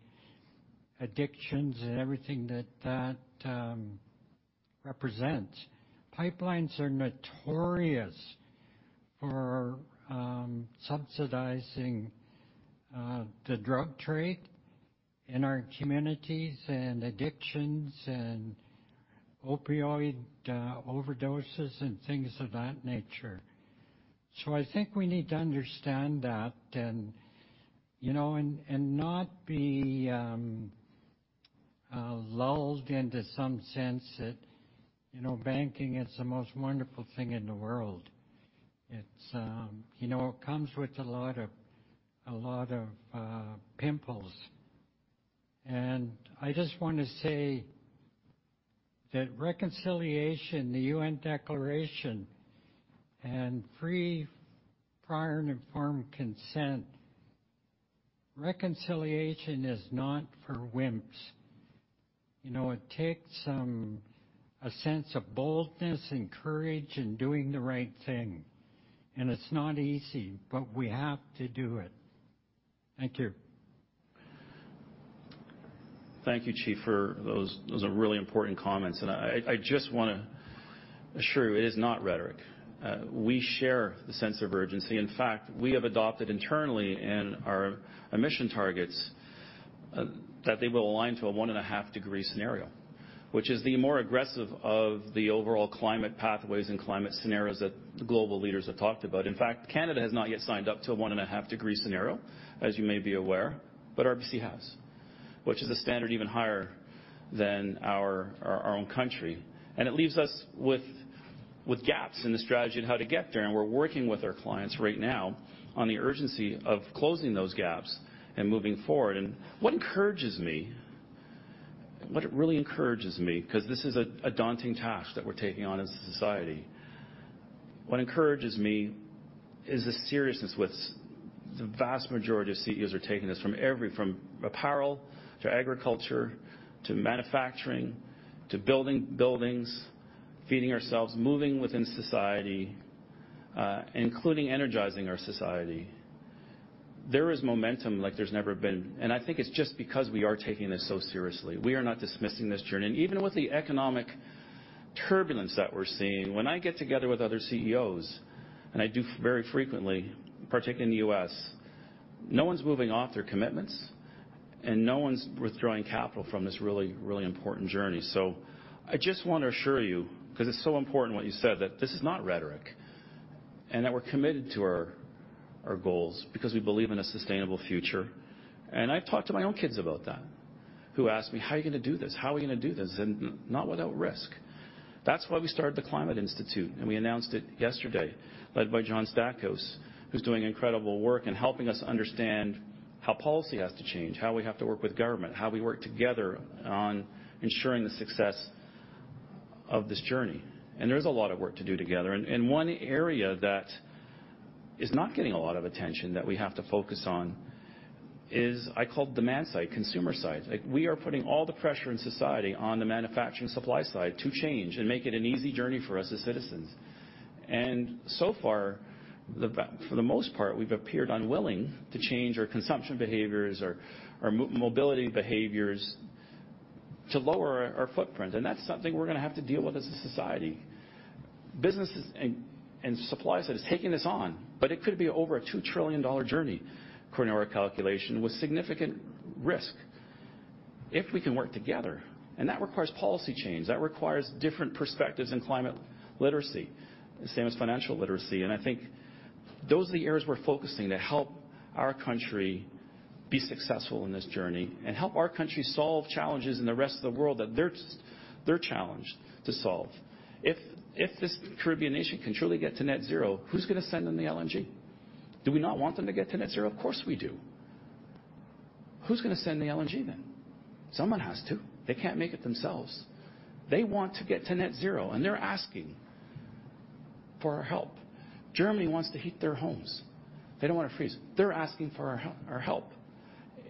addictions, and everything that that represents. Pipelines are notorious for subsidizing the drug trade in our communities and addictions and opioid overdoses and things of that nature. I think we need to understand that and, you know, and not be lulled into some sense that, you know, banking is the most wonderful thing in the world. It's, you know, it comes with a lot of, a lot of pimples. I just wanna say that reconciliation, the UN Declaration, and free, prior and informed consent, reconciliation is not for wimps. You know, it takes a sense of boldness and courage and doing the right thing, and it's not easy, but we have to do it. Thank you. Thank you, Chief, for those really important comments. I just wanna assure you, it is not rhetoric. We share the sense of urgency. In fact, we have adopted internally in our emission targets that they will align to a 1.5 degree scenario. Which is the more aggressive of the overall climate pathways and climate scenarios that global leaders have talked about. In fact, Canada has not yet signed up to a 1.5 degree scenario, as you may be aware, but RBC has, which is a standard even higher than our own country. It leaves us with gaps in the strategy on how to get there. We're working with our clients right now on the urgency of closing those gaps and moving forward. What encourages me, what really encourages me, because this is a daunting task that we're taking on as a society. What encourages me is the seriousness with the vast majority of CEOs are taking this from every from apparel to agriculture to manufacturing, to building buildings, feeding ourselves, moving within society, including energizing our society. There is momentum like there's never been. I think it's just because we are taking this so seriously. We are not dismissing this journey. Even with the economic turbulence that we're seeing, when I get together with other CEOs, and I do very frequently, particularly in the U.S., no one's moving off their commitments and no one's withdrawing capital from this really, really important journey. I just wanna assure you, 'cause it's so important what you said, that this is not rhetoric and that we're committed to our goals because we believe in a sustainable future. I've talked to my own kids about that, who ask me, "How are you gonna do this? How are we gonna do this?" Not without risk. That's why we started the Climate Institute, and we announced it yesterday, led by John Stackhouse, who's doing incredible work and helping us understand how policy has to change, how we have to work with government, how we work together on ensuring the success of this journey. There's a lot of work to do together. One area that is not getting a lot of attention that we have to focus on is, I call demand side, consumer side. Like, we are putting all the pressure in society on the manufacturing supply side to change and make it an easy journey for us as citizens. So far, for the most part, we've appeared unwilling to change our consumption behaviors, our mobility behaviors to lower our footprint, and that's something we're gonna have to deal with as a society. Businesses and supply side is taking this on, but it could be over a 2 trillion dollar journey according to our calculation with significant risk if we can work together. That requires policy change, that requires different perspectives in climate literacy, same as financial literacy. I think those are the areas we're focusing to help our country be successful in this journey and help our country solve challenges in the rest of the world that they're challenged to solve. If this Caribbean nation can truly get to net-zero, who's gonna send them the LNG? Do we not want them to get to net-zero? Of course, we do. Who's gonna send the LNG then? Someone has to. They can't make it themselves. They want to get to net-zero, they're asking for our help. Germany wants to heat their homes. They don't wanna freeze. They're asking for our help.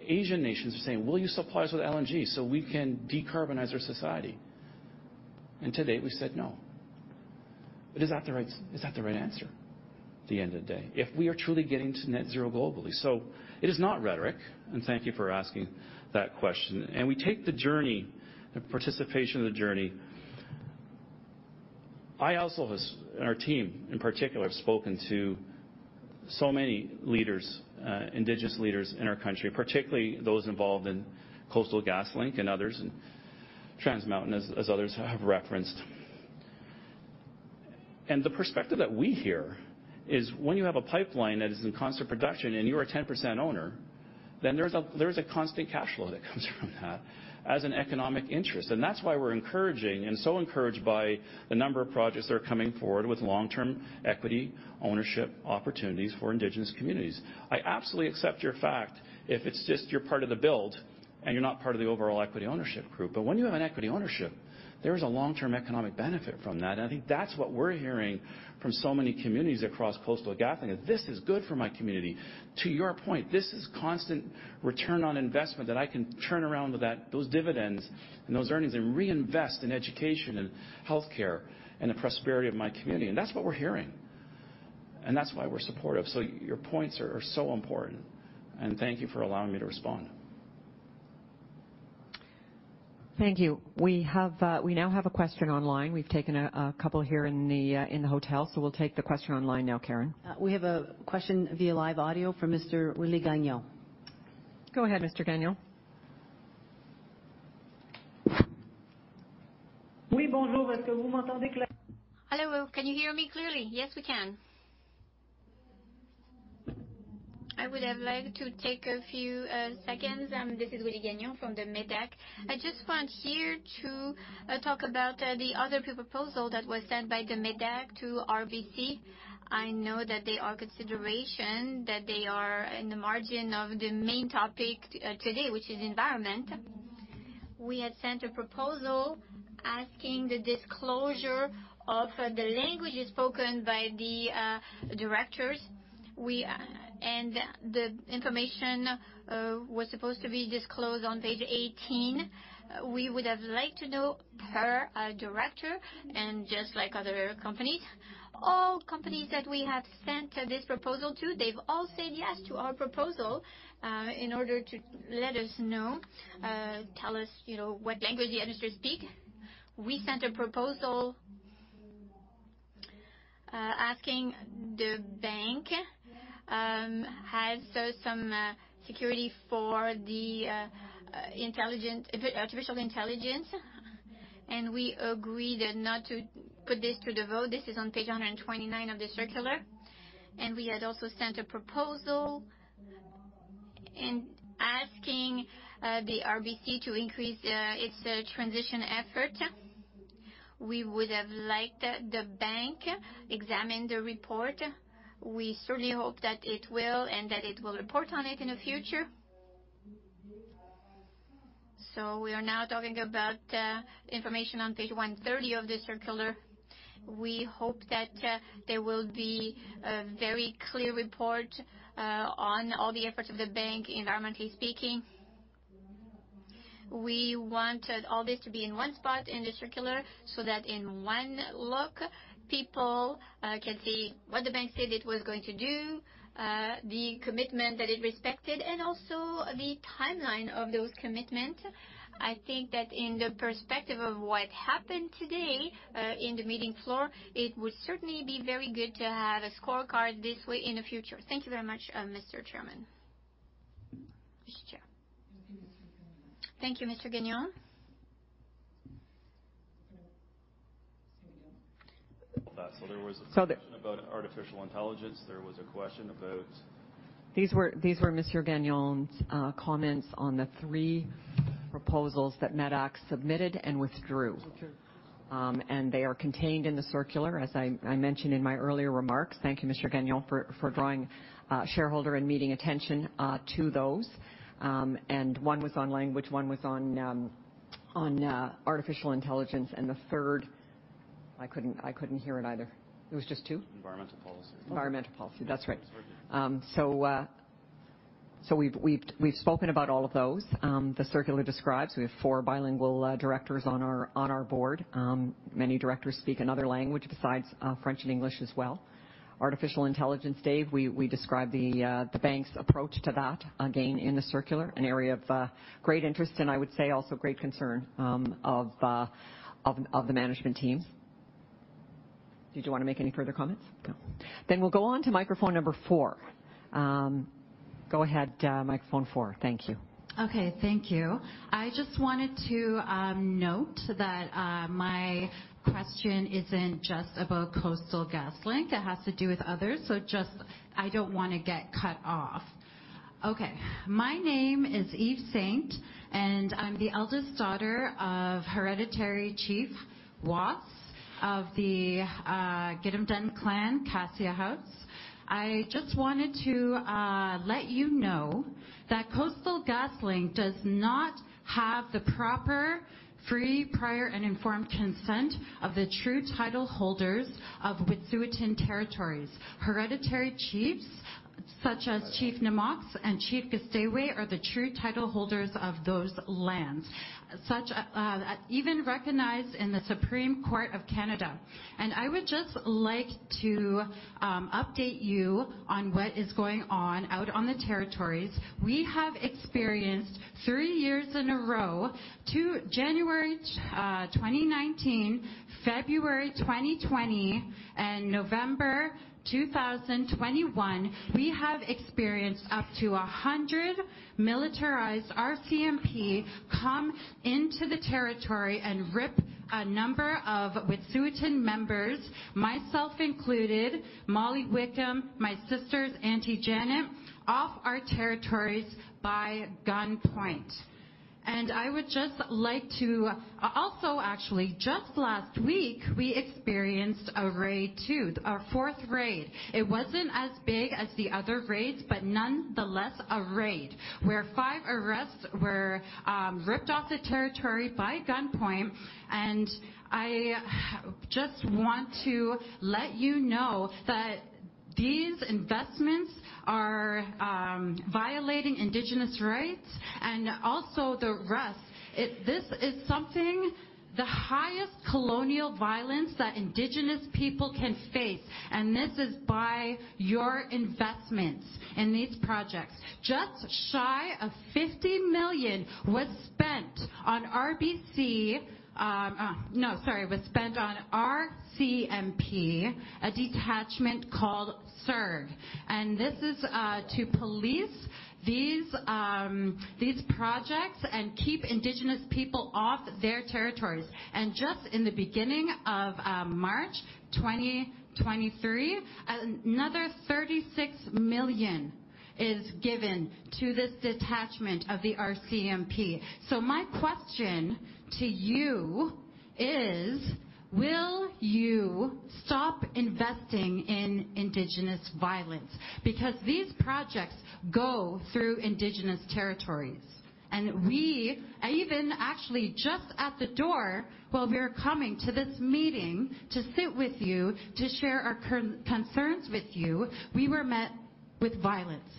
Asian nations are saying, "Will you supply us with LNG so we can decarbonize our society?" To date, we said, "No." Is that the right answer at the end of the day if we are truly getting to net-zero globally? It is not rhetoric, and thank you for asking that question. We take the journey, the participation of the journey. I also has, and our team, in particular, have spoken to so many leaders, indigenous leaders in our country, particularly those involved in Coastal GasLink and others, and Trans Mountain, as others have referenced. The perspective that we hear is when you have a pipeline that is in constant production and you're a 10% owner, then there's a constant cash flow that comes from that as an economic interest. That's why we're encouraging and so encouraged by the number of projects that are coming forward with long-term equity ownership opportunities for indigenous communities. I absolutely accept your fact if it's just you're part of the build and you're not part of the overall equity ownership group, when you have an equity ownership, there is a long-term economic benefit from that. I think that's what we're hearing from so many communities across Coastal GasLink, that, "This is good for my community." To your point, this is constant return on investment that I can turn around with that, those dividends and those earnings and reinvest in education and healthcare and the prosperity of my community. That's what we're hearing. That's why we're supportive. Your points are so important, and thank you for allowing me to respond. Thank you. We have, we now have a question online. We've taken a couple here in the, in the hotel, so we'll take the question online now, Karen. We have a question via live audio from Mr. Willy Gagnon. Go ahead, Mr. Gagnon. Hello. Can you hear me clearly? Yes, we can. I would have liked to take a few seconds. This is Willy Gagnon from the MÉDAC. I just want here to talk about the other proposal that was sent by the MÉDAC to RBC. I know that they are consideration, that they are in the margin of the main topic today, which is environment. We had sent a proposal asking the disclosure of the languages spoken by the directors. The information was supposed to be disclosed on page 18. We would have liked to know per director just like other companies. All companies that we have sent this proposal to, they've all said yes to our proposal in order to let us know, tell us, you know, what language the directors speak. We sent a proposal asking the bank has some security for the artificial intelligence. We agreed not to put this to the vote. This is on page 129 of the circular. We had also sent a proposal in asking the RBC to increase its transition effort. We would have liked the bank examine the report. We certainly hope that it will and that it will report on it in the future. We are now talking about information on page 130 of the circular. We hope that there will be a very clear report on all the efforts of the bank environmentally speaking. We wanted all this to be in one spot in the circular, so that in one look, people can see what the bank said it was going to do, the commitment that it respected, and also the timeline of those commitments. I think that in the perspective of what happened today, in the meeting floor, it would certainly be very good to have a scorecard this way in the future. Thank you very much, Mr. Chairman. Mr. Chair. Thank you, Mr. Gagnon. So the- There was a question about artificial intelligence. These were Mr. Gagnon's comments on the 3 proposals that MÉDAC submitted and withdrew. They are contained in the circular, as I mentioned in my earlier remarks. Thank you, Mr. Gagnon, for drawing shareholder and meeting attention to those. One was on language, one was on artificial intelligence, and the third, I couldn't hear it either. It was just 2? Environmental policy. Environmental policy. That's right. We've spoken about all of those. The circular describes, we have four bilingual directors on our board. Many directors speak another language besides French and English as well. Artificial intelligence, Dave, we describe the bank's approach to that, again, in the circular, an area of great interest, and I would say also great concern of the management team. Did you wanna make any further comments? No. We'll go on to microphone number four. Go ahead, microphone four. Thank you. Okay, thank you. I just wanted to note that my question isn't just about Coastal GasLink. It has to do with others. I don't wanna get cut off. Okay. My name is Eve Saint, and I'm the eldest daughter of Hereditary Chief Woos of the Gidimt'en Clan, Cas Yikh House. I just wanted to let you know that Coastal GasLink does not have the proper, free, prior and informed consent of the true title holders of Wet’suwet’en territories. Hereditary chiefs such as Chief Na'moks and Chief Gisdaywa are the true title holders of those lands, such even recognized in the Supreme Court of Canada. I would just like to update you on what is going on out on the territories. We have experienced three years in a row, to January 2019, February 2020, and November 2021, we have experienced up to 100 militarized RCMP come into the territory and rip a number of Wet’suwet’en members, myself included, Molly Wickham, my sisters, Auntie Janet, off our territories by gunpoint. Actually, just last week, we experienced a raid, too. Our fourth raid. It wasn't as big as the other raids, but nonetheless, a raid, where five arrests were ripped off the territory by gunpoint. I just want to let you know that these investments are violating indigenous rights and also the rest. This is something, the highest colonial violence that indigenous people can face, and this is by your investments in these projects. Just shy of 50 million was spent on RCMP, a detachment called C-IRG. This is to police these projects and keep Indigenous people off their territories. Just in the beginning of March 2023, another 36 million is given to this detachment of the RCMP. My question to you is, will you stop investing in Indigenous violence? These projects go through Indigenous territories. We, even actually just at the door, while we were coming to this meeting to sit with you, to share our concerns with you, we were met with violence.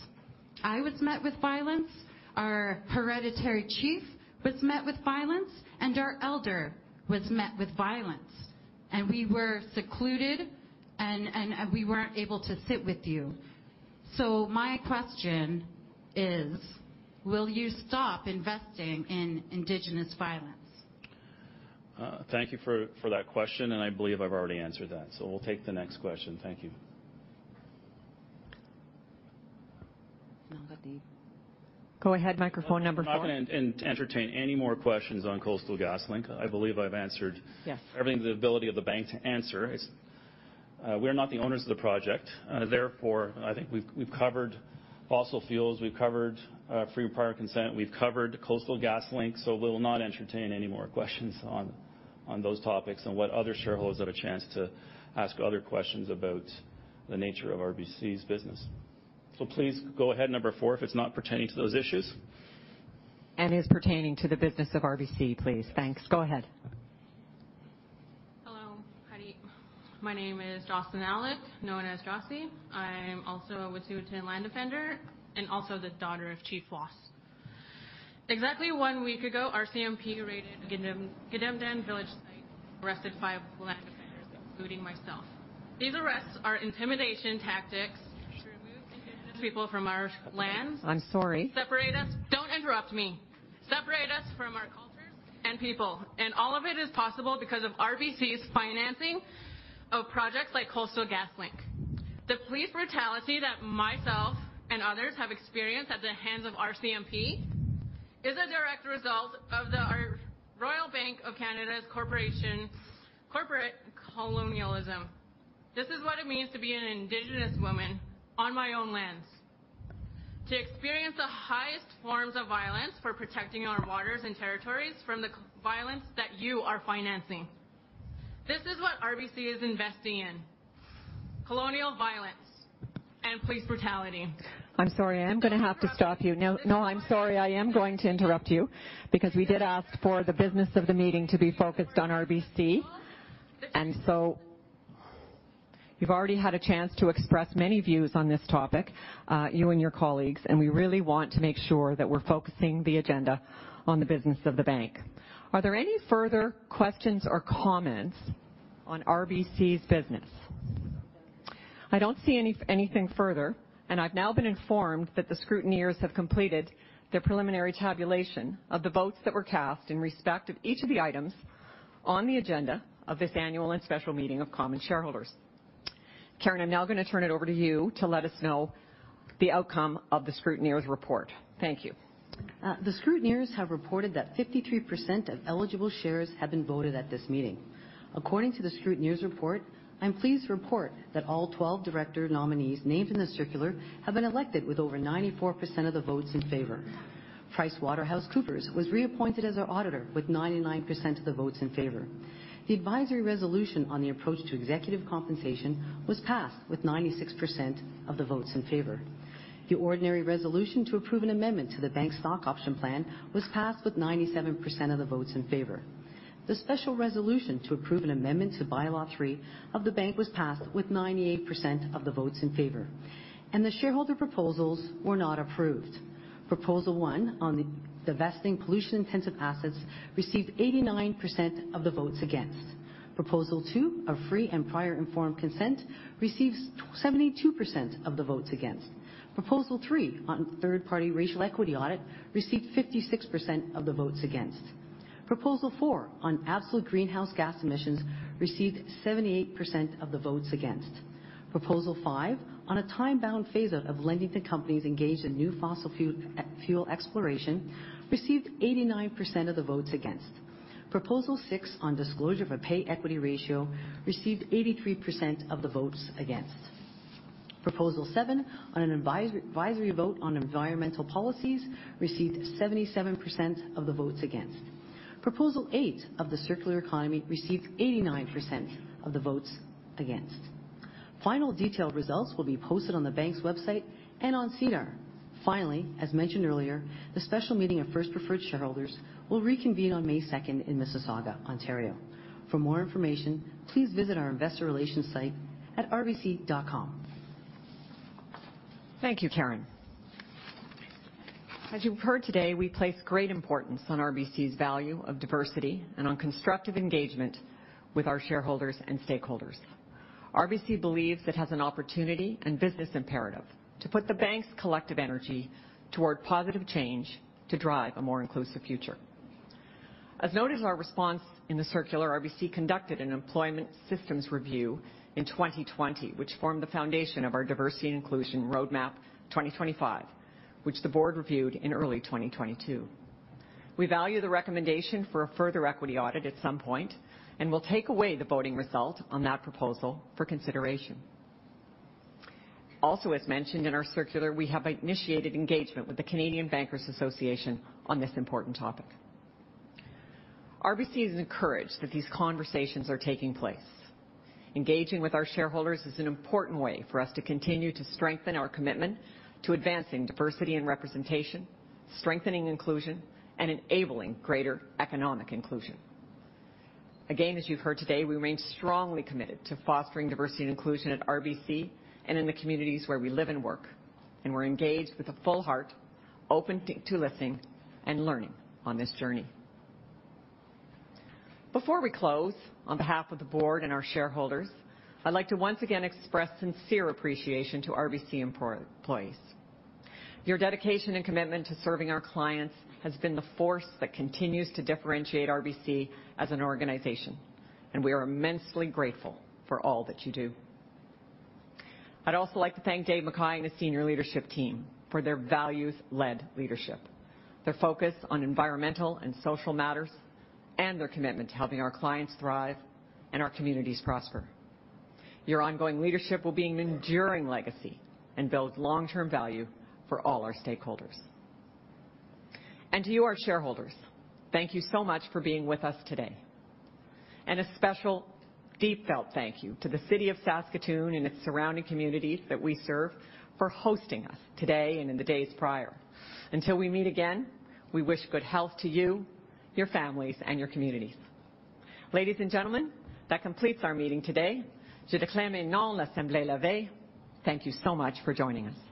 I was met with violence, our hereditary chief was met with violence, and our elder was met with violence. We were secluded and we weren't able to sit with you. My question is, will you stop investing in Indigenous violence? Thank you for that question. I believe I've already answered that. We'll take the next question. Thank you. No, but. Go ahead, microphone number 4. I'm not gonna entertain any more questions on Coastal GasLink. I believe I've answered-. Yes. -everything the ability of the bank to answer. It's, we're not the owners of the project. I think we've covered fossil fuels, we've covered free prior consent, we've covered Coastal GasLink. We'll not entertain any more questions on those topics and let other shareholders have a chance to ask other questions about the nature of RBC's business. Please go ahead, number 4, if it's not pertaining to those issues. Is pertaining to the business of RBC, please. Thanks. Go ahead. Hello. My name is Jocelyn Allen, known as Jocey. I'm also a Wet'suwet'en land defender and also the daughter of Chief Woos. Exactly one week ago, RCMP raided Gidimt'en Village site, arrested five land defenders, including myself. These arrests are intimidation tactics to remove people from our lands. I'm sorry. Separate us... Don't interrupt me. Separate us from our cultures and people. All of it is possible because of RBC's financing of projects like Coastal GasLink. The police brutality that myself and others have experienced at the hands of RCMP is a direct result of the Royal Bank of Canada's corporate colonialism. This is what it means to be an indigenous woman on my own lands. To experience the highest forms of violence for protecting our waters and territories from the violence that you are financing. This is what RBC is investing in, colonial violence and police brutality. I'm sorry. I am gonna have to stop you. No. I'm sorry. I am going to interrupt you because we did ask for the business of the meeting to be focused on RBC. The- You've already had a chance to express many views on this topic, you and your colleagues, and we really want to make sure that we're focusing the agenda on the business of the bank. Are there any further questions or comments on RBC's business? I don't see anything further, and I've now been informed that the scrutineers have completed their preliminary tabulation of the votes that were cast in respect of each of the items on the agenda of this annual and special meeting of common shareholders. Karen, I'm now gonna turn it over to you to let us know the outcome of the scrutineers report. Thank you. The scrutineers have reported that 53% of eligible shares have been voted at this meeting. According to the scrutineers report, I'm pleased to report that all 12 director nominees named in the circular have been elected with over 94% of the votes in favor. PricewaterhouseCoopers was reappointed as our auditor with 99% of the votes in favor. The advisory resolution on the approach to executive compensation was passed with 96% of the votes in favor. The ordinary resolution to approve an amendment to the bank stock option plan was passed with 97% of the votes in favor. The special resolution to approve an amendment to Bylaw 3 of the bank was passed with 98% of the votes in favor. The shareholder proposals were not approved. Proposal 1 on the divesting pollution-intensive assets received 89% of the votes against. Proposal two of free, prior and informed consent receives 72% of the votes against. Proposal three on third-party racial equity audit received 56% of the votes against. Proposal four on absolute greenhouse gas emissions received 78% of the votes against. Proposal five on a time-bound phase-out of lending to companies engaged in new fossil fuel exploration received 89% of the votes against. Proposal six on disclosure of a pay equity ratio received 83% of the votes against. Proposal seven on an advisory vote on environmental policies received 77% of the votes against. Proposal eight of the circular economy received 89% of the votes against. Final detailed results will be posted on the bank's website and on SEDAR. As mentioned earlier, the special meeting of first preferred shareholders will reconvene on May second in Mississauga, Ontario. For more information, please visit our investor relations site at rbc.com. Thank you, Karen. As you've heard today, we place great importance on RBC's value of diversity and on constructive engagement with our shareholders and stakeholders. RBC believes it has an opportunity and business imperative to put the bank's collective energy toward positive change to drive a more inclusive future. As noted in our response in the circular, RBC conducted an employment systems review in 2020, which formed the foundation of our Diversity and Inclusion Roadmap 2025, which the board reviewed in early 2022. We value the recommendation for a further equity audit at some point, and we'll take away the voting result on that proposal for consideration. Also, as mentioned in our circular, we have initiated engagement with the Canadian Bankers Association on this important topic. RBC is encouraged that these conversations are taking place. Engaging with our shareholders is an important way for us to continue to strengthen our commitment to advancing diversity and representation, strengthening inclusion, and enabling greater economic inclusion. Again, as you've heard today, we remain strongly committed to fostering diversity and inclusion at RBC and in the communities where we live and work. We're engaged with a full heart, open to listening and learning on this journey. Before we close, on behalf of the board and our shareholders, I'd like to once again express sincere appreciation to RBC employees. Your dedication and commitment to serving our clients has been the force that continues to differentiate RBC as an organization, and we are immensely grateful for all that you do. I'd also like to thank Dave McKay and the senior leadership team for their values-led leadership, their focus on environmental and social matters, and their commitment to helping our clients thrive and our communities prosper. Your ongoing leadership will be an enduring legacy and build long-term value for all our stakeholders. To you, our shareholders, thank you so much for being with us today. A special deep-felt thank you to the City of Saskatoon and its surrounding communities that we serve for hosting us today and in the days prior. Until we meet again, we wish good health to you, your families, and your communities. Ladies and gentlemen, that completes our meeting today. Thank you so much for joining us.